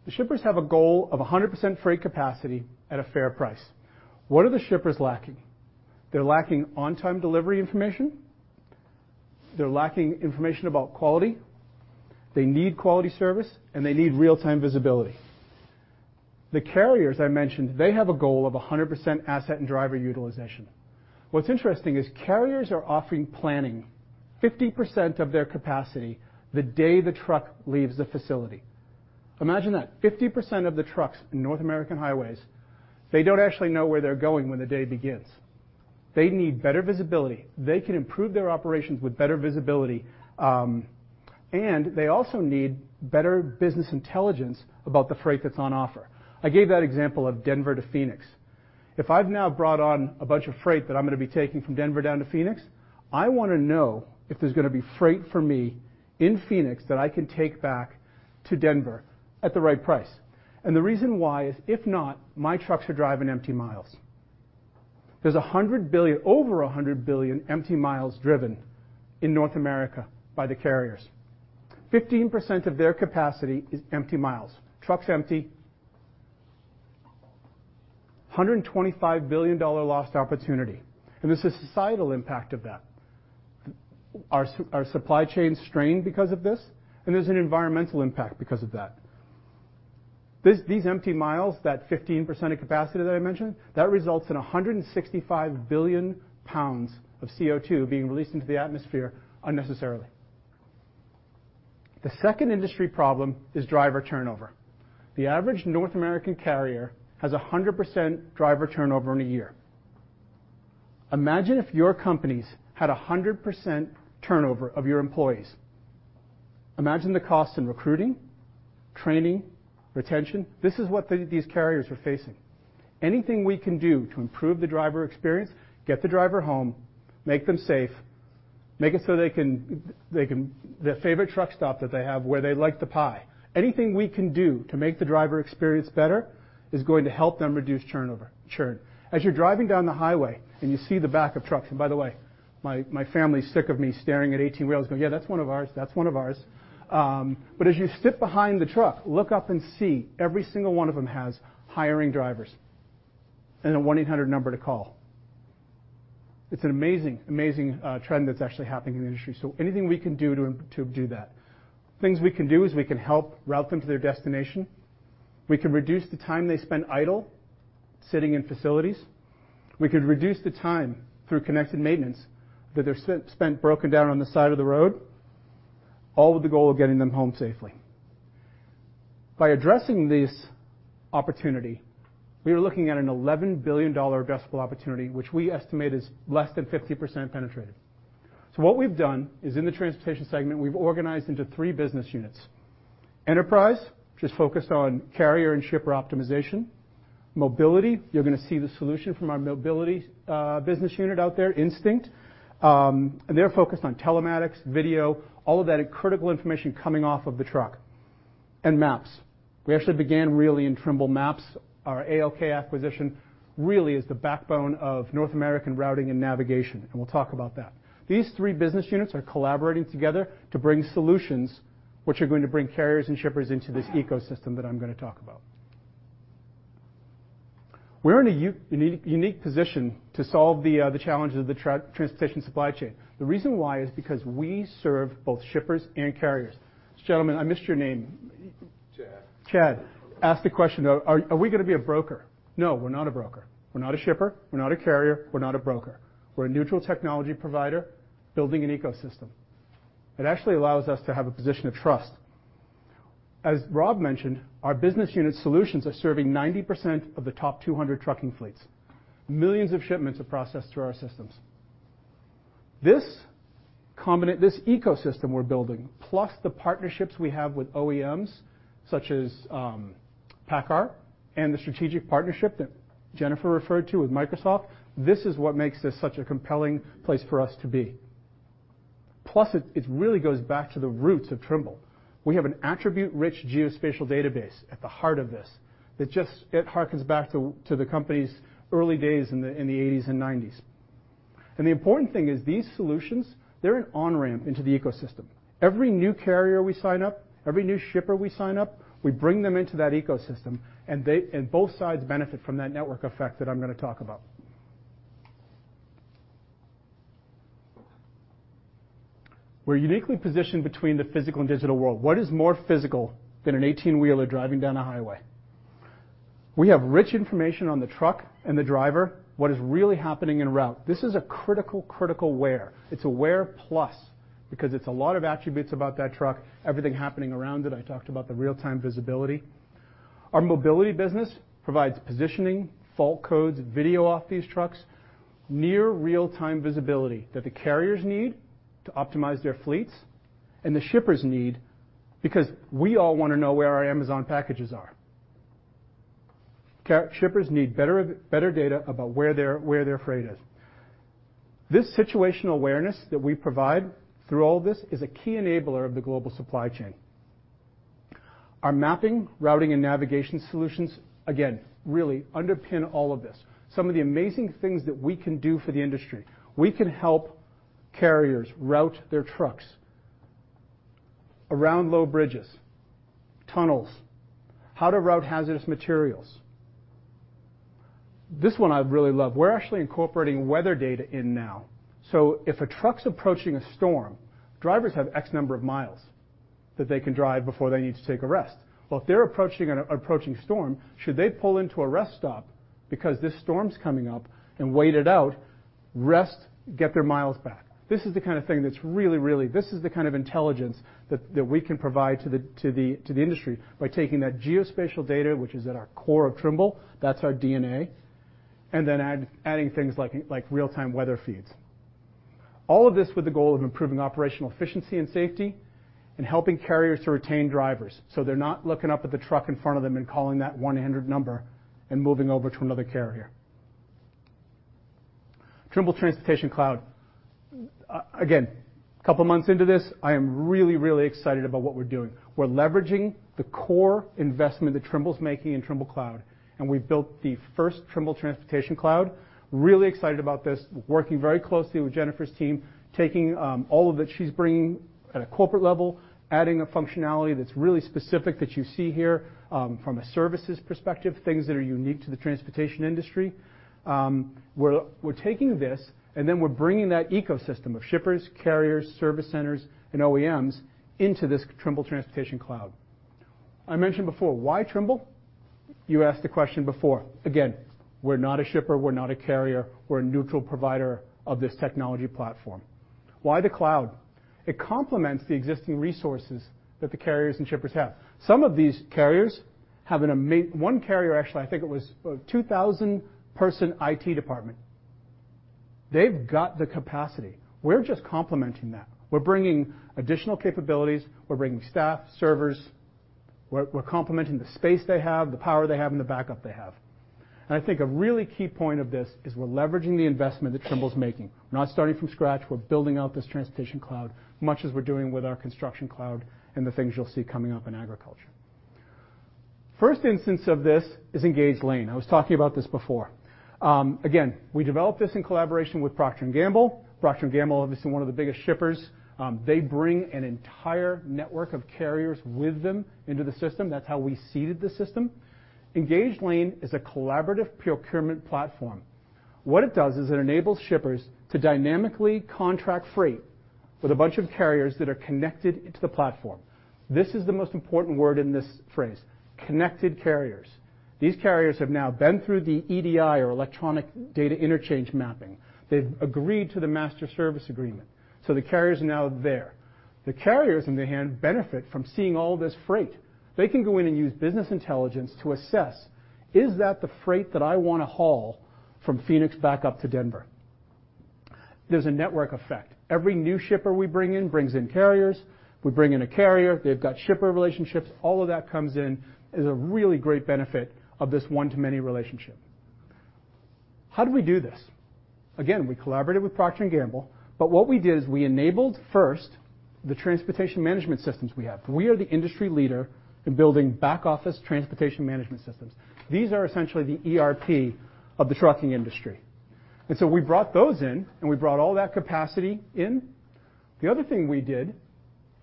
[SPEAKER 12] The shippers have a goal of 100% freight capacity at a fair price. What are the shippers lacking? They're lacking on-time delivery information. They're lacking information about quality. They need quality service, and they need real-time visibility. The carriers I mentioned, they have a goal of 100% asset and driver utilization. What's interesting is carriers are only planning 50% of their capacity the day the truck leaves the facility. Imagine that, 50% of the trucks in North American highways, they don't actually know where they're going when the day begins. They need better visibility. They can improve their operations with better visibility, and they also need better business intelligence about the freight that's on offer. I gave that example of Denver to Phoenix. If I've now brought on a bunch of freight that I'm gonna be taking from Denver down to Phoenix, I wanna know if there's gonna be freight for me in Phoenix that I can take back to Denver at the right price. The reason why is, if not, my trucks are driving empty miles. There's over 100 billion empty miles driven in North America by the carriers. 15% of their capacity is empty miles. Truck's empty. $125 billion lost opportunity, and there's a societal impact of that. Our supply chain strain because of this, and there's an environmental impact because of that. These empty miles, that 15% of capacity that I mentioned, that results in 165 billion pounds of CO2 being released into the atmosphere unnecessarily. The second industry problem is driver turnover. The average North American carrier has 100% driver turnover in a year. Imagine if your companies had 100% turnover of your employees. Imagine the cost in recruiting, training, retention. This is what these carriers are facing. Anything we can do to improve the driver experience, get the driver home, make them safe, make it so they can, their favorite truck stop that they have where they like the pie. Anything we can do to make the driver experience better is going to help them reduce turnover. Churn. As you're driving down the highway and you see the back of trucks, and by the way, my family's sick of me staring at 18 wheels, going, "Yeah, that's one of ours, that's one of ours." But as you sit behind the truck, look up and see every single one of them has hiring drivers and a 1 to 800 number to call. It's an amazing trend that's actually happening in the industry. Anything we can do to do that. Things we can do is we can help route them to their destination. We can reduce the time they spend idle sitting in facilities. We could reduce the time through Connected Maintenance that they're spent broken down on the side of the road, all with the goal of getting them home safely. By addressing this opportunity, we are looking at an $11 billion addressable opportunity, which we estimate is less than 50% penetrated. What we've done is in the transportation segment, we've organized into 3 business units. Enterprise, which is focused on carrier and shipper optimization. Mobility, you're gonna see the solution from our mobility business unit out there, Instinct. They're focused on telematics, video, all of that critical information coming off of the truck. Maps. We actually began really in Trimble MAPS. Our ALK acquisition really is the backbone of North American routing and navigation, and we'll talk about that. These 3 business units are collaborating together to bring solutions which are going to bring carriers and shippers into this ecosystem that I'm gonna talk about. We're in a unique position to solve the challenges of the transportation supply chain. The reason why is because we serve both shippers and carriers. Gentlemen, I missed your name.
[SPEAKER 5] Chad.
[SPEAKER 12] Chad asked the question, though, "Are we gonna be a broker?" No, we're not a broker. We're not a shipper, we're not a carrier, we're not a broker. We're a neutral technology provider building an ecosystem that actually allows us to have a position of trust. As Rob mentioned, our business unit solutions are serving 90% of the top 200 trucking fleets. Millions of shipments are processed through our systems. This ecosystem we're building plus the partnerships we have with OEMs such as PACCAR and the strategic partnership that Jennifer referred to with Microsoft, this is what makes this such a compelling place for us to be. It really goes back to the roots of Trimble. We have an attribute-rich geospatial database at the heart of this that just it harkens back to the company's early days in the 80s and 90s. The important thing is these solutions, they're an on-ramp into the ecosystem. Every new carrier we sign up, every new shipper we sign up, we bring them into that ecosystem, and they and both sides benefit from that network effect that I'm gonna talk about. We're uniquely positioned between the physical and digital world. What is more physical than an 18-wheeler driving down a highway? We have rich information on the truck and the driver, what is really happening en route. This is a critical awareness. It's awareness plus because it's a lot of attributes about that truck, everything happening around it. I talked about the real-time visibility. Our mobility business provides positioning, fault codes, video off these trucks, near real-time visibility that the carriers need to optimize their fleets and the shippers need because we all wanna know where our Amazon packages are. Shippers need better data about where their freight is. This situational awareness that we provide through all this is a key enabler of the global supply chain. Our mapping, routing, and navigation solutions, again, really underpin all of this. Some of the amazing things that we can do for the industry, we can help carriers route their trucks around low bridges, tunnels, how to route hazardous materials. This one I really love. We're actually incorporating weather data in now. If a truck's approaching a storm, drivers have X number of miles that they can drive before they need to take a rest. Well, if they're approaching a storm, should they pull into a rest stop because this storm's coming up and wait it out, rest, get their miles back? This is the kind of thing that's really. This is the kind of intelligence that we can provide to the industry by taking that geospatial data, which is at our core of Trimble, that's our DNA, and then adding things like real-time weather feeds. All of this with the goal of improving operational efficiency and safety and helping carriers to retain drivers, so they're not looking up at the truck in front of them and calling that 1 to 800 number and moving over to another carrier. Trimble Transportation Cloud. Again, a couple months into this, I am really excited about what we're doing. We're leveraging the core investment that Trimble is making in Trimble Cloud, and we've built the first Trimble Transportation Cloud. Really excited about this, working very closely with Jennifer's team, taking all of that she's bringing at a corporate level, adding a functionality that's really specific that you see here from a services perspective, things that are unique to the transportation industry. We're taking this, and then we're bringing that ecosystem of shippers, carriers, service centers, and OEMs into this Trimble Transportation Cloud. I mentioned before, why Trimble? You asked the question before. Again, we're not a shipper, we're not a carrier, we're a neutral provider of this technology platform. Why the cloud? It complements the existing resources that the carriers and shippers have. Some of these carriers have. 1 carrier, actually, I think it was a 2,000-person IT department. They've got the capacity. We're just complementing that. We're bringing additional capabilities, we're bringing staff, servers. We're complementing the space they have, the power they have, and the backup they have. I think a really key point of this is we're leveraging the investment that Trimble's making. We're not starting from scratch. We're building out this Transportation Cloud, much as we're doing with our Construction Cloud, and the things you'll see coming up in agriculture. First instance of this is Engage Lane. I was talking about this before. Again, we developed this in collaboration with Procter & Gamble. Procter & Gamble, obviously, one of the biggest shippers. They bring an entire network of carriers with them into the system. That's how we seeded the system. Engage Lane is a collaborative procurement platform. What it does is it enables shippers to dynamically contract freight with a bunch of carriers that are connected into the platform. This is the most important word in this phrase, connected carriers. These carriers have now been through the EDI or electronic data interchange mapping. They've agreed to the master service agreement, so the carrier is now there. The carriers, on the other hand, benefit from seeing all this freight. They can go in and use business intelligence to assess, "Is that the freight that I wanna haul from Phoenix back up to Denver?" There's a network effect. Every new shipper we bring in brings in carriers. We bring in a carrier, they've got shipper relationships. All of that comes in as a really great benefit of this one-to-many relationship. How do we do this? Again, we collaborated with Procter & Gamble, but what we did is we enabled first the transportation management systems we have. We are the industry leader in building back-office transportation management systems. These are essentially the ERP of the trucking industry. We brought those in, and we brought all that capacity in. The other thing we did,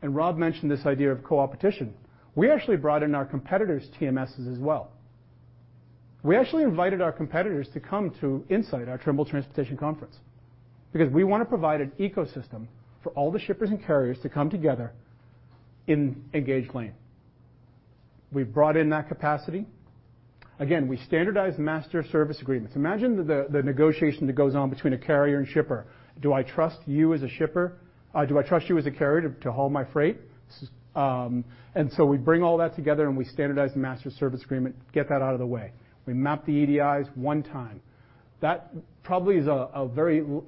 [SPEAKER 12] and Rob mentioned this idea of coopetition, we actually brought in our competitors' TMSs as well. We actually invited our competitors to come to Insight, our Trimble Transportation conference, because we wanna provide an ecosystem for all the shippers and carriers to come together in Engage Lane. We've brought in that capacity. Again, we standardized master service agreements. Imagine the negotiation that goes on between a carrier and shipper. Do I trust you as a shipper? Do I trust you as a carrier to haul my freight? We bring all that together, and we standardize the master service agreement, get that out of the way. We map the EDIs one time. That probably is.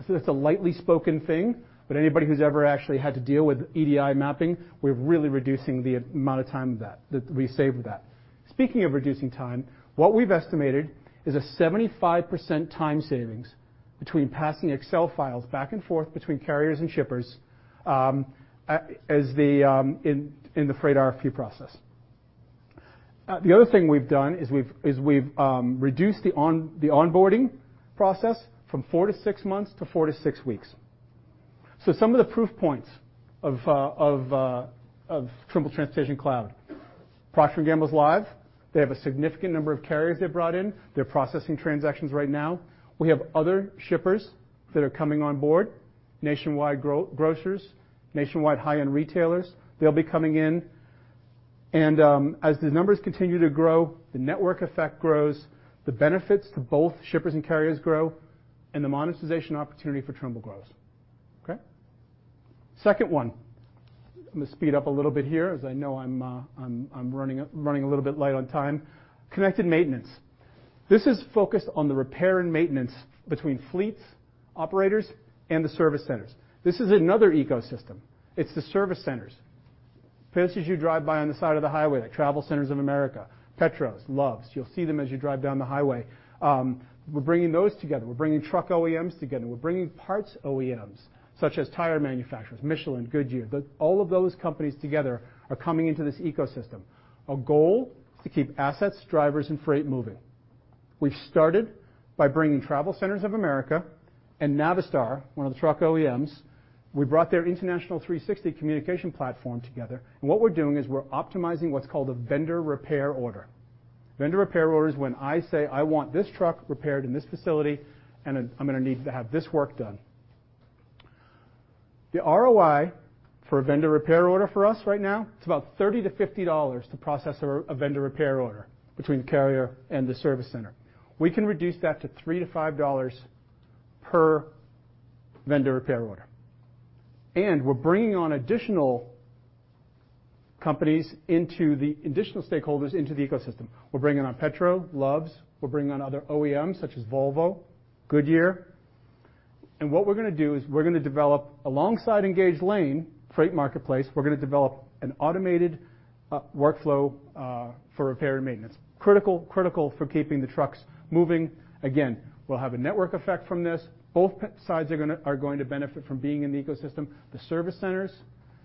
[SPEAKER 12] It's a lightly spoken thing, but anybody who's ever actually had to deal with EDI mapping, we're really reducing the amount of time that we save with that. Speaking of reducing time, what we've estimated is a 75% time savings between passing Excel files back and forth between carriers and shippers as in the freight RFP process. The other thing we've done is we've reduced the onboarding process from 4 to 6 months to 4 to 6 weeks. Some of the proof points of Trimble Transportation Cloud. Procter & Gamble is live. They have a significant number of carriers they brought in. They're processing transactions right now. We have other shippers that are coming on board, nationwide grocers, nationwide high-end retailers. They'll be coming in. As the numbers continue to grow, the network effect grows, the benefits to both shippers and carriers grow, and the monetization opportunity for Trimble grows, okay? Second one. I'm gonna speed up a little bit here as I know I'm running a little bit light on time. Connected Maintenance. This is focused on the repair and maintenance between fleets, operators, and the service centers. This is another ecosystem. It's the service centers. Places you drive by on the side of the highway, like TravelCenters of America, Petro, Love's. You'll see them as you drive down the highway. We're bringing those together. We're bringing truck OEMs together. We're bringing parts OEMs, such as tire manufacturers, Michelin, Goodyear. All of those companies together are coming into this ecosystem. Our goal is to keep assets, drivers, and freight moving. We've started by bringing TravelCenters of America and Navistar, one of the truck OEMs. We brought their International 360 communication platform together, and what we're doing is we're optimizing what's called a vendor repair order. Vendor repair order is when I say, "I want this truck repaired in this facility, and then I'm gonna need to have this work done." The ROI for a vendor repair order for us right now, it's about $30 to $50 to process a vendor repair order between the carrier and the service center. We can reduce that to $3 to $5 per vendor repair order, and we're bringing on additional stakeholders into the ecosystem. We're bringing on Petro, Love's. We're bringing on other OEMs such as Volvo, Goodyear. What we're gonna do is we're gonna develop alongside Engage Lane freight marketplace, we're gonna develop an automated workflow for repair and maintenance. Critical for keeping the trucks moving. Again, we'll have a network effect from this. Both sides are going to benefit from being in the ecosystem, the service centers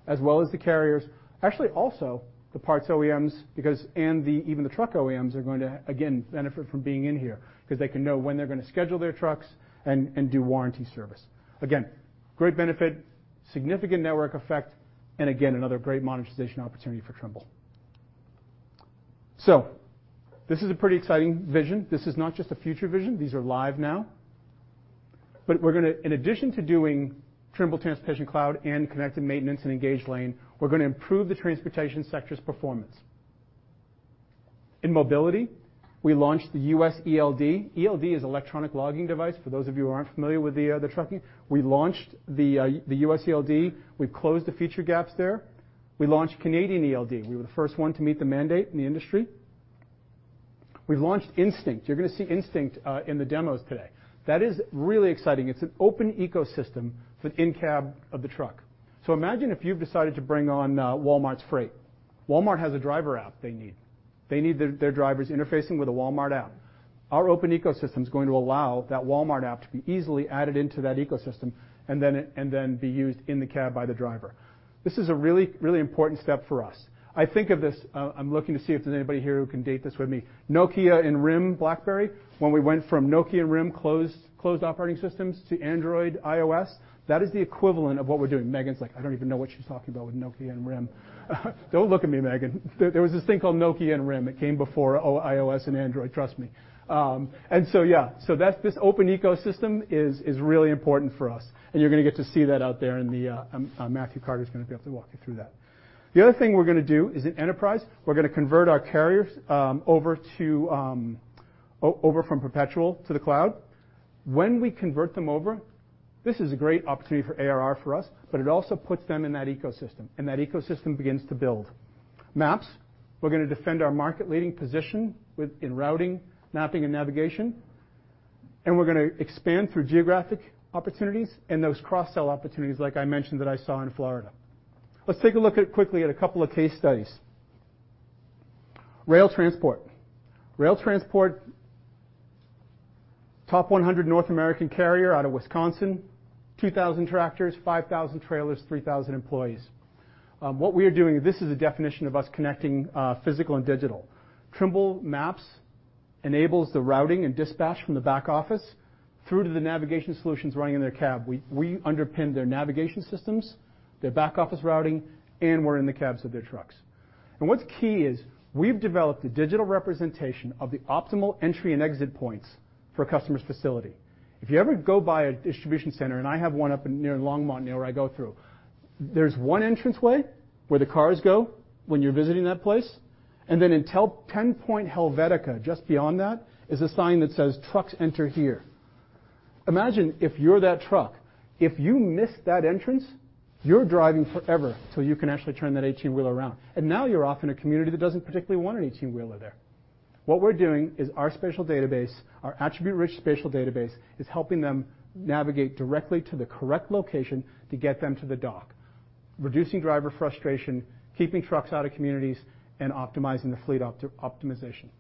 [SPEAKER 12] as well as the carriers. Actually, also the parts OEMs because even the truck OEMs are going to, again, benefit from being in here because they can know when they're gonna schedule their trucks and do warranty service. Again, great benefit, significant network effect, and again, another great monetization opportunity for Trimble. This is a pretty exciting vision. This is not just a future vision. These are live now. In addition to doing Trimble Transportation Cloud and Connected Maintenance and Engage Lane, we're gonna improve the transportation sector's performance. In mobility, we launched the US ELD. ELD is electronic logging device, for those of you who aren't familiar with the trucking. We launched the US ELD. We've closed the feature gaps there. We launched Canadian ELD. We were the first one to meet the mandate in the industry. We've launched Instinct. You're gonna see Instinct in the demos today. That is really exciting. It's an open ecosystem for the in-cab of the truck. Imagine if you've decided to bring on Walmart's freight. Walmart has a driver app they need. They need their drivers interfacing with a Walmart app. Our open ecosystem is going to allow that Walmart app to be easily added into that ecosystem, and then be used in the cab by the driver. This is a really, really important step for us. I think of this. I'm looking to see if there's anybody here who can date this with me. Nokia and RIM BlackBerry, when we went from Nokia and RIM closed operating systems to Android, iOS. That is the equivalent of what we're doing. Megan's like, "I don't even know what she's talking about with Nokia and RIM." Don't look at me, Megan. There was this thing called Nokia and RIM. It came before iOS and Android, trust me. Yeah. This open ecosystem is really important for us, and you're gonna get to see that out there. Matthew Carter's gonna be able to walk you through that. The other thing we're gonna do is in enterprise. We're gonna convert our carriers over to over from perpetual to the cloud. When we convert them over, this is a great opportunity for ARR for us, but it also puts them in that ecosystem, and that ecosystem begins to build. Maps, we're gonna defend our market-leading position within routing, mapping, and navigation, and we're gonna expand through geographic opportunities and those cross-sell opportunities like I mentioned that I saw in Florida. Let's take a look quickly at a couple of case studies. Rail Transport. Rail Transport, top 100 North American carrier out of Wisconsin, 2,000 tractors, 5,000 trailers, 3,000 employees. What we are doing, this is a definition of us connecting physical and digital. Trimble Maps enables the routing and dispatch from the back office through to the navigation solutions running in their cab. We underpin their navigation systems, their back-office routing, and we're in the cabs of their trucks. What's key is we've developed a digital representation of the optimal entry and exit points for a customer's facility. If you ever go by a distribution center, and I have 1 up in near Longmont, near where I go through, there's 1 entrance way where the cars go when you're visiting that place. In 10-point Helvetica, just beyond that, is a sign that says, "Trucks enter here." Imagine if you're that truck. If you miss that entrance, you're driving forever till you can actually turn that 18-wheeler around. Now you're off in a community that doesn't particularly want an 18-wheeler there. What we're doing is our spatial database, our attribute-rich spatial database, is helping them navigate directly to the correct location to get them to the dock. Reducing driver frustration, keeping trucks out of communities, and optimizing the fleet operations.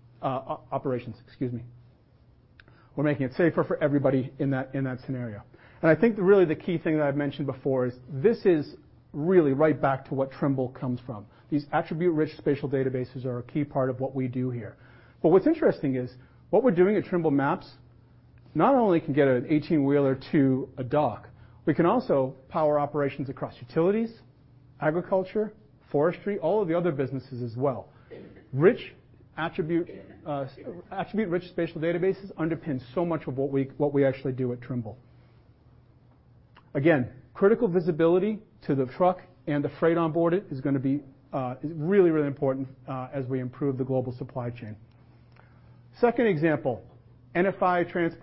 [SPEAKER 12] We're making it safer for everybody in that scenario. I think really the key thing that I've mentioned before is this is really right back to what Trimble comes from. These attribute-rich spatial databases are a key part of what we do here. What's interesting is what we're doing at Trimble Maps not only can get an 18-wheeler to a dock, we can also power operations across utilities, agriculture, forestry, all of the other businesses as well. Attribute-rich spatial databases underpin so much of what we actually do at Trimble. Critical visibility to the truck and the freight onboard it is really, really important as we improve the global supply chain. Second example, NFI Industries.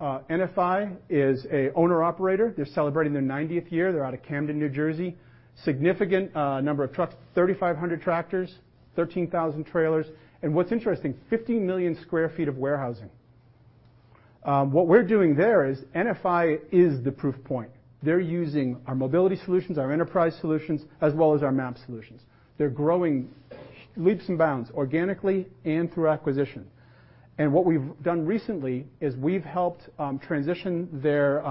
[SPEAKER 12] NFI Industries is an owner-operator. They're celebrating their 90th year. They're out of Camden, New Jersey. Significant number of trucks, 3,500 tractors, 13,000 trailers, and what's interesting, 50 million sq ft of warehousing. What we're doing there is NFI Industries is the proof point. They're using our mobility solutions, our enterprise solutions, as well as our map solutions. They're growing leaps and bounds, organically and through acquisition. What we've done recently is we've helped transition their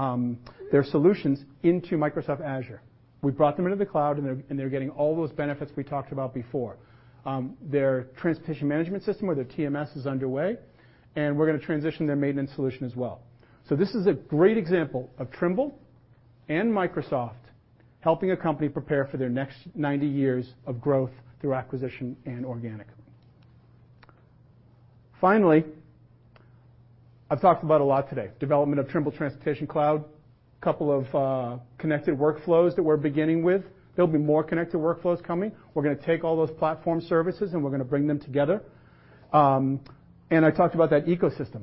[SPEAKER 12] solutions into Microsoft Azure. We've brought them into the cloud, and they're getting all those benefits we talked about before. Their transportation management system or their TMS is underway, and we're gonna transition their maintenance solution as well. This is a great example of Trimble and Microsoft helping a company prepare for their next 90 years of growth through acquisition and organically. Finally, I've talked about a lot today. Development of Trimble Transportation Cloud, couple of connected workflows that we're beginning with. There'll be more connected workflows coming. We're gonna take all those platform services, and we're gonna bring them together. I talked about that ecosystem.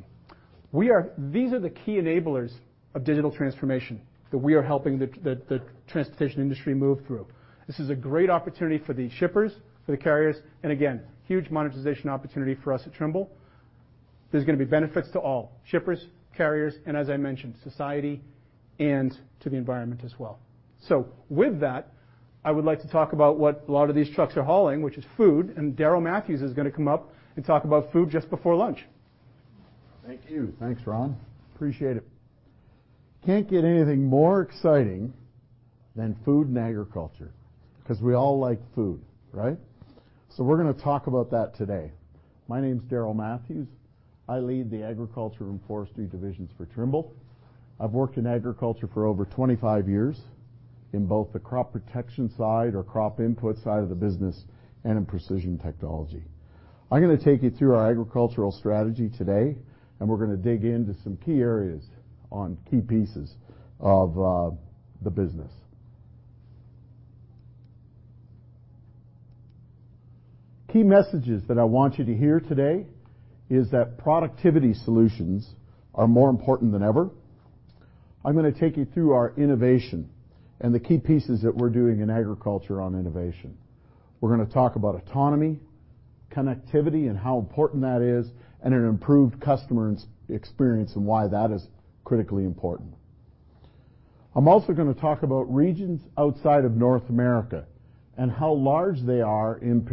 [SPEAKER 12] These are the key enablers of digital transformation that we are helping the transportation industry move through. This is a great opportunity for the shippers, for the carriers, and again, huge monetization opportunity for us at Trimble. There's gonna be benefits to all shippers, carriers, and as I mentioned, society and to the environment as well. With that, I would like to talk about what a lot of these trucks are hauling, which is food, and Darryl Matthews is gonna come up and talk about food just before lunch.
[SPEAKER 13] Thank you. Thanks, Rob. Appreciate it. Can't get anything more exciting than food and agriculture, 'cause we all like food, right? We're gonna talk about that today. My name's Darryl Matthews. I lead the agriculture and forestry divisions for Trimble. I've worked in agriculture for over 25 years in both the crop protection side or crop input side of the business, and in precision technology. I'm gonna take you through our agricultural strategy today, and we're gonna dig into some key areas on key pieces of the business. Key messages that I want you to hear today is that productivity solutions are more important than ever. I'm gonna take you through our innovation and the key pieces that we're doing in agriculture on innovation. We're gonna talk about autonomy, connectivity, and how important that is, and an improved customer experience, and why that is critically important. I'm also gonna talk about regions outside of North America and how large they are in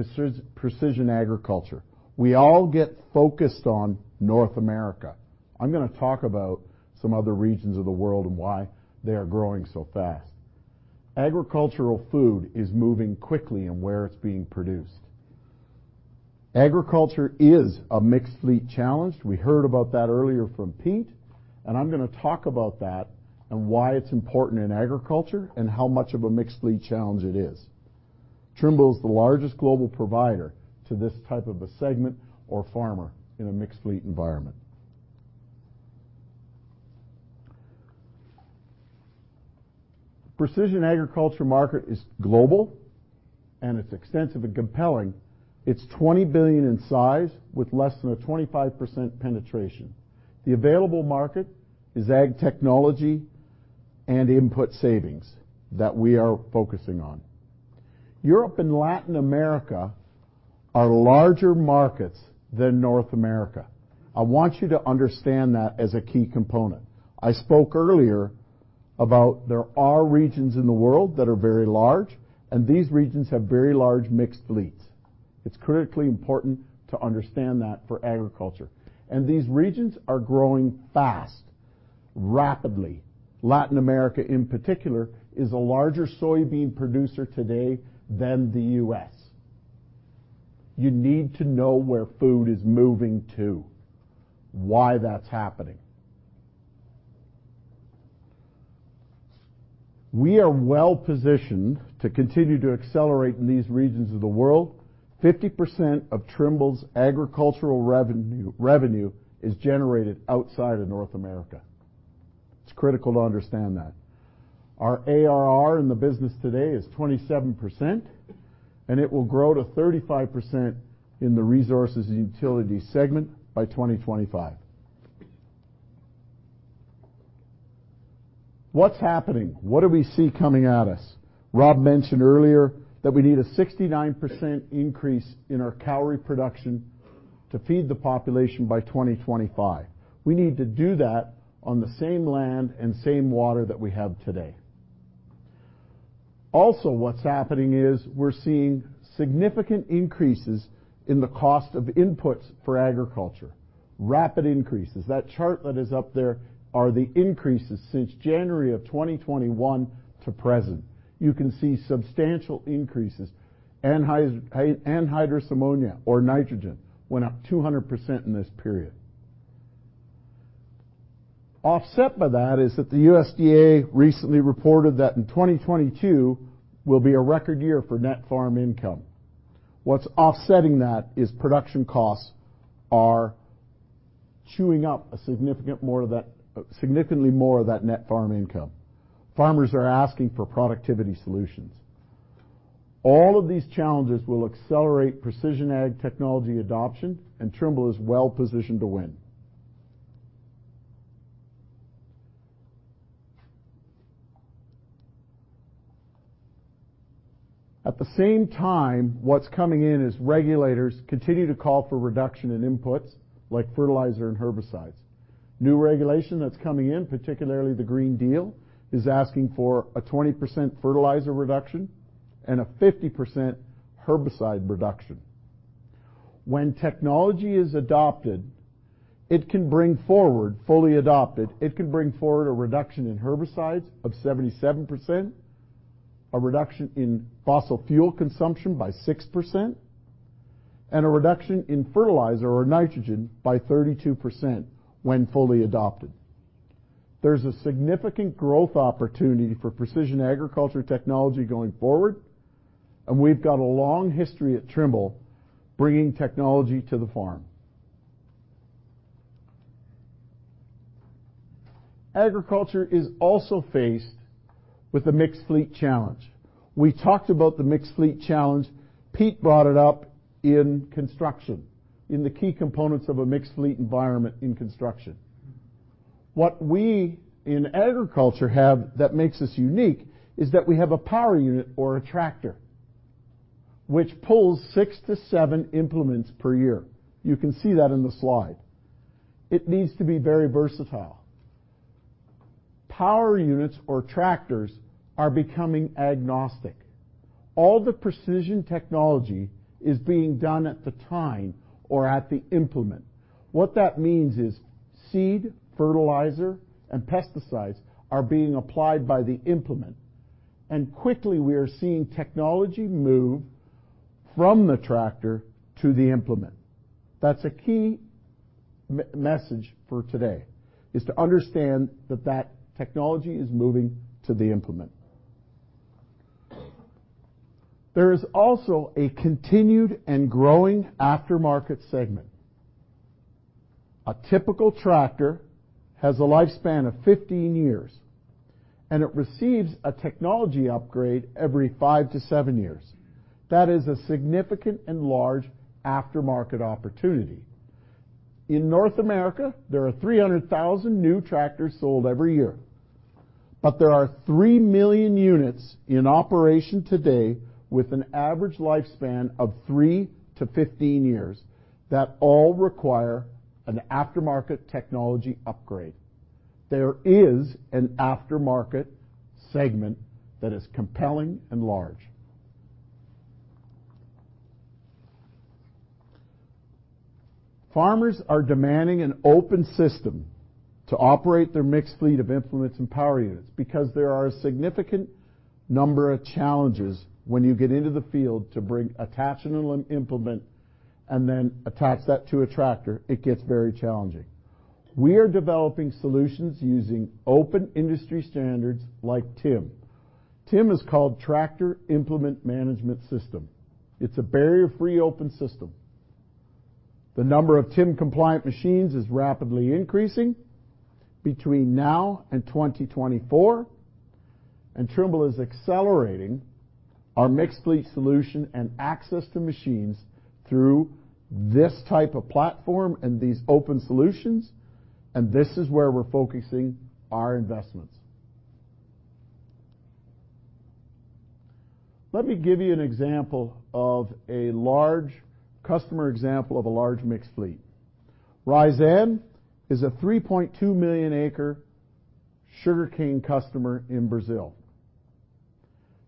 [SPEAKER 13] precision agriculture. We all get focused on North America. I'm gonna talk about some other regions of the world and why they are growing so fast. Agricultural food is moving quickly in where it's being produced. Agriculture is a mixed fleet challenge. We heard about that earlier from Pete, and I'm gonna talk about that and why it's important in agriculture and how much of a mixed fleet challenge it is. Trimble is the largest global provider to this type of a segment or farmer in a mixed fleet environment. Precision agriculture market is global, and it's extensive and compelling. It's $20 billion in size with less than 25% penetration. The available market is ag technology and input savings that we are focusing on. Europe and Latin America are larger markets than North America. I want you to understand that as a key component. I spoke earlier about there are regions in the world that are very large, and these regions have very large mixed fleets. It's critically important to understand that for agriculture. These regions are growing fast, rapidly. Latin America, in particular, is a larger soybean producer today than the U.S. You need to know where food is moving to, why that's happening. We are well-positioned to continue to accelerate in these regions of the world. 50% of Trimble's agricultural revenue is generated outside of North America. It's critical to understand that. Our ARR in the business today is 27%, and it will grow to 35% in the resources and utility segment by 2025. What's happening? What do we see coming at us? Rob mentioned earlier that we need a 69% increase in our calorie production to feed the population by 2025. We need to do that on the same land and same water that we have today. Also what's happening is we're seeing significant increases in the cost of inputs for agriculture, rapid increases. That chart that is up there are the increases since January of 2021 to present. You can see substantial increases. Anhydrous ammonia or nitrogen went up 200% in this period. Offset by that is that the USDA recently reported that in 2022 will be a record year for net farm income. What's offsetting that is production costs are chewing up significantly more of that net farm income. Farmers are asking for productivity solutions. All of these challenges will accelerate precision ag technology adoption, and Trimble is well-positioned to win. At the same time, what's coming in is regulators continue to call for reduction in inputs like fertilizer and herbicides. New regulation that's coming in, particularly the European Green Deal, is asking for a 20% fertilizer reduction and a 50% herbicide reduction. When technology is adopted, fully adopted, it can bring forward a reduction in herbicides of 77%, a reduction in fossil fuel consumption by 6%, and a reduction in fertilizer or nitrogen by 32% when fully adopted. There's a significant growth opportunity for precision agriculture technology going forward, and we've got a long history at Trimble bringing technology to the farm. Agriculture is also faced with a mixed fleet challenge. We talked about the mixed fleet challenge. Pete brought it up in construction, in the key components of a mixed fleet environment in construction. What we in agriculture have that makes us unique is that we have a power unit or a tractor which pulls 6 to 7 implements per year. You can see that in the slide. It needs to be very versatile. Power units or tractors are becoming agnostic. All the precision technology is being done at the tine or at the implement. What that means is seed, fertilizer, and pesticides are being applied by the implement, and quickly we are seeing technology move from the tractor to the implement. That's a key message for today, is to understand that that technology is moving to the implement. There is also a continued and growing aftermarket segment. A typical tractor has a lifespan of 15 years, and it receives a technology upgrade every 5 to 7 years. That is a significant and large aftermarket opportunity. In North America, there are 300,000 new tractors sold every year, but there are 3 million units in operation today with an average lifespan of 3 to 15 years that all require an aftermarket technology upgrade. There is an aftermarket segment that is compelling and large. Farmers are demanding an open system to operate their mixed fleet of implements and power units because there are a significant number of challenges when you get into the field to attach an implement and then attach that to a tractor. It gets very challenging. We are developing solutions using open industry standards like TIM. TIM is called Tractor Implement Management System. It's a barrier-free open system. The number of TIM-compliant machines is rapidly increasing between now and 2024, and Trimble is accelerating our mixed fleet solution and access to machines through this type of platform and these open solutions, and this is where we're focusing our investments. Let me give you an example of a large mixed fleet. Raízen is a 3.2-million-acre sugarcane customer in Brazil.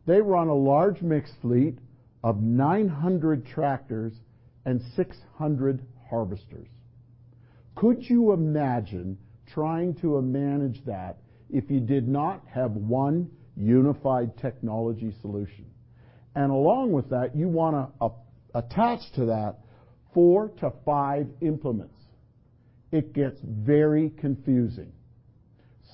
[SPEAKER 13] They run a large mixed fleet of 900 tractors and 600 harvesters. Could you imagine trying to manage that if you did not have 1 unified technology solution? Along with that, you wanna attach to that 4 to 5 implements. It gets very confusing.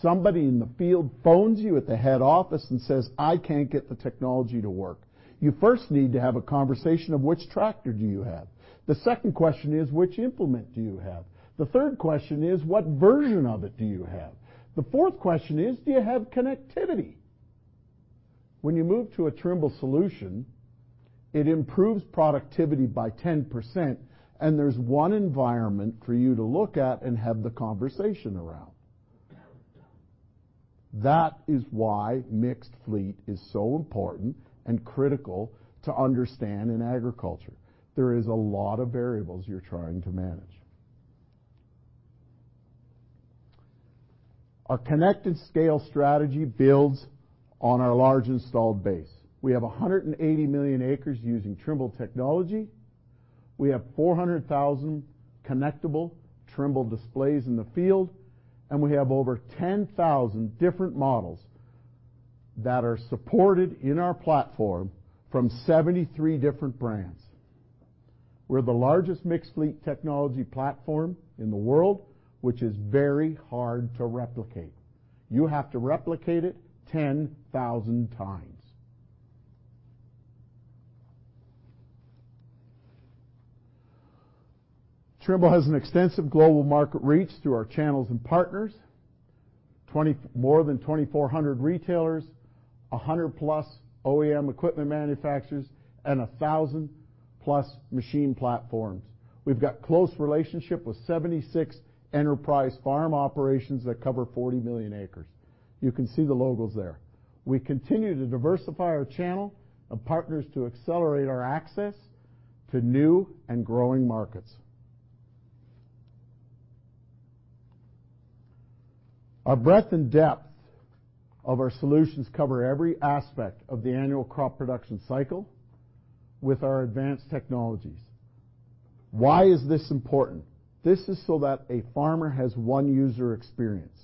[SPEAKER 13] Somebody in the field phones you at the head office and says, "I can't get the technology to work." You first need to have a conversation of which tractor do you have? The second question is, which implement do you have? The third question is, what version of it do you have? The fourth question is, do you have connectivity? When you move to a Trimble solution, it improves productivity by 10%, and there's 1 environment for you to look at and have the conversation around. That is why mixed fleet is so important and critical to understand in agriculture. There is a lot of variables you're trying to manage. Our Connect and Scale strategy builds on our large installed base. We have 180 million acres using Trimble technology. We have 400,000 connectable Trimble displays in the field, and we have over 10,000 different models that are supported in our platform from 73 different brands. We're the largest mixed fleet technology platform in the world, which is very hard to replicate. You have to replicate it 10,000 times. Trimble has an extensive global market reach through our channels and partners. More than 2,400 retailers, 100+ OEM equipment manufacturers, and 1,000+ machine platforms. We've got close relationship with 76 enterprise farm operations that cover 40 million acres. You can see the logos there. We continue to diversify our channel of partners to accelerate our access to new and growing markets. Our breadth and depth of our solutions cover every aspect of the annual crop production cycle with our advanced technologies. Why is this important? This is so that a farmer has 1 user experience.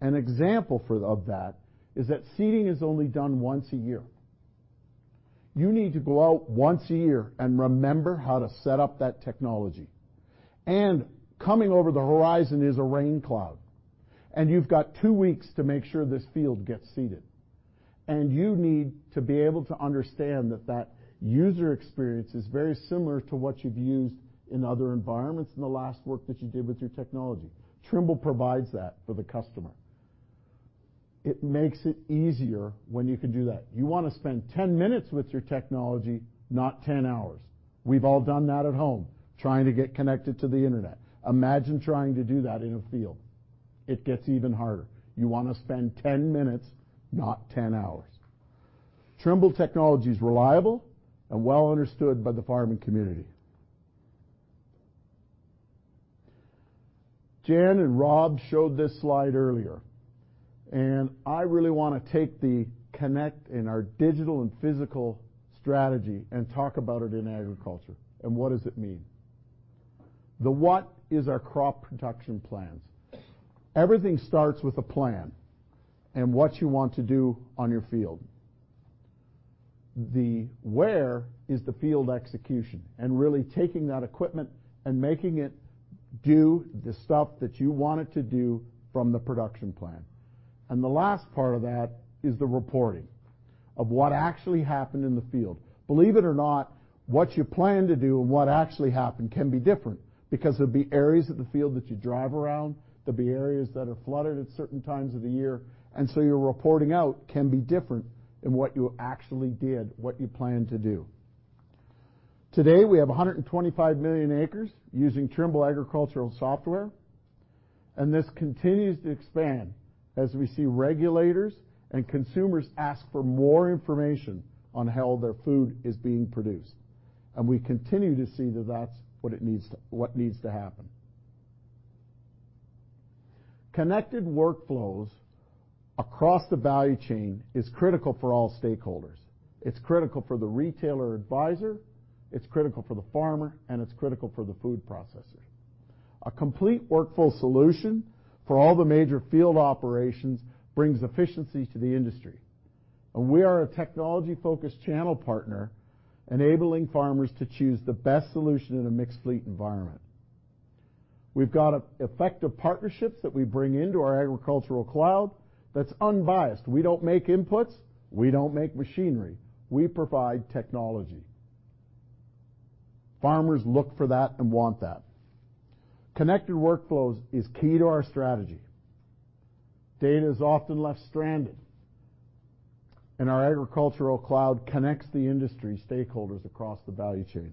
[SPEAKER 13] An example of that is that seeding is only done once a year. You need to go out once a year and remember how to set up that technology. Coming over the horizon is a rain cloud, and you've got 2 weeks to make sure this field gets seeded. You need to be able to understand that that user experience is very similar to what you've used in other environments in the last work that you did with your technology. Trimble provides that for the customer. It makes it easier when you can do that. You want to spend 10 minutes with your technology, not 10 hours. We've all done that at home, trying to get connected to the internet. Imagine trying to do that in a field. It gets even harder. You want to spend 10 minutes, not 10 hours. Trimble technology is reliable and well understood by the farming community. Jan and Rob showed this slide earlier, and I really want to take the Connect in our digital and physical strategy and talk about it in agriculture, and what does it mean. The what is our crop production plans. Everything starts with a plan, and what you want to do on your field. The where is the field execution, and really taking that equipment and making it do the stuff that you want it to do from the production plan. The last part of that is the reporting of what actually happened in the field. Believe it or not, what you plan to do and what actually happened can be different because there'll be areas of the field that you drive around, there'll be areas that are flooded at certain times of the year. Your reporting out can be different than what you actually did, what you planned to do. Today, we have 125 million acres using Trimble agricultural software, and this continues to expand as we see regulators and consumers ask for more information on how their food is being produced. We continue to see that that's what it needs, what needs to happen. Connected workflows across the value chain is critical for all stakeholders. It's critical for the retailer advisor, it's critical for the farmer, and it's critical for the food processor. A complete workflow solution for all the major field operations brings efficiency to the industry. We are a technology-focused channel partner enabling farmers to choose the best solution in a mixed fleet environment. We've got effective partnerships that we bring into our agricultural cloud that's unbiased. We don't make inputs. We don't make machinery. We provide technology. Farmers look for that and want that. Connected workflows is key to our strategy. Data is often left stranded, and our agricultural cloud connects the industry stakeholders across the value chain.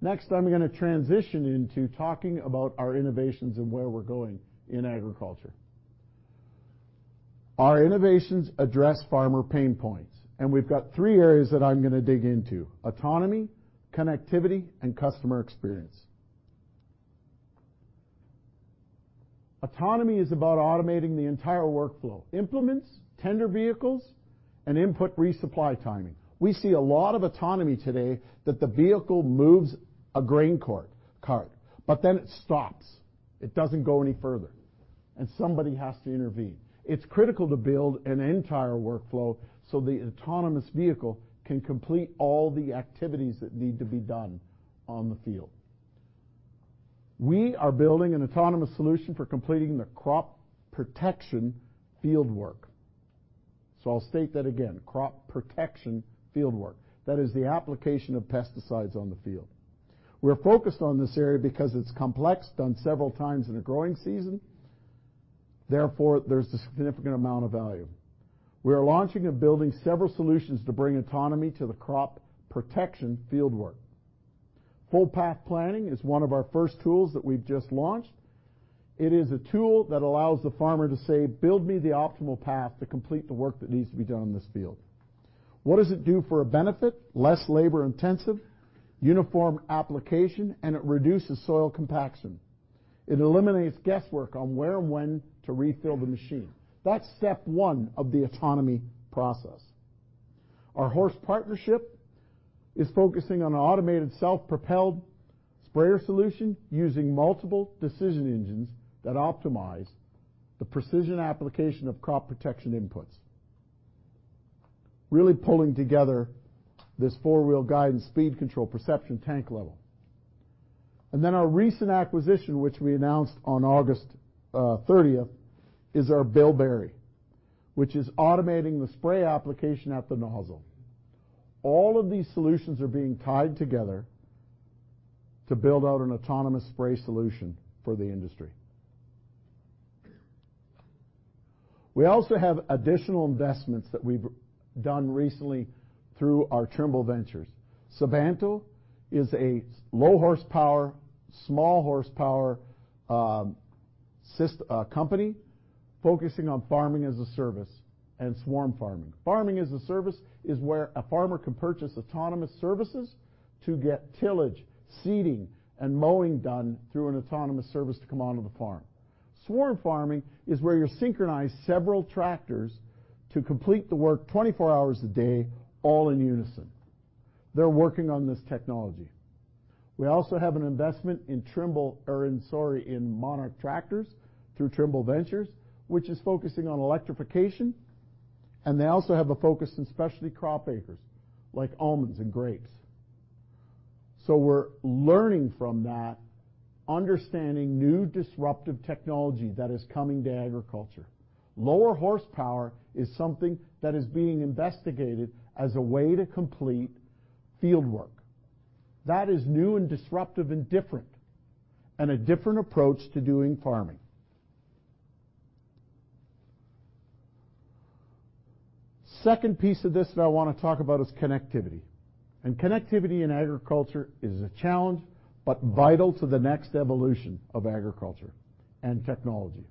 [SPEAKER 13] Next, I'm gonna transition into talking about our innovations and where we're going in agriculture. Our innovations address farmer pain points, and we've got 3 areas that I'm gonna dig into, autonomy, connectivity, and customer experience. Autonomy is about automating the entire workflow, implements, tender vehicles, and input resupply timing. We see a lot of autonomy today that the vehicle moves a grain cart, but then it stops. It doesn't go any further, and somebody has to intervene. It's critical to build an entire workflow so the autonomous vehicle can complete all the activities that need to be done on the field. We are building an autonomous solution for completing the crop protection field work. I'll state that again. Crop protection field work. That is the application of pesticides on the field. We're focused on this area because it's complex, done several times in a growing season. Therefore, there's a significant amount of value. We are launching and building several solutions to bring autonomy to the crop protection field work. Full path planning is one of our first tools that we've just launched. It is a tool that allows the farmer to say, "Build me the optimal path to complete the work that needs to be done in this field." What does it do for a benefit? Less labor-intensive, uniform application, and it reduces soil compaction. It eliminates guesswork on where and when to refill the machine. That's step 1 of the autonomy process. Our HORSCH partnership is focusing on an automated self-propelled sprayer solution using multiple decision engines that optimize the precision application of crop protection inputs. Really pulling together this 4-wheel guide and speed control perception tank level. Our recent acquisition, which we announced on August 30, is our Bilberry, which is automating the spray application at the nozzle. All of these solutions are being tied together to build out an autonomous spray solution for the industry. We also have additional investments that we've done recently through our Trimble Ventures. Sabanto is a low horsepower, small horsepower, company focusing on farming as a service and swarm farming. Farming as a service is where a farmer can purchase autonomous services to get tillage, seeding, and mowing done through an autonomous service to come onto the farm. Swarm farming is where you synchronize several tractors to complete the work 24 hours a day, all in unison. They're working on this technology. We also have an investment in Monarch Tractor through Trimble Ventures, which is focusing on electrification, and they also have a focus in specialty crop acres like almonds and grapes. We're learning from that, understanding new disruptive technology that is coming to agriculture. Lower horsepower is something that is being investigated as a way to complete field work. That is new and disruptive and different, and a different approach to doing farming. Second piece of this that I wanna talk about is connectivity. Connectivity in agriculture is a challenge, but vital to the next evolution of agriculture and technology.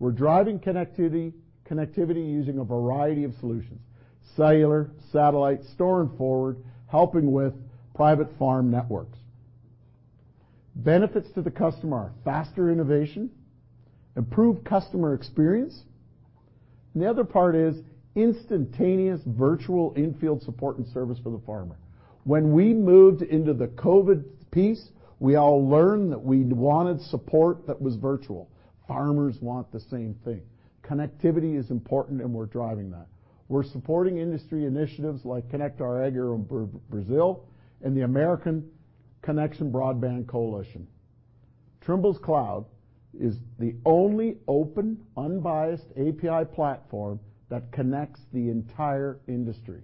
[SPEAKER 13] We're driving connectivity using a variety of solutions, cellular, satellite, store and forward, helping with private farm networks. Benefits to the customer are faster innovation, improved customer experience, and the other part is instantaneous virtual in-field support and service for the farmer. When we moved into the COVID piece, we all learned that we'd wanted support that was virtual. Farmers want the same thing. Connectivity is important, and we're driving that. We're supporting industry initiatives like ConectarAGRO Brazil, and the American Connection Project Broadband Coalition. Trimble Cloud is the only open, unbiased API platform that connects the entire industry.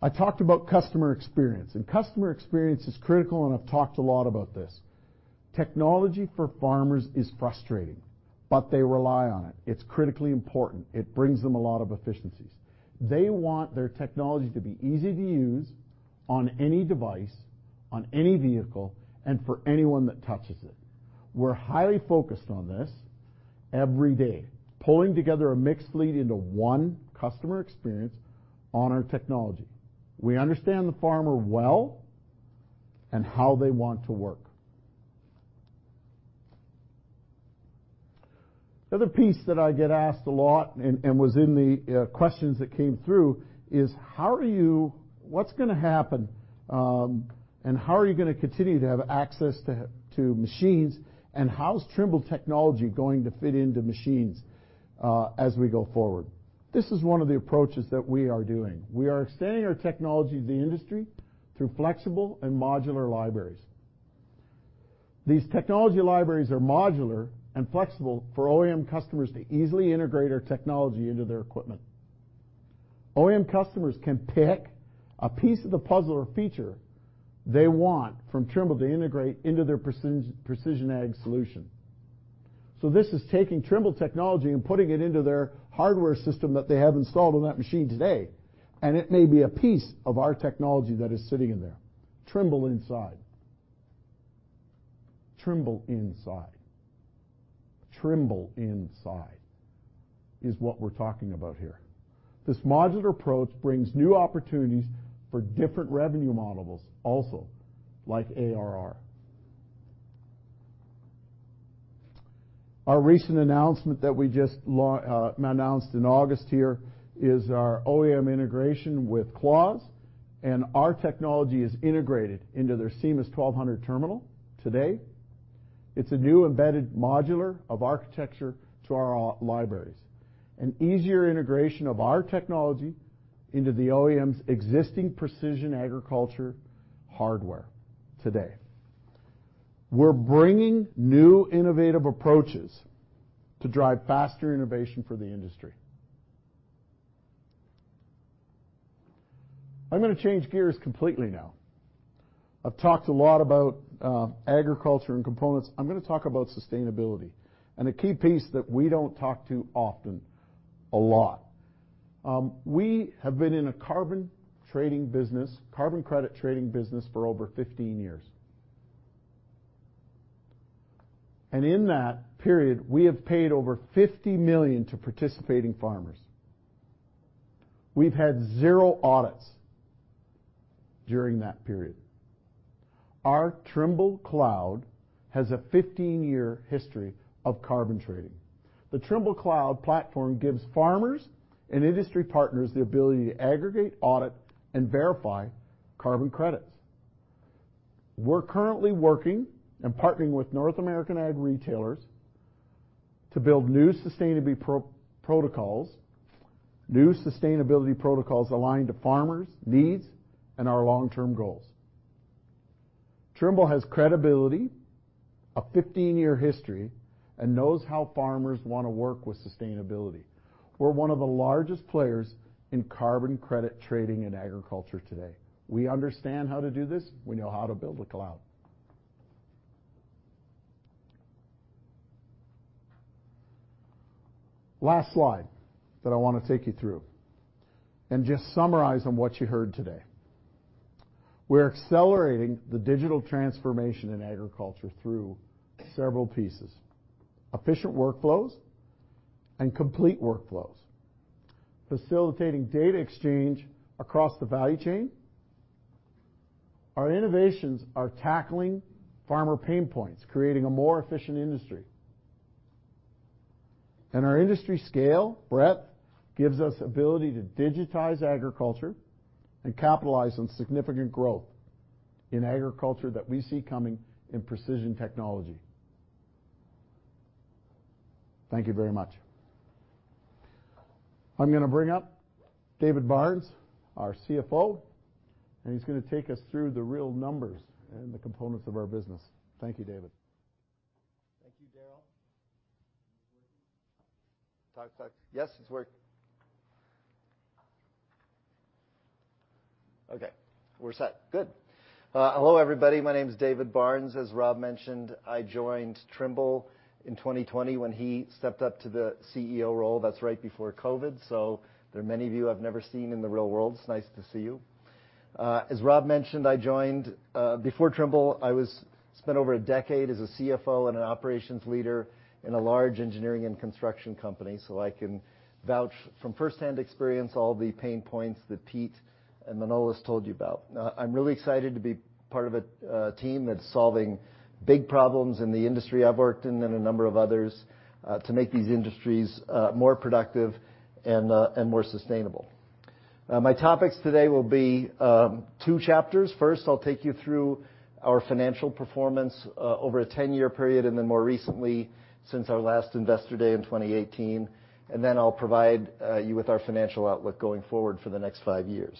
[SPEAKER 13] I talked about customer experience, and customer experience is critical, and I've talked a lot about this. Technology for farmers is frustrating, but they rely on it. It's critically important. It brings them a lot of efficiencies. They want their technology to be easy to use on any device, on any vehicle, and for anyone that touches it. We're highly focused on this every day, pulling together a mixed fleet into 1 customer experience on our technology. We understand the farmer well and how they want to work. The other piece that I get asked a lot and was in the questions that came through is what's gonna happen and how are you gonna continue to have access to machines and how is Trimble technology going to fit into machines as we go forward? This is one of the approaches that we are doing. We are extending our technology to the industry through flexible and modular libraries. These technology libraries are modular and flexible for OEM customers to easily integrate our technology into their equipment. OEM customers can pick a piece of the puzzle or feature they want from Trimble to integrate into their precision ag solution. This is taking Trimble technology and putting it into their hardware system that they have installed on that machine today, and it may be a piece of our technology that is sitting in there. Trimble Inside is what we're talking about here. This modular approach brings new opportunities for different revenue models also, like ARR. Our recent announcement that we just announced in August here is our OEM integration with CLAAS, and our technology is integrated into their CEMIS 1200 terminal today. It's a new embedded modular form of architecture to our libraries, an easier integration of our technology into the OEM's existing precision agriculture hardware today. We're bringing new innovative approaches to drive faster innovation for the industry. I'm gonna change gears completely now. I've talked a lot about agriculture and components. I'm gonna talk about sustainability, and a key piece that we don't talk about often a lot. We have been in a carbon trading business, carbon credit trading business for over 15 years. In that period, we have paid over $50 million to participating farmers. We've had 0 audits during that period. Our Trimble Cloud has a 15-year history of carbon trading. The Trimble Cloud platform gives farmers and industry partners the ability to aggregate, audit, and verify carbon credits. We're currently working and partnering with North American ag retailers to build new sustainability protocols aligned to farmers' needs and our long-term goals. Trimble has credibility, a 15-year history, and knows how farmers wanna work with sustainability. We're one of the largest players in carbon credit trading in agriculture today. We understand how to do this. We know how to build a cloud. Last slide that I wanna take you through and just summarize on what you heard today. We're accelerating the digital transformation in agriculture through several pieces. Efficient workflows and complete workflows, facilitating data exchange across the value chain. Our innovations are tackling farmer pain points, creating a more efficient industry. Our industry scale, breadth, gives us ability to digitize agriculture and capitalize on significant growth in agriculture that we see coming in precision technology. Thank you very much. I'm gonna bring up David Barnes, our CFO, and he's gonna take us through the real numbers and the components of our business. Thank you, David.
[SPEAKER 14] Thank you, Darryl. Is this working? Yes, it's working. Okay, we're set. Good. Hello, everybody. My name is David Barnes. As Rob mentioned, I joined Trimble in 2020 when he stepped up to the CEO role. That's right before COVID, so there are many of you I've never seen in the real world. It's nice to see you. As Rob mentioned, before Trimble, I spent over a decade as a CFO and an operations leader in a large engineering and construction company, so I can vouch from first-hand experience all the pain points that Pete and Manolis told you about. Now, I'm really excited to be part of a team that's solving big problems in the industry I've worked in and a number of others to make these industries more productive and more sustainable. My topics today will be 2 chapters. First, I'll take you through our financial performance over a 10-year period and then more recently since our last Investor Day in 2018. I'll provide you with our financial outlook going forward for the next 5 years.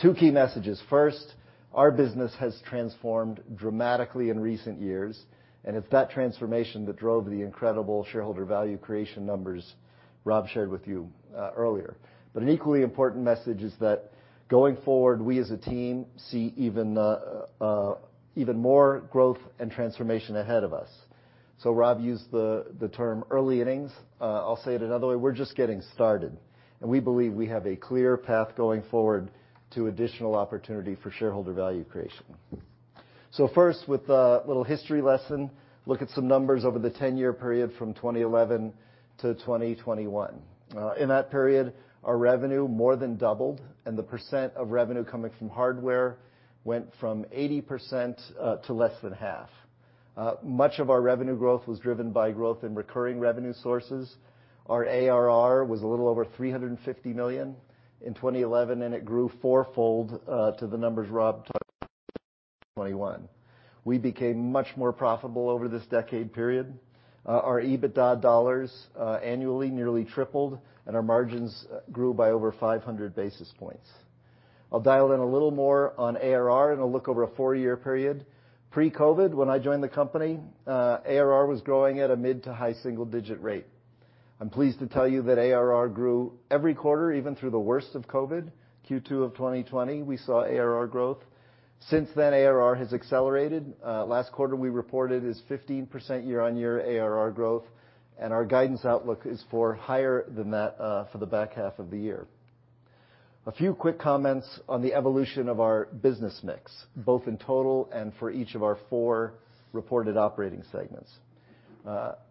[SPEAKER 14] 2 key messages. First, our business has transformed dramatically in recent years, and it's that transformation that drove the incredible shareholder value creation numbers Rob shared with you earlier. An equally important message is that going forward, we as a team see even more growth and transformation ahead of us. Rob used the term early innings. I'll say it another way. We're just getting started, and we believe we have a clear path going forward to additional opportunity for shareholder value creation. First, with a little history lesson, look at some numbers over the 10-year period from 2011 to 2021. In that period, our revenue more than doubled, and the percent of revenue coming from hardware went from 80%, to less than half. Much of our revenue growth was driven by growth in recurring revenue sources. Our ARR was a little over $350 million in 2011, and it grew fourfold, to the numbers Rob talked about in 2021. We became much more profitable over this decade period. Our EBITDA dollars annually nearly tripled, and our margins grew by over 500 basis points. I'll dial in a little more on ARR, and I'll look over a 4-year period. Pre-COVID, when I joined the company, ARR was growing at a mid- to high-single-digit %. I'm pleased to tell you that ARR grew every quarter, even through the worst of COVID. Q2 of 2020, we saw ARR growth. Since then, ARR has accelerated. Last quarter, we reported 15% year-on-year ARR growth, and our guidance outlook is for higher than that, for the back half of the year. A few quick comments on the evolution of our business mix, both in total and for each of our 4 reported operating segments.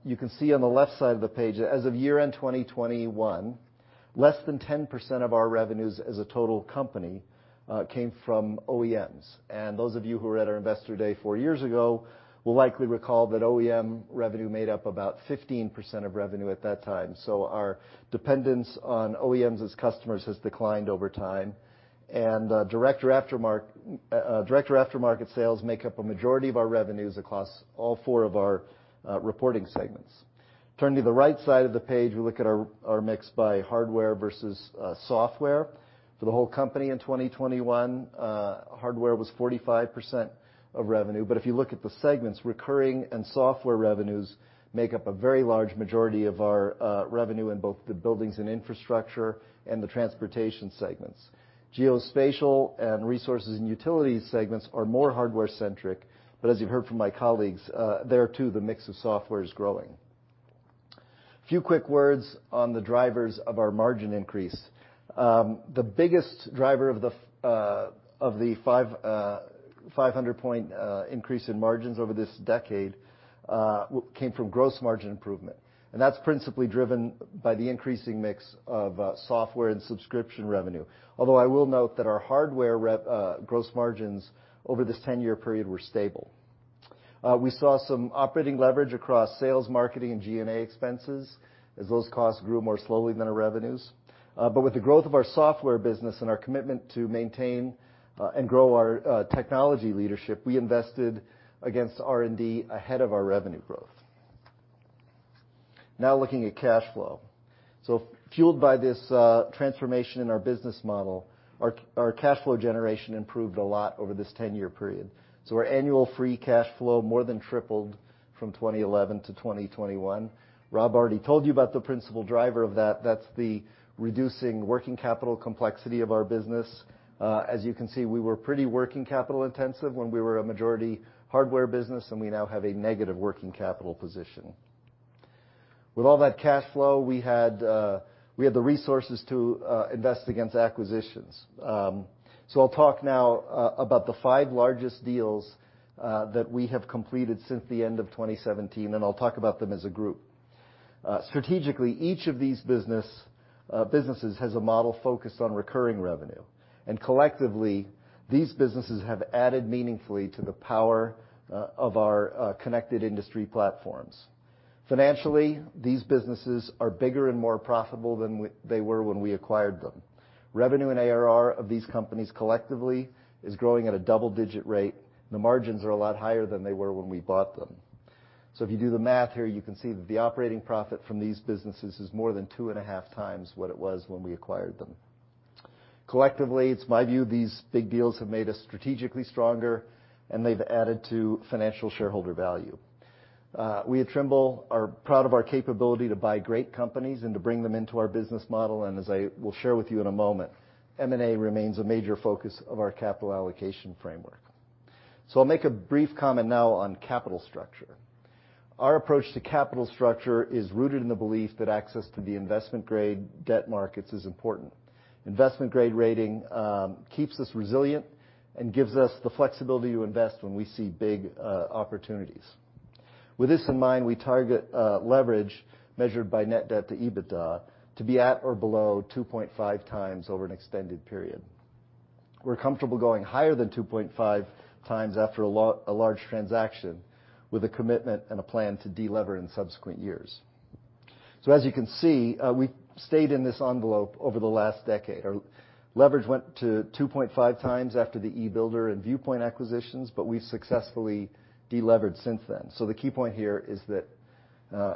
[SPEAKER 14] You can see on the left side of the page, as of year-end 2021, less than 10% of our revenues as a total company came from OEMs. Those of you who were at our Investor Day 4 years ago will likely recall that OEM revenue made up about 15% of revenue at that time. Our dependence on OEMs as customers has declined over time. Director aftermarket sales make up a majority of our revenues across all 4 of our reporting segments. Turning to the right side of the page, we look at our mix by hardware versus software. For the whole company in 2021, hardware was 45% of revenue. If you look at the segments, recurring and software revenues make up a very large majority of our revenue in both the buildings and infrastructure and the transportation segments. Geospatial and resources and utilities segments are more hardware-centric, but as you've heard from my colleagues, there, too, the mix of software is growing. Few quick words on the drivers of our margin increase. The biggest driver of the 500-point increase in margins over this decade came from gross margin improvement, and that's principally driven by the increasing mix of software and subscription revenue. Although I will note that our hardware gross margins over this 10-year period were stable. We saw some operating leverage across sales, marketing, and G&A expenses as those costs grew more slowly than our revenues. With the growth of our software business and our commitment to maintain and grow our technology leadership, we invested against R&D ahead of our revenue growth. Now looking at cash flow. Fueled by this transformation in our business model, our cash flow generation improved a lot over this 10-year period. Our annual free cash flow more than tripled from 2011 to 2021. Rob already told you about the principal driver of that. That's the reducing working capital complexity of our business. As you can see, we were pretty working capital intensive when we were a majority hardware business, and we now have a negative working capital position. With all that cash flow, we had the resources to invest against acquisitions. I'll talk now about the 5 largest deals that we have completed since the end of 2017, and I'll talk about them as a group. Strategically, each of these businesses has a model focused on recurring revenue. Collectively, these businesses have added meaningfully to the power of our connected industry platforms. Financially, these businesses are bigger and more profitable than they were when we acquired them. Revenue and ARR of these companies collectively is growing at a double-digit rate. The margins are a lot higher than they were when we bought them. If you do the math here, you can see that the operating profit from these businesses is more than 2 and a half times what it was when we acquired them. Collectively, it's my view these big deals have made us strategically stronger, and they've added to financial shareholder value. We at Trimble are proud of our capability to buy great companies and to bring them into our business model, and as I will share with you in a moment, M&A remains a major focus of our capital allocation framework. I'll make a brief comment now on capital structure. Our approach to capital structure is rooted in the belief that access to the investment-grade debt markets is important. Investment-grade rating keeps us resilient and gives us the flexibility to invest when we see big opportunities. With this in mind, we target leverage measured by net debt to EBITDA to be at or below 2.5 times over an extended period. We're comfortable going higher than 2.5 times after a large transaction with a commitment and a plan to delever in subsequent years. As you can see, we stayed in this envelope over the last decade. Our leverage went to 2.5 times after the e-Builder and Viewpoint acquisitions, but we've successfully delevered since then. The key point here is that,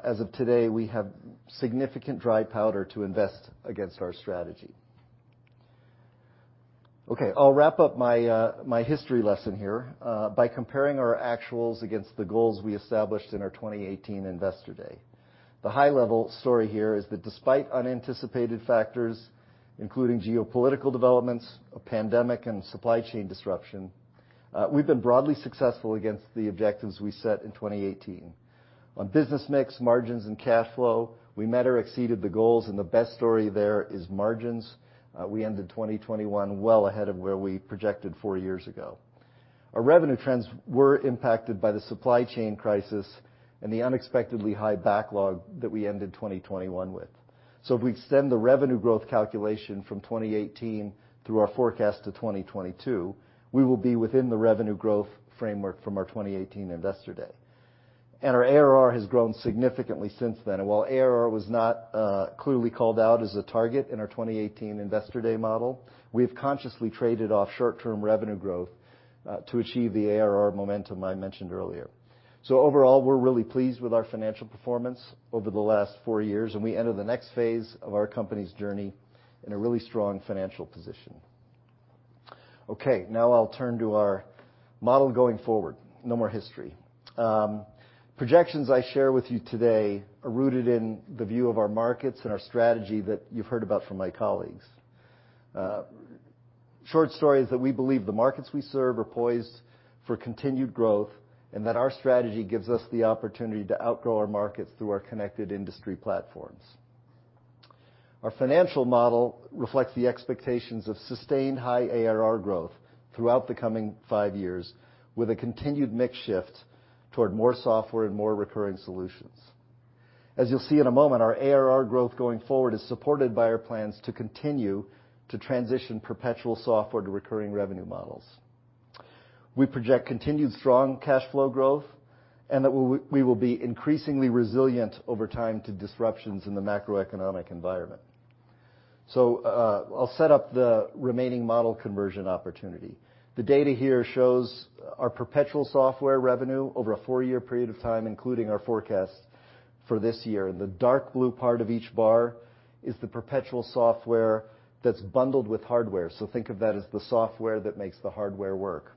[SPEAKER 14] as of today, we have significant dry powder to invest against our strategy. Okay. I'll wrap up my history lesson here by comparing our actuals against the goals we established in our 2018 Investor Day. The high-level story here is that despite unanticipated factors, including geopolitical developments, a pandemic, and supply chain disruption, we've been broadly successful against the objectives we set in 2018. On business mix, margins, and cash flow, we met or exceeded the goals, and the best story there is margins. We ended 2021 well ahead of where we projected 4 years ago. Our revenue trends were impacted by the supply chain crisis and the unexpectedly high backlog that we ended 2021 with. If we extend the revenue growth calculation from 2018 through our forecast to 2022, we will be within the revenue growth framework from our 2018 Investor Day. Our ARR has grown significantly since then, and while ARR was not clearly called out as a target in our 2018 Investor Day model, we've consciously traded off short-term revenue growth to achieve the ARR momentum I mentioned earlier. Overall, we're really pleased with our financial performance over the last 4 years, and we enter the next phase of our company's journey in a really strong financial position. Okay, now I'll turn to our model going forward. No more history. Projections I share with you today are rooted in the view of our markets and our strategy that you've heard about from my colleagues. Short story is that we believe the markets we serve are poised for continued growth and that our strategy gives us the opportunity to outgrow our markets through our connected industry platforms. Our financial model reflects the expectations of sustained high ARR growth throughout the coming 5 years with a continued mix shift toward more software and more recurring solutions. As you'll see in a moment, our ARR growth going forward is supported by our plans to continue to transition perpetual software to recurring revenue models. We project continued strong cash flow growth, and that we will be increasingly resilient over time to disruptions in the macroeconomic environment. I'll set up the remaining model conversion opportunity. The data here shows our perpetual software revenue over a 4-year period of time, including our forecast for this year, and the dark blue part of each bar is the perpetual software that's bundled with hardware. Think of that as the software that makes the hardware work.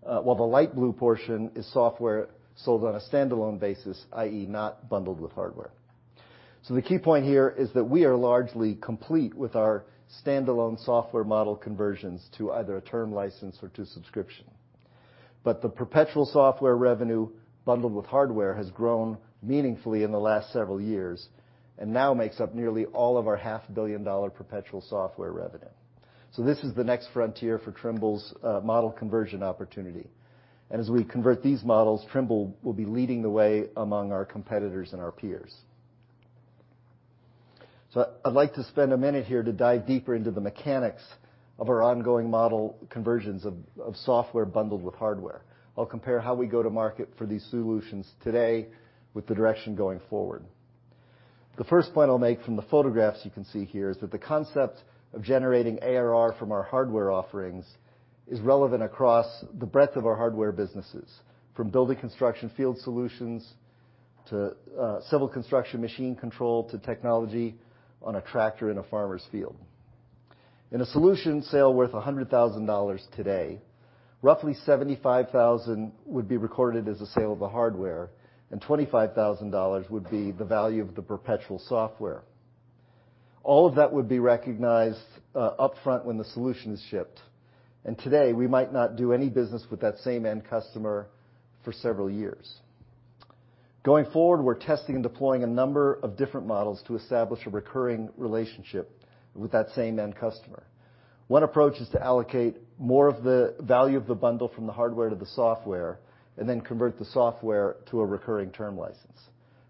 [SPEAKER 14] While the light blue portion is software sold on a standalone basis, i.e., not bundled with hardware. The key point here is that we are largely complete with our standalone software model conversions to either a term license or to subscription. The perpetual software revenue bundled with hardware has grown meaningfully in the last several years and now makes up nearly all of our $500,000,000 perpetual software revenue. This is the next frontier for Trimble's model conversion opportunity. As we convert these models, Trimble will be leading the way among our competitors and our peers. I'd like to spend a minute here to dive deeper into the mechanics of our ongoing model conversions of software bundled with hardware. I'll compare how we go to market for these solutions today with the direction going forward. The first point I'll make from the photographs you can see here is that the concept of generating ARR from our hardware offerings is relevant across the breadth of our hardware businesses, from building construction field solutions to civil construction machine control to technology on a tractor in a farmer's field. In a solution sale worth $100,000 today, roughly $75,000 would be recorded as a sale of the hardware, and $25,000 would be the value of the perpetual software. All of that would be recognized upfront when the solution is shipped. Today, we might not do any business with that same end customer for several years. Going forward, we're testing and deploying a number of different models to establish a recurring relationship with that same end customer. 1 approach is to allocate more of the value of the bundle from the hardware to the software and then convert the software to a recurring term license.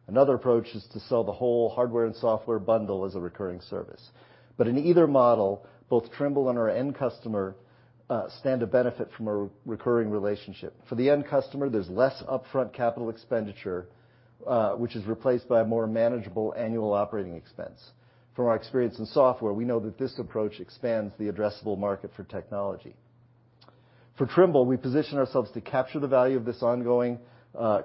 [SPEAKER 14] Another approach is to sell the whole hardware and software bundle as a recurring service. In either model, both Trimble and our end customer stand to benefit from a recurring relationship. For the end customer, there's less upfront capital expenditure, which is replaced by a more manageable annual operating expense. From our experience in software, we know that this approach expands the addressable market for technology. For Trimble, we position ourselves to capture the value of this ongoing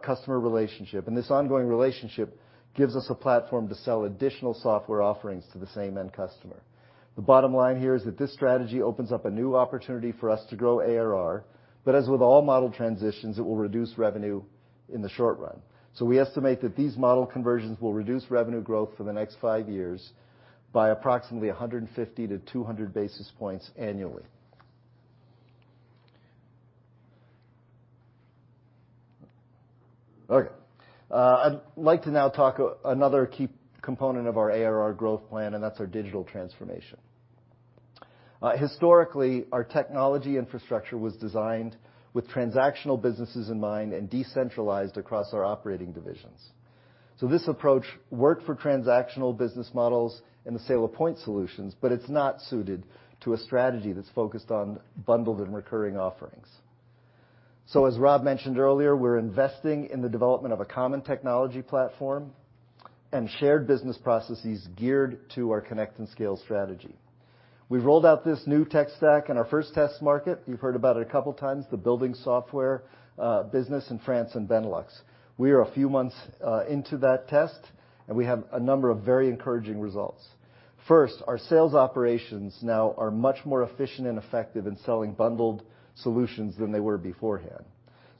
[SPEAKER 14] customer relationship, and this ongoing relationship gives us a platform to sell additional software offerings to the same end customer. The bottom line here is that this strategy opens up a new opportunity for us to grow ARR, but as with all model transitions, it will reduce revenue in the short run. We estimate that these model conversions will reduce revenue growth for the next 5 years by approximately 150 to 200 basis points annually. Okay. I'd like to now talk another key component of our ARR growth plan, and that's our digital transformation. Historically, our technology infrastructure was designed with transactional businesses in mind and decentralized across our operating divisions. This approach worked for transactional business models and the sale of point solutions, but it's not suited to a strategy that's focused on bundled and recurring offerings. As Rob mentioned earlier, we're investing in the development of a common technology platform and shared business processes geared to our Connect and Scale strategy. We've rolled out this new tech stack in our first test market. You've heard about it a couple times, the building software business in France and Benelux. We are a few months into that test, and we have a number of very encouraging results. First, our sales operations now are much more efficient and effective in selling bundled solutions than they were beforehand.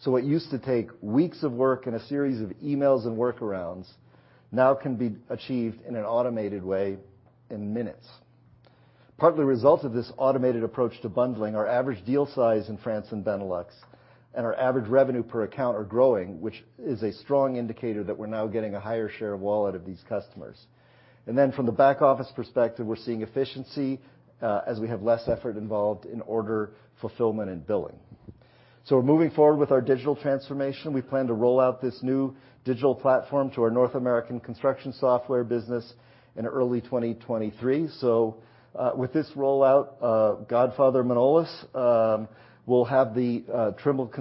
[SPEAKER 14] What used to take weeks of work and a series of emails and workarounds now can be achieved in an automated way in minutes. Partly a result of this automated approach to bundling, our average deal size in France and Benelux and our average revenue per account are growing, which is a strong indicator that we're now getting a higher share of wallet of these customers. From the back office perspective, we're seeing efficiency, as we have less effort involved in order fulfillment and billing. We're moving forward with our digital transformation. We plan to roll out this new digital platform to our North American construction software business in early 2023. With this rollout, going forward, Manolis Kotzabasakis will have the Trimble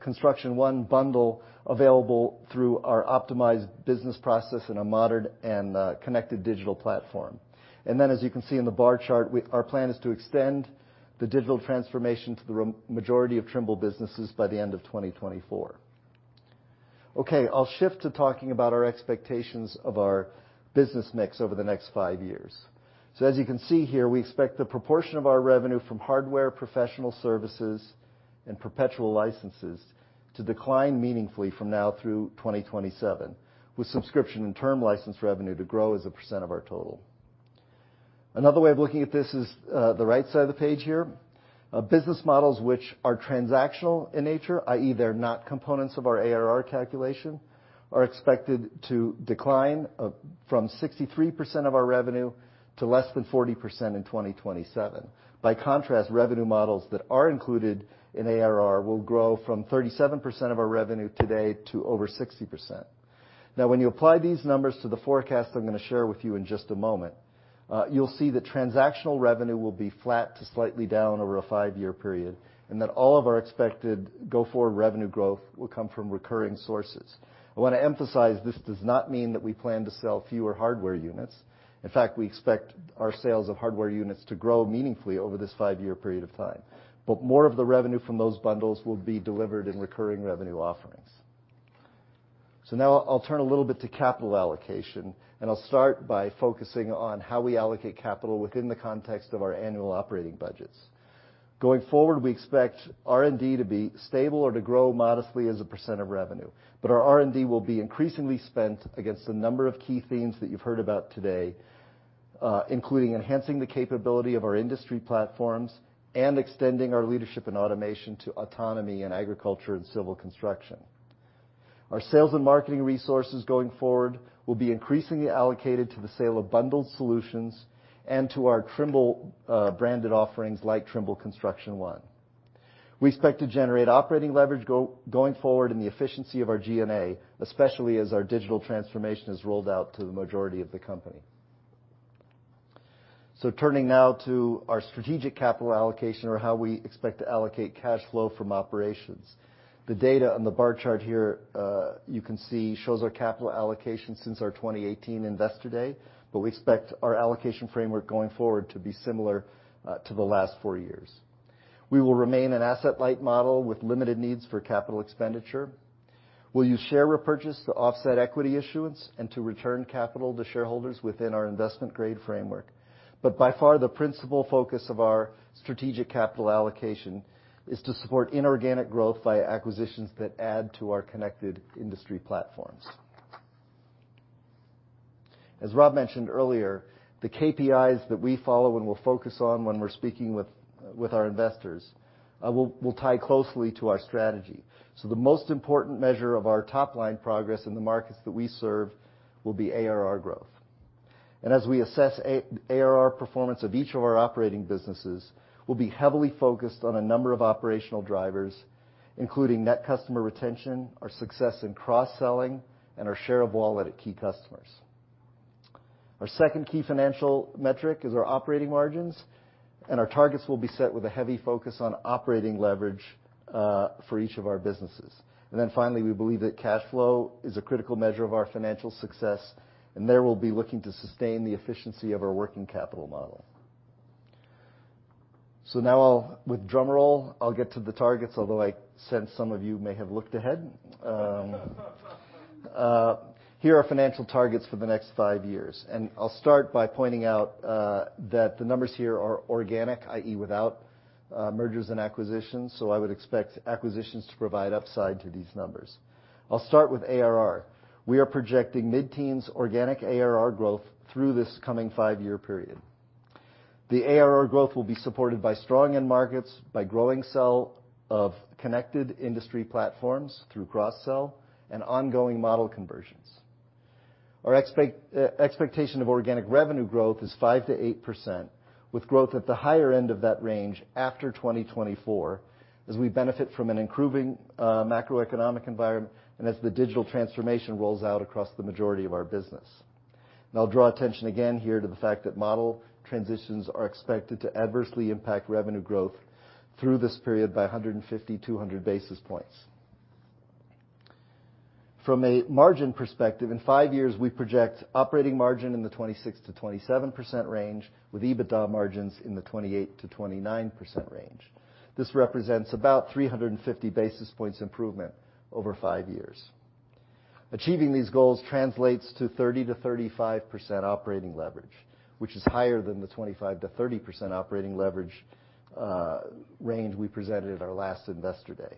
[SPEAKER 14] Construction One bundle available through our optimized business process in a modern and connected digital platform. As you can see in the bar chart, our plan is to extend the digital transformation to the majority of Trimble businesses by the end of 2024. Okay. I'll shift to talking about our expectations of our business mix over the next 5 years. As you can see here, we expect the proportion of our revenue from hardware professional services and perpetual licenses to decline meaningfully from now through 2027, with subscription and term license revenue to grow as a percent of our total. Another way of looking at this is, the right side of the page here. Business models which are transactional in nature, i.e., they're not components of our ARR calculation, are expected to decline, from 63% of our revenue to less than 40% in 2027. By contrast, revenue models that are included in ARR will grow from 37% of our revenue today to over 60%. Now when you apply these numbers to the forecast I'm gonna share with you in just a moment, you'll see the transactional revenue will be flat to slightly down over a 5-year period, and that all of our expected go-forward revenue growth will come from recurring sources. I wanna emphasize this does not mean that we plan to sell fewer hardware units. In fact, we expect our sales of hardware units to grow meaningfully over this 5-year period of time. More of the revenue from those bundles will be delivered in recurring revenue offerings. Now I'll turn a little bit to capital allocation, and I'll start by focusing on how we allocate capital within the context of our annual operating budgets. Going forward, we expect R&D to be stable or to grow modestly as a percent of revenue. Our R&D will be increasingly spent against a number of key themes that you've heard about today, including enhancing the capability of our industry platforms and extending our leadership in automation to autonomy in agriculture and civil construction. Our sales and marketing resources going forward will be increasingly allocated to the sale of bundled solutions and to our Trimble branded offerings like Trimble Construction One. We expect to generate operating leverage going forward in the efficiency of our G&A, especially as our digital transformation is rolled out to the majority of the company. Turning now to our strategic capital allocation or how we expect to allocate cash flow from operations. The data on the bar chart here, you can see, shows our capital allocation since our 2018 investor day, but we expect our allocation framework going forward to be similar to the last 4 years. We will remain an asset-light model with limited needs for capital expenditure. We'll use share repurchase to offset equity issuance and to return capital to shareholders within our investment-grade framework. By far, the principal focus of our strategic capital allocation is to support inorganic growth via acquisitions that add to our connected industry platforms. As Rob mentioned earlier, the KPIs that we follow and will focus on when we're speaking with our investors will tie closely to our strategy. The most important measure of our top-line progress in the markets that we serve will be ARR growth. As we assess ARR performance of each of our operating businesses, we'll be heavily focused on a number of operational drivers, including net customer retention, our success in cross-selling, and our share of wallet at key customers. Our second key financial metric is our operating margins, and our targets will be set with a heavy focus on operating leverage for each of our businesses. Then finally, we believe that cash flow is a critical measure of our financial success, and there we'll be looking to sustain the efficiency of our working capital model. Now I'll with drumroll get to the targets, although I sense some of you may have looked ahead. Here are financial targets for the next 5 years. I'll start by pointing out that the numbers here are organic, i.e., without mergers and acquisitions, so I would expect acquisitions to provide upside to these numbers. I'll start with ARR. We are projecting mid-teens organic ARR growth through this coming 5-year period. The ARR growth will be supported by strong end markets, by growing sales of connected industry platforms through cross-sell and ongoing model conversions. Our expectation of organic revenue growth is 5% to 8%, with growth at the higher end of that range after 2024 as we benefit from an improving macroeconomic environment and as the digital transformation rolls out across the majority of our business. I'll draw attention again here to the fact that model transitions are expected to adversely impact revenue growth through this period by 150 to 200 basis points. From a margin perspective, in 5 years, we project operating margin in the 26% to 27% range with EBITDA margins in the 28% to 29% range. This represents about 350 basis points improvement over 5 years. Achieving these goals translates to 30% to 35% operating leverage, which is higher than the 25% to 30% operating leverage range we presented at our last Investor Day.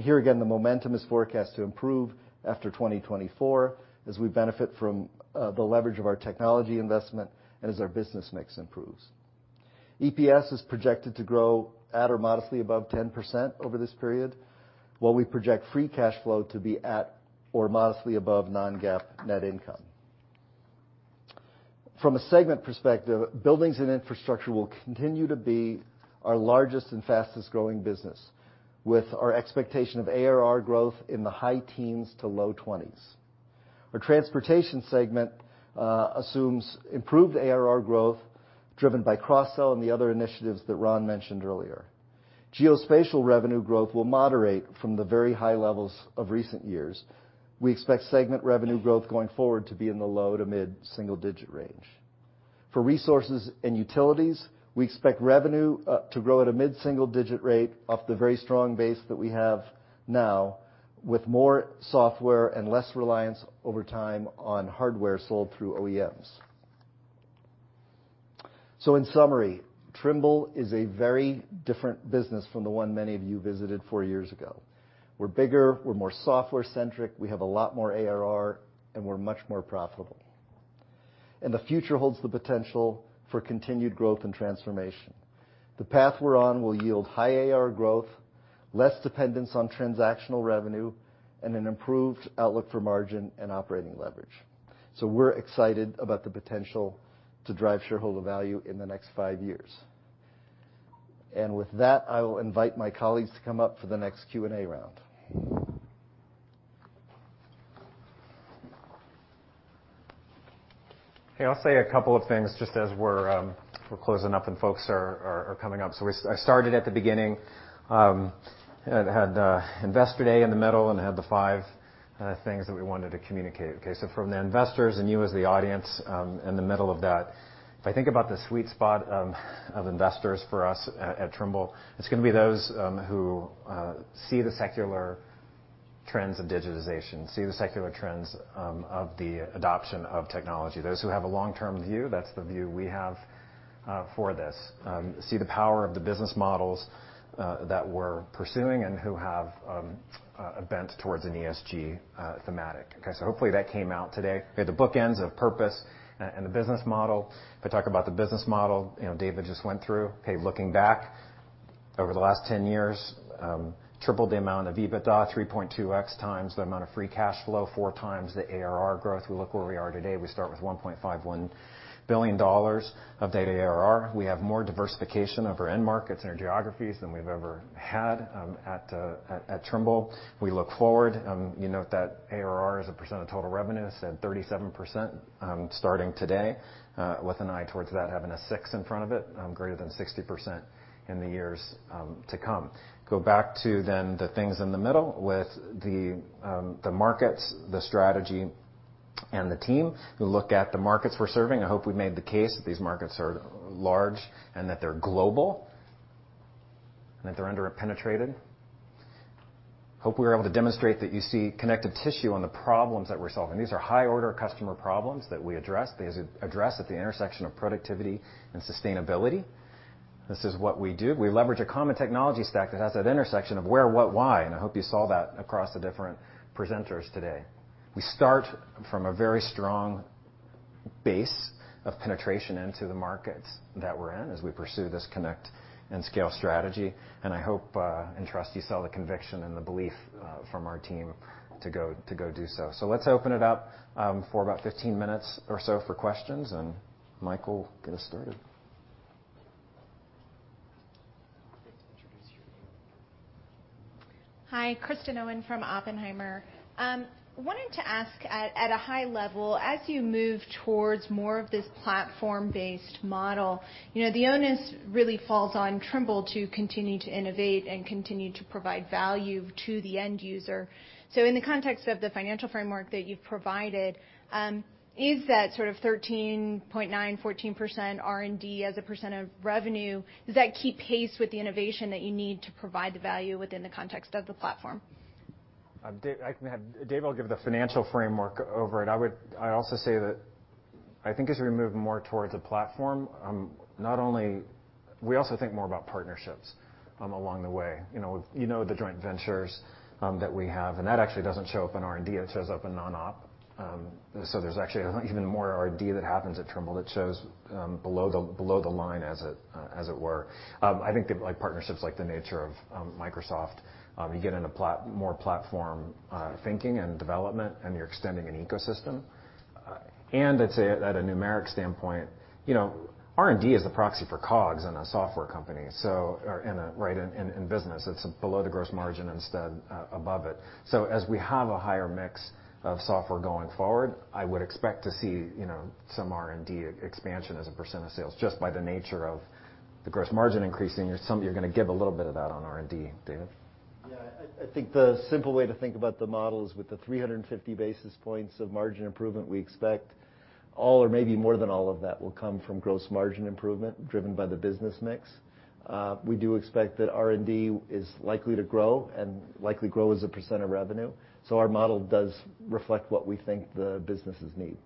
[SPEAKER 14] Here again, the momentum is forecast to improve after 2024 as we benefit from the leverage of our technology investment and as our business mix improves. EPS is projected to grow at or modestly above 10% over this period, while we project free cash flow to be at or modestly above non-GAAP net income. From a segment perspective, buildings and infrastructure will continue to be our largest and fastest-growing business, with our expectation of ARR growth in the high teens to low 20's. Our transportation segment assumes improved ARR growth, driven by cross-sell and the other initiatives that Ron mentioned earlier. Geospatial revenue growth will moderate from the very high levels of recent years. We expect segment revenue growth going forward to be in the low to mid-single digit range. For resources and utilities, we expect revenue to grow at a mid-single digit rate off the very strong base that we have now with more software and less reliance over time on hardware sold through OEMs. In summary, Trimble is a very different business from the one many of you visited 4 years ago. We're bigger, we're more software-centric, we have a lot more ARR, and we're much more profitable. The future holds the potential for continued growth and transformation. The path we're on will yield high ARR growth, less dependence on transactional revenue, and an improved outlook for margin and operating leverage. We're excited about the potential to drive shareholder value in the next 5 years. With that, I will invite my colleagues to come up for the next Q&A round.
[SPEAKER 1] Okay. I'll say a couple of things just as we're closing up and folks are coming up. I started at the beginning and had Investor Day in the middle and had the 5 things that we wanted to communicate. From the investors and you as the audience, in the middle of that, if I think about the sweet spot of investors for us at Trimble, it's gonna be those who see the secular trends of digitization, see the secular trends of the adoption of technology. Those who have a long-term view, that's the view we have for this. See the power of the business models that we're pursuing and who have a bent towards an ESG thematic. Hopefully that came out today. We had the bookends of purpose and the business model. If I talk about the business model, you know, David just went through. Okay, looking back over the last 10 years, tripled the amount of EBITDA, 3.2x times the amount of free cash flow, 4 times the ARR growth. We look where we are today, we start with $1.51 billion of data ARR. We have more diversification of our end markets and our geographies than we've ever had at Trimble. If we look forward, you note that ARR as a percent of total revenue, it's at 37%, starting today, with an eye towards that having a 6 in front of it, greater than 60% in the years to come. Go back to then the things in the middle with the markets, the strategy, and the team. If you look at the markets we're serving, I hope we've made the case that these markets are large and that they're global and that they're under-penetrated. Hope we were able to demonstrate that you see connective tissue on the problems that we're solving. These are high-order customer problems that we address. These address at the intersection of productivity and sustainability. This is what we do. We leverage a common technology stack that has that intersection of where, what, why, and I hope you saw that across the different presenters today. We start from a very strong base of penetration into the markets that we're in as we pursue this Connect and Scale strategy, and I hope and trust you saw the conviction and the belief from our team to go do so. Let's open it up for about 15 minutes or so for questions, and Mike will get us started.
[SPEAKER 15] Hi, Kristen Owen from Oppenheimer. Wanted to ask at a high level, as you move towards more of this platform-based model, you know, the onus really falls on Trimble to continue to innovate and continue to provide value to the end user. In the context of the financial framework that you've provided, is that sort of 13.9% to 14% R&D as a percent of revenue, does that keep pace with the innovation that you need to provide the value within the context of the platform?
[SPEAKER 1] David will give the financial framework overview. I also say that I think as we move more towards a platform, we also think more about partnerships along the way. The joint ventures that we have, and that actually doesn't show up in R&D, it shows up in non-OpEx. There's actually even more R&D that happens at Trimble that shows below the line as it were. Partnerships like the nature of Microsoft get you more platform thinking and development, and you're extending an ecosystem. I'd say at a numeric standpoint, R&D is a proxy for COGS in a software company, or, right, in business. It's below the gross margin instead, above it. As we have a higher mix of software going forward, I would expect to see, you know, some R&D expansion as a % of sales, just by the nature of the gross margin increasing. There's some you're gonna give a little bit of that on R&D. David?
[SPEAKER 14] Yeah. I think the simple way to think about the model is with the 350 basis points of margin improvement we expect, all or maybe more than all of that will come from gross margin improvement driven by the business mix. We do expect that R&D is likely to grow and likely grow as a % of revenue. Our model does reflect what we think the businesses need.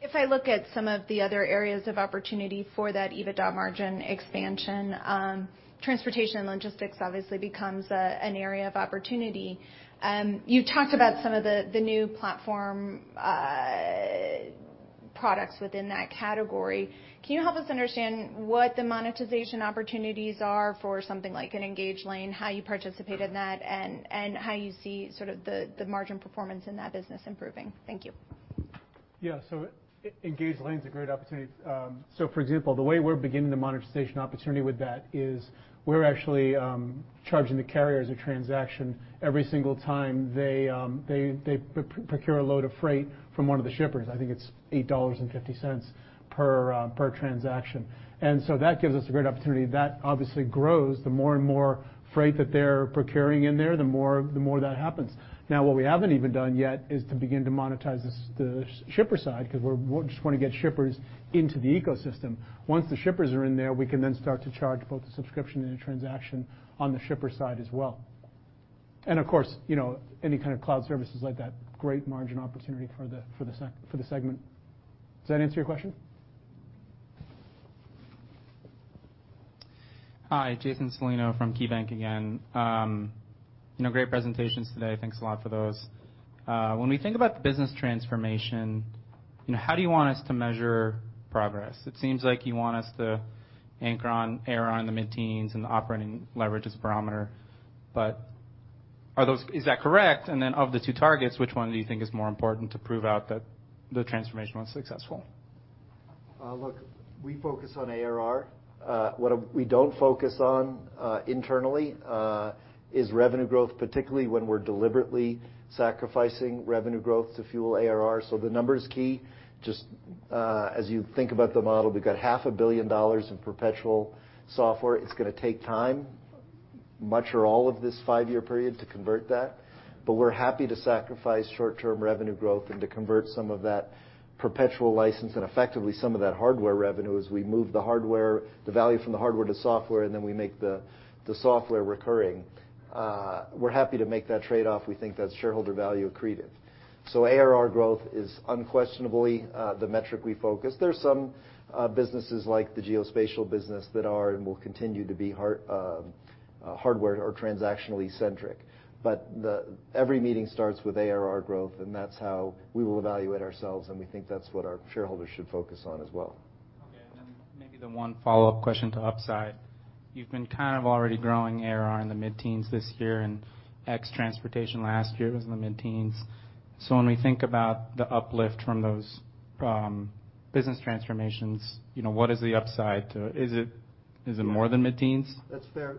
[SPEAKER 15] If I look at some of the other areas of opportunity for that EBITDA margin expansion, transportation and logistics obviously becomes an area of opportunity. You talked about some of the new platform products within that category. Can you help us understand what the monetization opportunities are for something like an Engage Lane, how you participate in that, and how you see sort of the margin performance in that business improving? Thank you.
[SPEAKER 12] Engage Lane's a great opportunity. For example, the way we're beginning the monetization opportunity with that is we're actually charging the carriers a transaction every single time they procure a load of freight from one of the shippers. I think it's $8.50 per transaction. That gives us a great opportunity. That obviously grows the more and more freight that they're procuring in there, the more that happens. Now, what we haven't even done yet is to begin to monetize the shipper side, 'cause we just wanna get shippers into the ecosystem. Once the shippers are in there, we can then start to charge both the subscription and the transaction on the shipper side as well. Of course, you know, any kind of cloud services like that, great margin opportunity for the segment. Does that answer your question?
[SPEAKER 7] Hi, Jason Celino from KeyBanc again. You know, great presentations today. Thanks a lot for those. When we think about the business transformation, you know, how do you want us to measure progress? It seems like you want us to anchor on ARR in the mid-teens and the operating leverage as a barometer. Is that correct? And then of the 2 targets, which one do you think is more important to prove out that the transformation was successful?
[SPEAKER 14] Look, we focus on ARR. What we don't focus on internally is revenue growth, particularly when we're deliberately sacrificing revenue growth to fuel ARR. The number's key. Just as you think about the model, we've got $500,000,000 in perpetual software. It's gonna take time, much or all of this 5-year period, to convert that. We're happy to sacrifice short-term revenue growth and to convert some of that perpetual license and effectively some of that hardware revenue as we move the hardware, the value from the hardware to software, and then we make the software recurring. We're happy to make that trade-off. We think that's shareholder value accretive. ARR growth is unquestionably the metric we focus. There's some businesses like the geospatial business that are and will continue to be hardware or transactionally centric. Every meeting starts with ARR growth, and that's how we will evaluate ourselves, and we think that's what our shareholders should focus on as well.
[SPEAKER 1] Maybe the 1 follow-up question to upside. You've been kind of already growing ARR in the mid-teens this year, and ex-transportation last year was in the mid-teens. When we think about the uplift from those, business transformations, you know, what is the upside? Is it more than mid-teens?
[SPEAKER 14] That's fair, a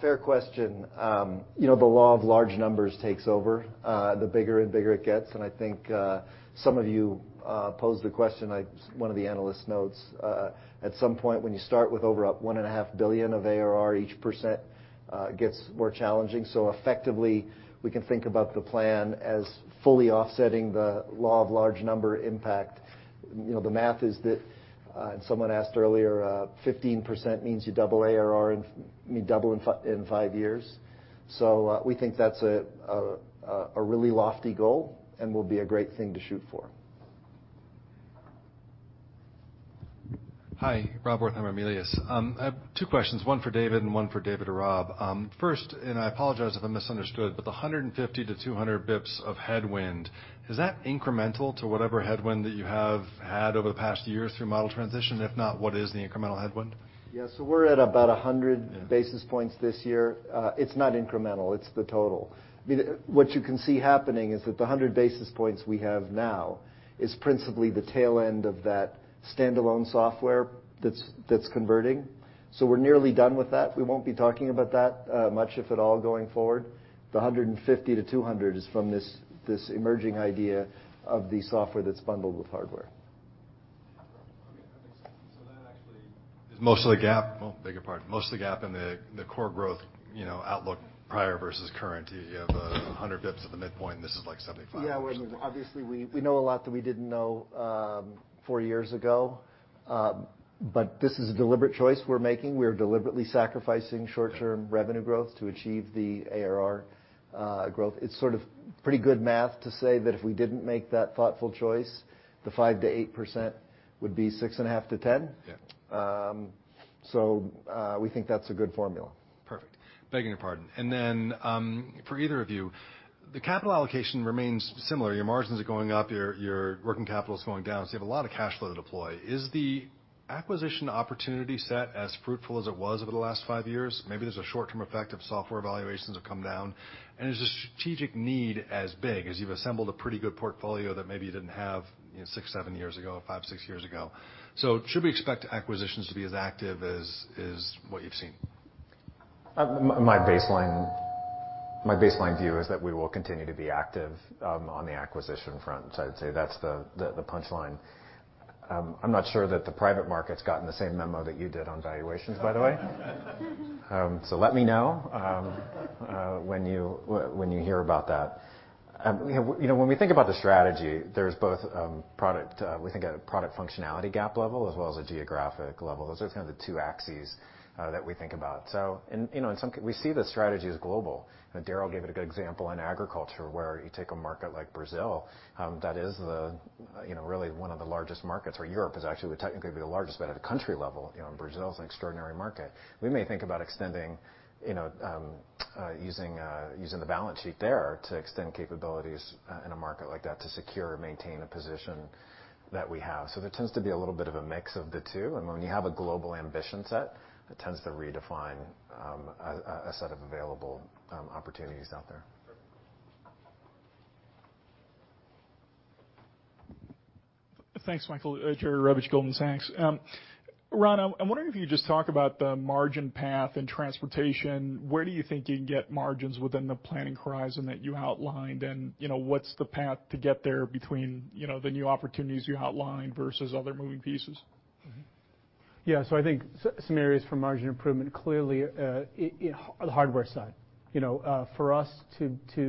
[SPEAKER 14] fair question. You know, the law of large numbers takes over, the bigger and bigger it gets, and I think, some of you posed the question. One of the analyst notes, at some point, when you start with over $1.5 billion of ARR, each % gets more challenging. Effectively, we can think about the plan as fully offsetting the law of large number impact. You know, the math is that, and someone asked earlier, 15% means you double ARR in 5 years. We think that's a really lofty goal and will be a great thing to shoot for.
[SPEAKER 8] Hi, Rob Wertheimer from Melius. I have 2 questions, 1 for David and 1 for David or Rob. First, I apologize if I misunderstood, but the 150 to 200 basis points of headwind, is that incremental to whatever headwind that you have had over the past year through model transition? If not, what is the incremental headwind?
[SPEAKER 14] Yeah. We're at about 100-
[SPEAKER 8] Yeah.
[SPEAKER 14] 100 basis points this year. It's not incremental. It's the total. I mean, what you can see happening is that the 100 basis points we have now is principally the tail end of that standalone software that's converting. We're nearly done with that. We won't be talking about that much if at all, going forward. The $150 to $200 is from this emerging idea of the software that's bundled with hardware.
[SPEAKER 8] Most of the gap in the core growth, you know, outlook prior versus current, you have 100 basis points at the midpoint, and this is like 75.
[SPEAKER 14] Yeah. Well, I mean, obviously, we know a lot that we didn't know 4 years ago. This is a deliberate choice we're making. We're deliberately sacrificing short-term revenue growth to achieve the ARR growth. It's sort of pretty good math to say that if we didn't make that thoughtful choice, the 5% to 8% would be 6.5% to 10%.
[SPEAKER 8] Yeah.
[SPEAKER 14] We think that's a good formula.
[SPEAKER 8] Perfect. Begging your pardon. Then, for either of you, the capital allocation remains similar. Your margins are going up, your working capital is going down, so you have a lot of cash flow to deploy. Is the acquisition opportunity set as fruitful as it was over the last 5 years? Maybe there's a short-term effect of software valuations have come down, and is the strategic need as big as you've assembled a pretty good portfolio that maybe you didn't have, you know, 6, 7 years ago, or 5, 6 years ago. Should we expect acquisitions to be as active as what you've seen?
[SPEAKER 1] My baseline view is that we will continue to be active on the acquisition front. I'd say that's the punch line. I'm not sure that the private market's gotten the same memo that you did on valuations, by the way. Let me know when you hear about that. You know, when we think about the strategy, there's both product we think a product functionality gap level as well as a geographic level. Those are kind of the 2 axes that we think about. You know, we see the strategy as global. Darryl gave it a good example in agriculture, where you take a market like Brazil, that is the, you know, really one of the largest markets, or Europe is actually technically the largest, but at a country level, you know, and Brazil is an extraordinary market. We may think about extending, you know, using the balance sheet there to extend capabilities in a market like that to secure or maintain a position that we have. There tends to be a little bit of a mix of the two. When you have a global ambition set, it tends to redefine a set of available opportunities out there.
[SPEAKER 6] Thanks, Michael. Jerry Revich, Goldman Sachs. Ron, I'm wondering if you could just talk about the margin path in transportation. Where do you think you can get margins within the planning horizon that you outlined? You know, what's the path to get there between, you know, the new opportunities you outlined versus other moving pieces? I think some areas for margin improvement, clearly, in the hardware side. You know, for us to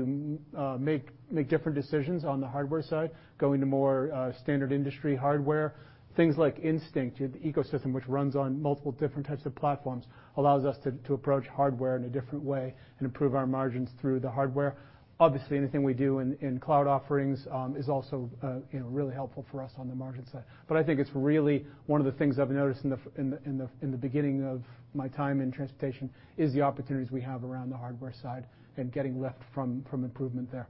[SPEAKER 6] make different decisions on the hardware side, going to more standard industry hardware, things like Instinct, the ecosystem which runs on multiple different types of platforms, allows us to approach hardware in a different way and improve our margins through the hardware. Obviously, anything we do in cloud offerings is also, you know, really helpful for us on the margin side. I think it's really one of the things I've noticed in the beginning of my time in transportation, is the opportunities we have around the hardware side and getting lift from improvement there.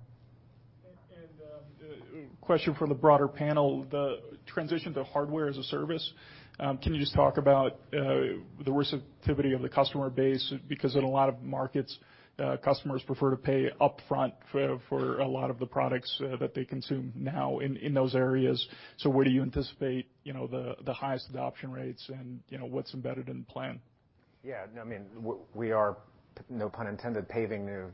[SPEAKER 6] Question for the broader panel, the transition to hardware as a service, can you just talk about the receptivity of the customer base? Because in a lot of markets, customers prefer to pay upfront for a lot of the products that they consume now in those areas. Where do you anticipate, you know, the highest adoption rates and, you know, what's embedded in the plan?
[SPEAKER 1] Yeah. No, I mean, we are, no pun intended, paving new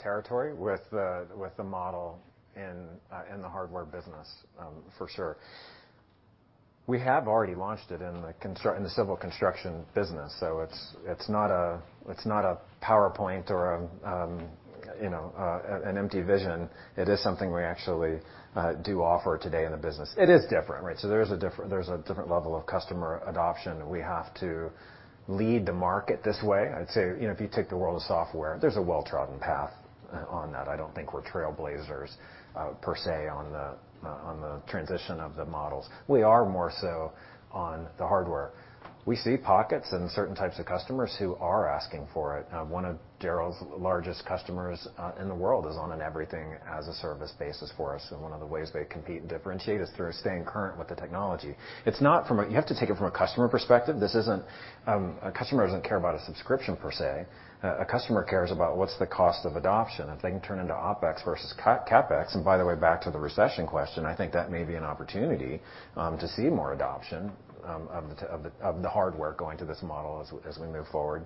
[SPEAKER 1] territory with the model in the hardware business, for sure. We have already launched it in the civil construction business, so it's not a PowerPoint or, you know, an empty vision. It is something we actually do offer today in the business. It is different, right? There's a different level of customer adoption. We have to lead the market this way. I'd say, you know, if you take the world of software, there's a well-trodden path on that. I don't think we're trailblazers, per se, on the transition of the models. We are more so on the hardware. We see pockets and certain types of customers who are asking for it. One of Darryl's largest customers in the world is on an everything-as-a-service basis for us, and one of the ways they compete and differentiate is through staying current with the technology. You have to take it from a customer perspective. A customer doesn't care about a subscription per se. A customer cares about what's the cost of adoption, if they can turn into OpEx versus CapEx. By the way, back to the recession question, I think that may be an opportunity to see more adoption of the hardware going to this model as we move forward,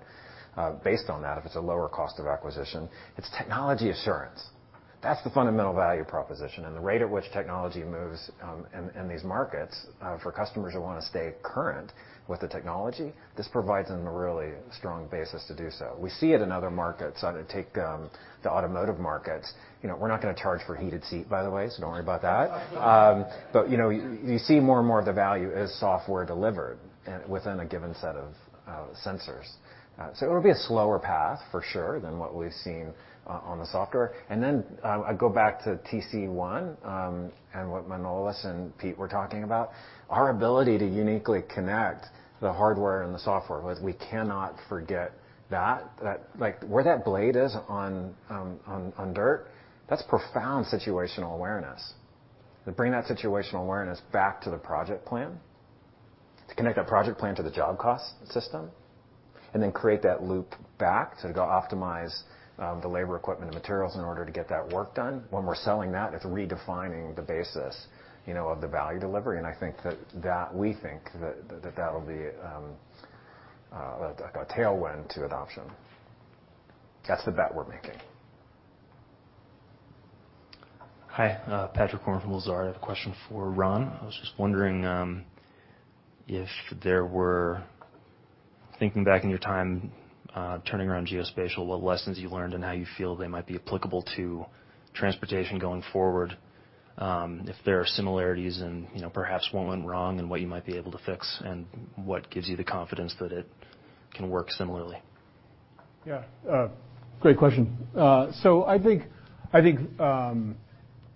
[SPEAKER 1] based on that, if it's a lower cost of acquisition. It's technology assurance. That's the fundamental value proposition and the rate at which technology moves, in these markets, for customers who wanna stay current with the technology, this provides them a really strong basis to do so. We see it in other markets. Take the automotive markets. You know, we're not gonna charge for a heated seat, by the way, so don't worry about that. You know, you see more and more of the value is software delivered within a given set of sensors. It will be a slower path, for sure, than what we've seen on the software. I go back to TC-1, and what Manolis and Pete were talking about, our ability to uniquely connect the hardware and the software, we cannot forget that. That, like, where that blade is on dirt, that's profound situational awareness. To bring that situational awareness back to the project plan, to connect that project plan to the job cost system. Create that loop back to go optimize the labor equipment and materials in order to get that work done. When we're selling that, it's redefining the basis, you know, of the value delivery. I think that we think that will be like a tailwind to adoption. That's the bet we're making.
[SPEAKER 16] Hi, Patrick Moore from Lazard. I have a question for Ron. I was just wondering, thinking back in your time, turning around Geospatial, what lessons you learned and how you feel they might be applicable to Transportation going forward? If there are similarities and, you know, perhaps what went wrong and what you might be able to fix, and what gives you the confidence that it can work similarly?
[SPEAKER 12] Yeah, great question. I think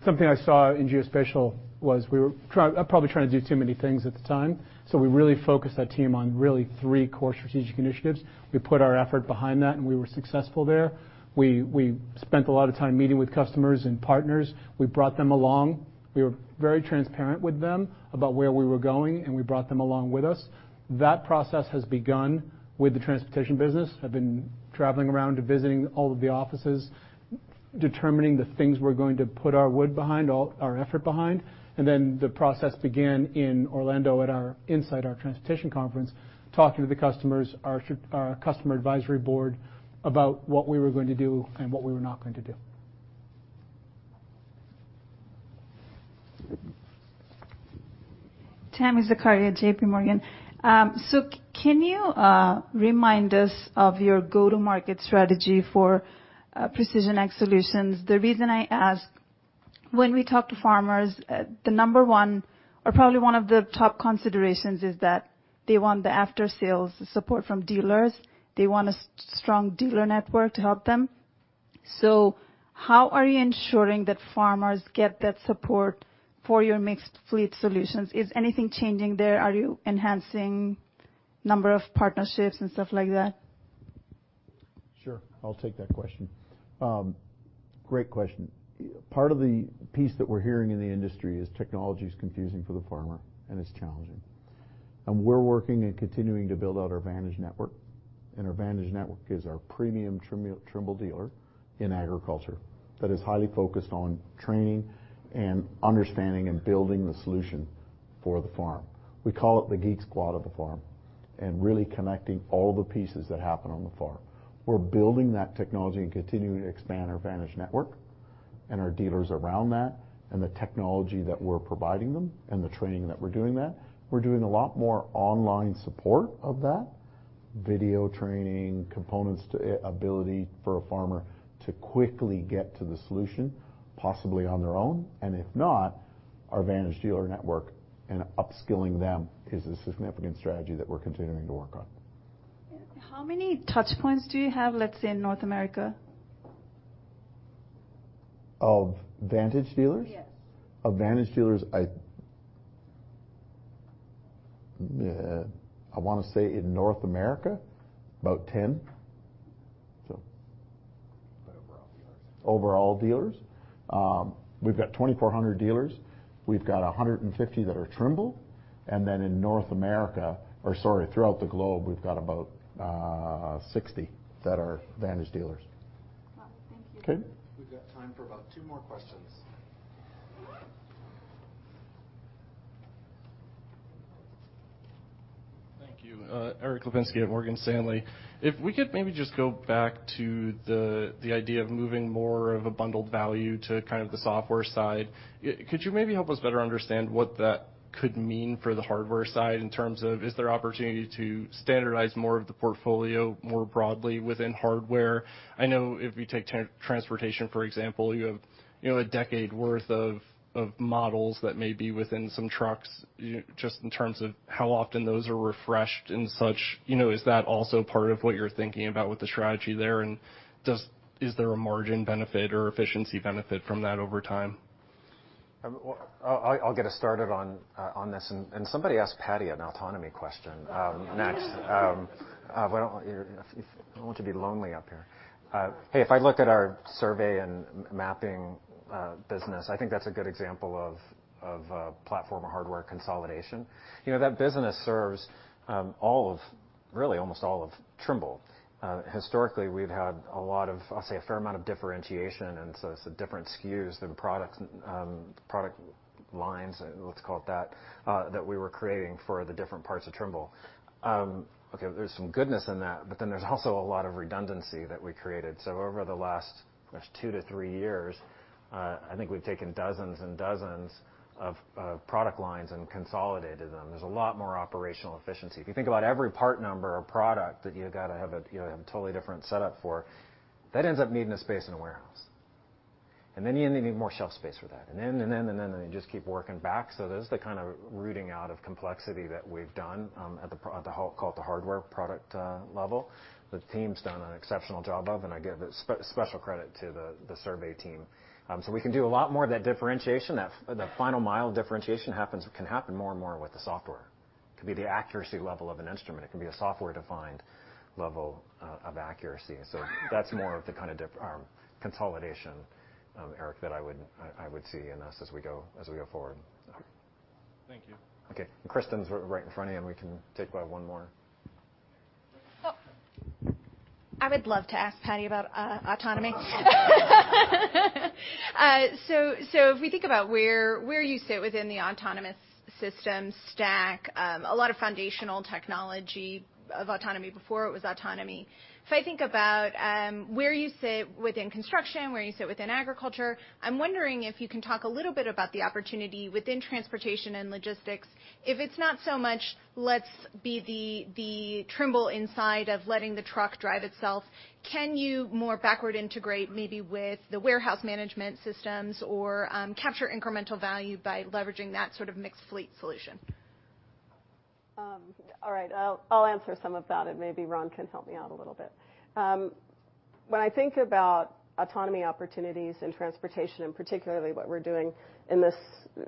[SPEAKER 12] something I saw in geospatial was we were probably trying to do too many things at the time. We really focused that team on really 3 core strategic initiatives. We put our effort behind that, and we were successful there. We spent a lot of time meeting with customers and partners. We brought them along. We were very transparent with them about where we were going, and we brought them along with us. That process has begun with the transportation business. I've been traveling around and visiting all of the offices, determining the things we're going to put our weight behind, all our effort behind. The process began in Orlando at our Insight transportation conference, talking to the customers, our customer advisory board about what we were going to do and what we were not going to do.
[SPEAKER 11] Tami Zakaria, J.P. Morgan. Can you remind us of your go-to-market strategy for Precision Ag Solutions? The reason I ask, when we talk to farmers, the number 1 or probably one of the top considerations is that they want the after-sales support from dealers. They want a strong dealer network to help them. How are you ensuring that farmers get that support for your mixed fleet solutions? Is anything changing there? Are you enhancing number of partnerships and stuff like that?
[SPEAKER 13] Sure. I'll take that question. Great question. Part of the piece that we're hearing in the industry is technology is confusing for the farmer, and it's challenging. We're working and continuing to build out our Vantage network. Our Vantage network is our premium Trimble dealer in agriculture that is highly focused on training and understanding and building the solution for the farm. We call it the Geek Squad of the farm, and really connecting all the pieces that happen on the farm. We're building that technology and continuing to expand our Vantage network and our dealers around that and the technology that we're providing them and the training that we're doing that. We're doing a lot more online support of that, video training, components to ability for a farmer to quickly get to the solution, possibly on their own. If not, our Vantage dealer network and upskilling them is a significant strategy that we're continuing to work on.
[SPEAKER 11] How many touchpoints do you have, let's say, in North America?
[SPEAKER 13] Of Vantage dealers?
[SPEAKER 11] Yes.
[SPEAKER 13] Of Vantage dealers, I wanna say in North America, about 10.
[SPEAKER 1] Overall dealers.
[SPEAKER 13] Overall dealers? We've got 2,400 dealers. We've got 150 that are Trimble. Then throughout the globe, we've got about 60 that are Vantage dealers.
[SPEAKER 11] Well, thank you.
[SPEAKER 13] Okay.
[SPEAKER 1] We've got time for about 2 more questions.
[SPEAKER 17] Thank you. Erik Lapinski at Morgan Stanley. If we could maybe just go back to the idea of moving more of a bundled value to kind of the software side. Could you maybe help us better understand what that could mean for the hardware side in terms of, is there opportunity to standardize more of the portfolio more broadly within hardware? I know if you take transportation, for example, you have, you know, a decade worth of models that may be within some trucks. Just in terms of how often those are refreshed and such. You know, is that also part of what you're thinking about with the strategy there? Is there a margin benefit or efficiency benefit from that over time?
[SPEAKER 1] I'll get us started on this. Somebody ask Patty an autonomy question next. I don't want you to be lonely up here. Hey, if I looked at our survey and mapping business, I think that's a good example of platform or hardware consolidation. You know, that business serves all of, really almost all of Trimble. Historically, we've had a lot of, I'll say, a fair amount of differentiation, and so some different SKUs and products, product lines, let's call it that we were creating for the different parts of Trimble. Okay, there's some goodness in that, but then there's also a lot of redundancy that we created. Over the last, gosh, 2 to 3 years, I think we've taken dozens and dozens of product lines and consolidated them. There's a lot more operational efficiency. If you think about every part number or product that you gotta have a totally different setup for, that ends up needing a space in a warehouse. Then you need more shelf space for that. Then you just keep working back. There's the kind of rooting out of complexity that we've done at the call it the hardware product level. The team's done an exceptional job of, and I give special credit to the survey team. We can do a lot more of that differentiation. The final mile differentiation can happen more and more with the software. It could be the accuracy level of an instrument. It can be a software-defined level of accuracy. That's more of the kind of consolidation, Eric, that I would see in this as we go forward.
[SPEAKER 9] Thank you.
[SPEAKER 1] Okay. Kristen's right in front of you, and we can take about 1 more.
[SPEAKER 15] I would love to ask Patty about autonomy. If we think about where you sit within the autonomous system stack, a lot of foundational technology of autonomy before it was autonomy. If I think about where you sit within construction, where you sit within agriculture, I'm wondering if you can talk a little bit about the opportunity within transportation and logistics. If it's not so much let's be the Trimble Inside of letting the truck drive itself, can you more backward integrate maybe with the warehouse management systems or capture incremental value by leveraging that sort of mixed fleet solution?
[SPEAKER 18] All right. I'll answer some of that, and maybe Ron can help me out a little bit. When I think about autonomy opportunities in transportation, and particularly what we're doing in this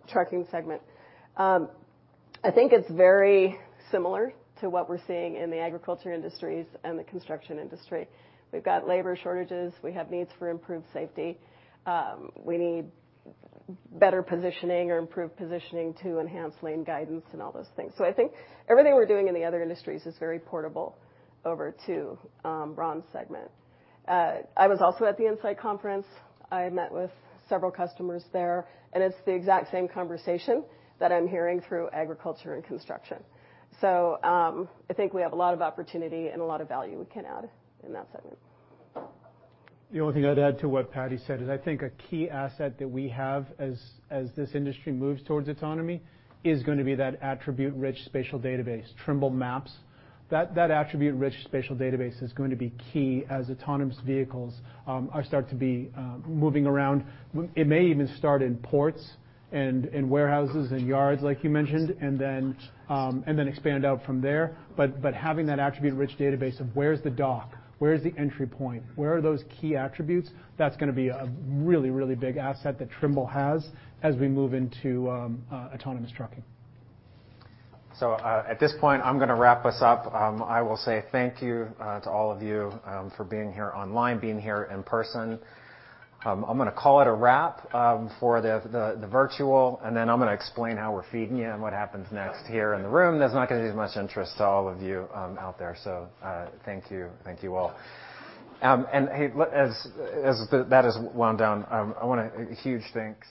[SPEAKER 18] trucking segment, I think it's very similar to what we're seeing in the agriculture industries and the construction industry. We've got labor shortages. We have needs for improved safety. We need better positioning or improved positioning to enhance lane guidance and all those things. I think everything we're doing in the other industries is very portable over to Ron's segment. I was also at the Insight conference. I met with several customers there, and it's the exact same conversation that I'm hearing through agriculture and construction. I think we have a lot of opportunity and a lot of value we can add in that segment.
[SPEAKER 12] The only thing I'd add to what Patty said is I think a key asset that we have as this industry moves towards autonomy is gonna be that attribute-rich spatial database, Trimble Maps. That attribute-rich spatial database is going to be key as autonomous vehicles start to be moving around. It may even start in ports and warehouses and yards, like you mentioned, and then expand out from there. Having that attribute-rich database of where's the dock, where's the entry point, where are those key attributes, that's gonna be a really, really big asset that Trimble has as we move into autonomous trucking.
[SPEAKER 1] At this point, I'm gonna wrap us up. I will say thank you to all of you for being here online, being here in person. I'm gonna call it a wrap for the virtual, and then I'm gonna explain how we're feeding you and what happens next here in the room. That's not gonna be as much interest to all of you out there. Thank you. Thank you all. Hey, as that is wound down, I wanna a huge thanks.